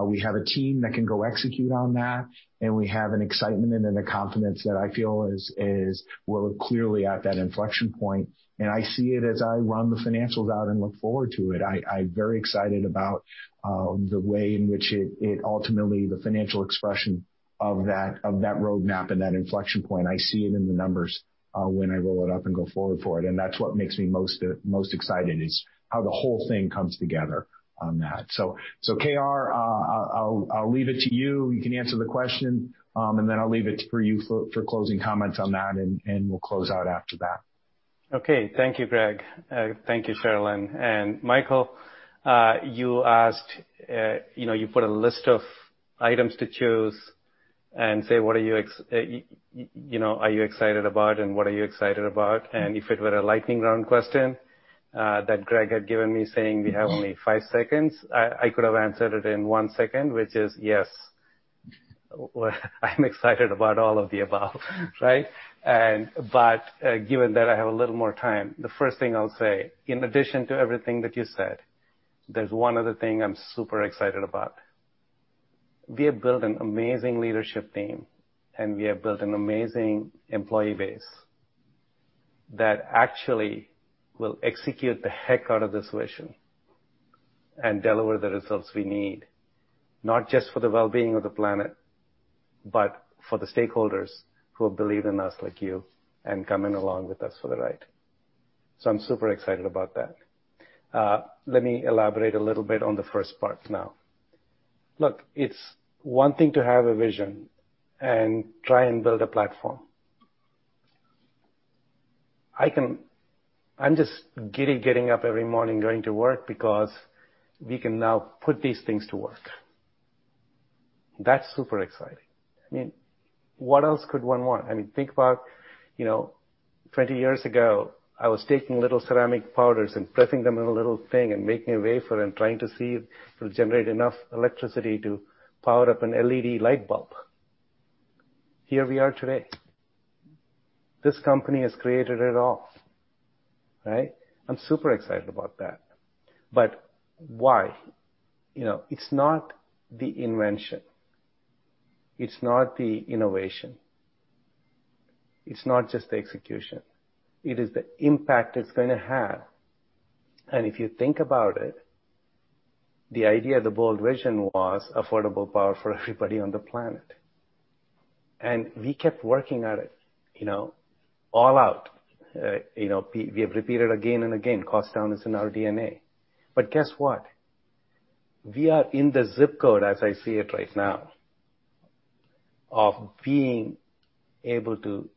We have a team that can go execute on that. And we have an excitement and a confidence that I feel is we're clearly at that inflection point. And I see it as I run the financials out and look forward to it. I'm very excited about the way in which it ultimately the financial expression of that roadmap and that inflection point. I see it in the numbers when I roll it up and go forward for it. And that's what makes me most excited is how the whole thing comes together on that. So KR, I'll leave it to you. You can answer the question, and then I'll leave it for you for closing comments on that, and we'll close out after that. Okay. Thank you, Greg. Thank you, Sharelynn. And, Michael, you asked you put a list of items to choose and say, what are you excited about and what are you excited about? And if it were a lightning round question that Greg had given me saying, "We have only five seconds," I could have answered it in one second, which is yes. I'm excited about all of the above, right? But given that I have a little more time, the first thing I'll say, in addition to everything that you said, there's one other thing I'm super excited about. We have built an amazing leadership team, and we have built an amazing employee base that actually will execute the heck out of this vision and deliver the results we need, not just for the well-being of the planet, but for the stakeholders who have believed in us like you and come in along with us for the right. So I'm super excited about that. Let me elaborate a little bit on the first part now. Look, it's one thing to have a vision and try and build a platform. I'm just giddy getting up every morning going to work because we can now put these things to work. That's super exciting. I mean, what else could one want? I mean, think about 20 years ago, I was taking little ceramic powders and pressing them in a little thing and making a wafer and trying to see if it'll generate enough electricity to power up an LED light bulb. Here we are today. This company has created it all, right? I'm super excited about that. But why? It's not the invention. It's not the innovation. It's not just the execution. It is the impact it's going to have. And if you think about it, the idea, the bold vision was affordable power for everybody on the planet. And we kept working at it all out. We have repeated again and again, cost down is in our DNA. But guess what? We are in the zip code, as I see it right now, of being able to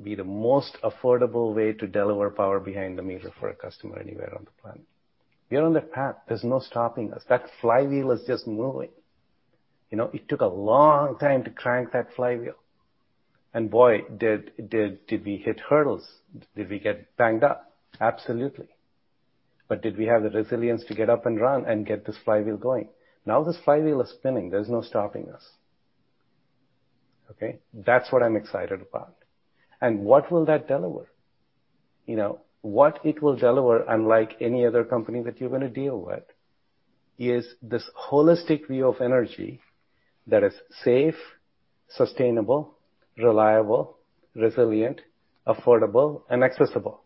be the most affordable way to deliver power behind the meter for a customer anywhere on the planet. We are on that path. There's no stopping us. That flywheel is just moving. It took a long time to crank that flywheel. And boy, did we hit hurdles? Did we get banged up? Absolutely. But did we have the resilience to get up and run and get this flywheel going? Now this flywheel is spinning. There's no stopping us. Okay? That's what I'm excited about. And what will that deliver? What it will deliver, unlike any other company that you're going to deal with, is this holistic view of energy that is safe, sustainable, reliable, resilient, affordable, and accessible.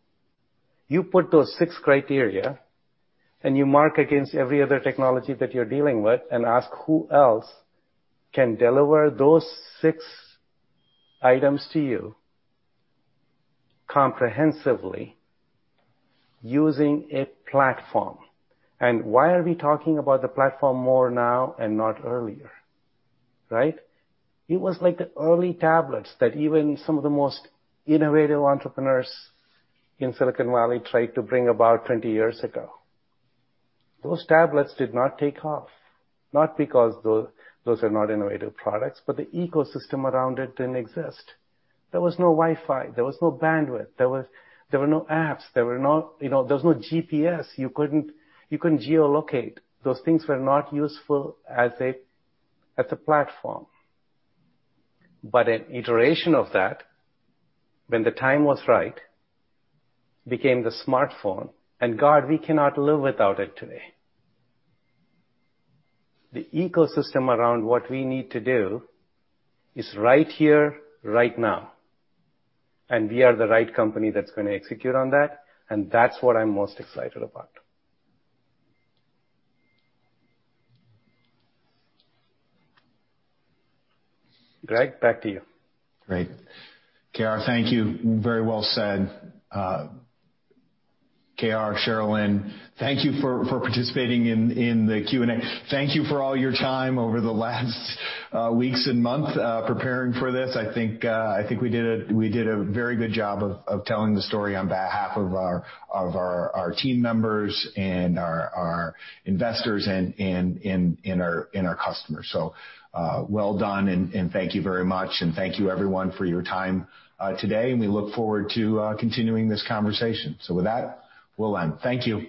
You put those six criteria, and you mark against every other technology that you're dealing with and ask who else can deliver those six items to you comprehensively using a platform. And why are we talking about the platform more now and not earlier, right? It was like the early tablets that even some of the most innovative entrepreneurs in Silicon Valley tried to bring about 20 years ago. Those tablets did not take off, not because those are not innovative products, but the ecosystem around it didn't exist. There was no Wi-Fi. There was no bandwidth. There were no apps. There were no GPS. You couldn't geolocate. Those things were not useful as a platform. But an iteration of that, when the time was right, became the smartphone. And God, we cannot live without it today. The ecosystem around what we need to do is right here, right now. And we are the right company that's going to execute on that. And that's what I'm most excited about. Greg, back to you. Great. KR, thank you. Very well said. KR, Sharelynn, thank you for participating in the Q&A. Thank you for all your time over the last weeks and months preparing for this. I think we did a very good job of telling the story on behalf of our team members and our investors and our customers. So well done, and thank you very much. And thank you, everyone, for your time today. And we look forward to continuing this conversation. So with that, we'll end. Thank you.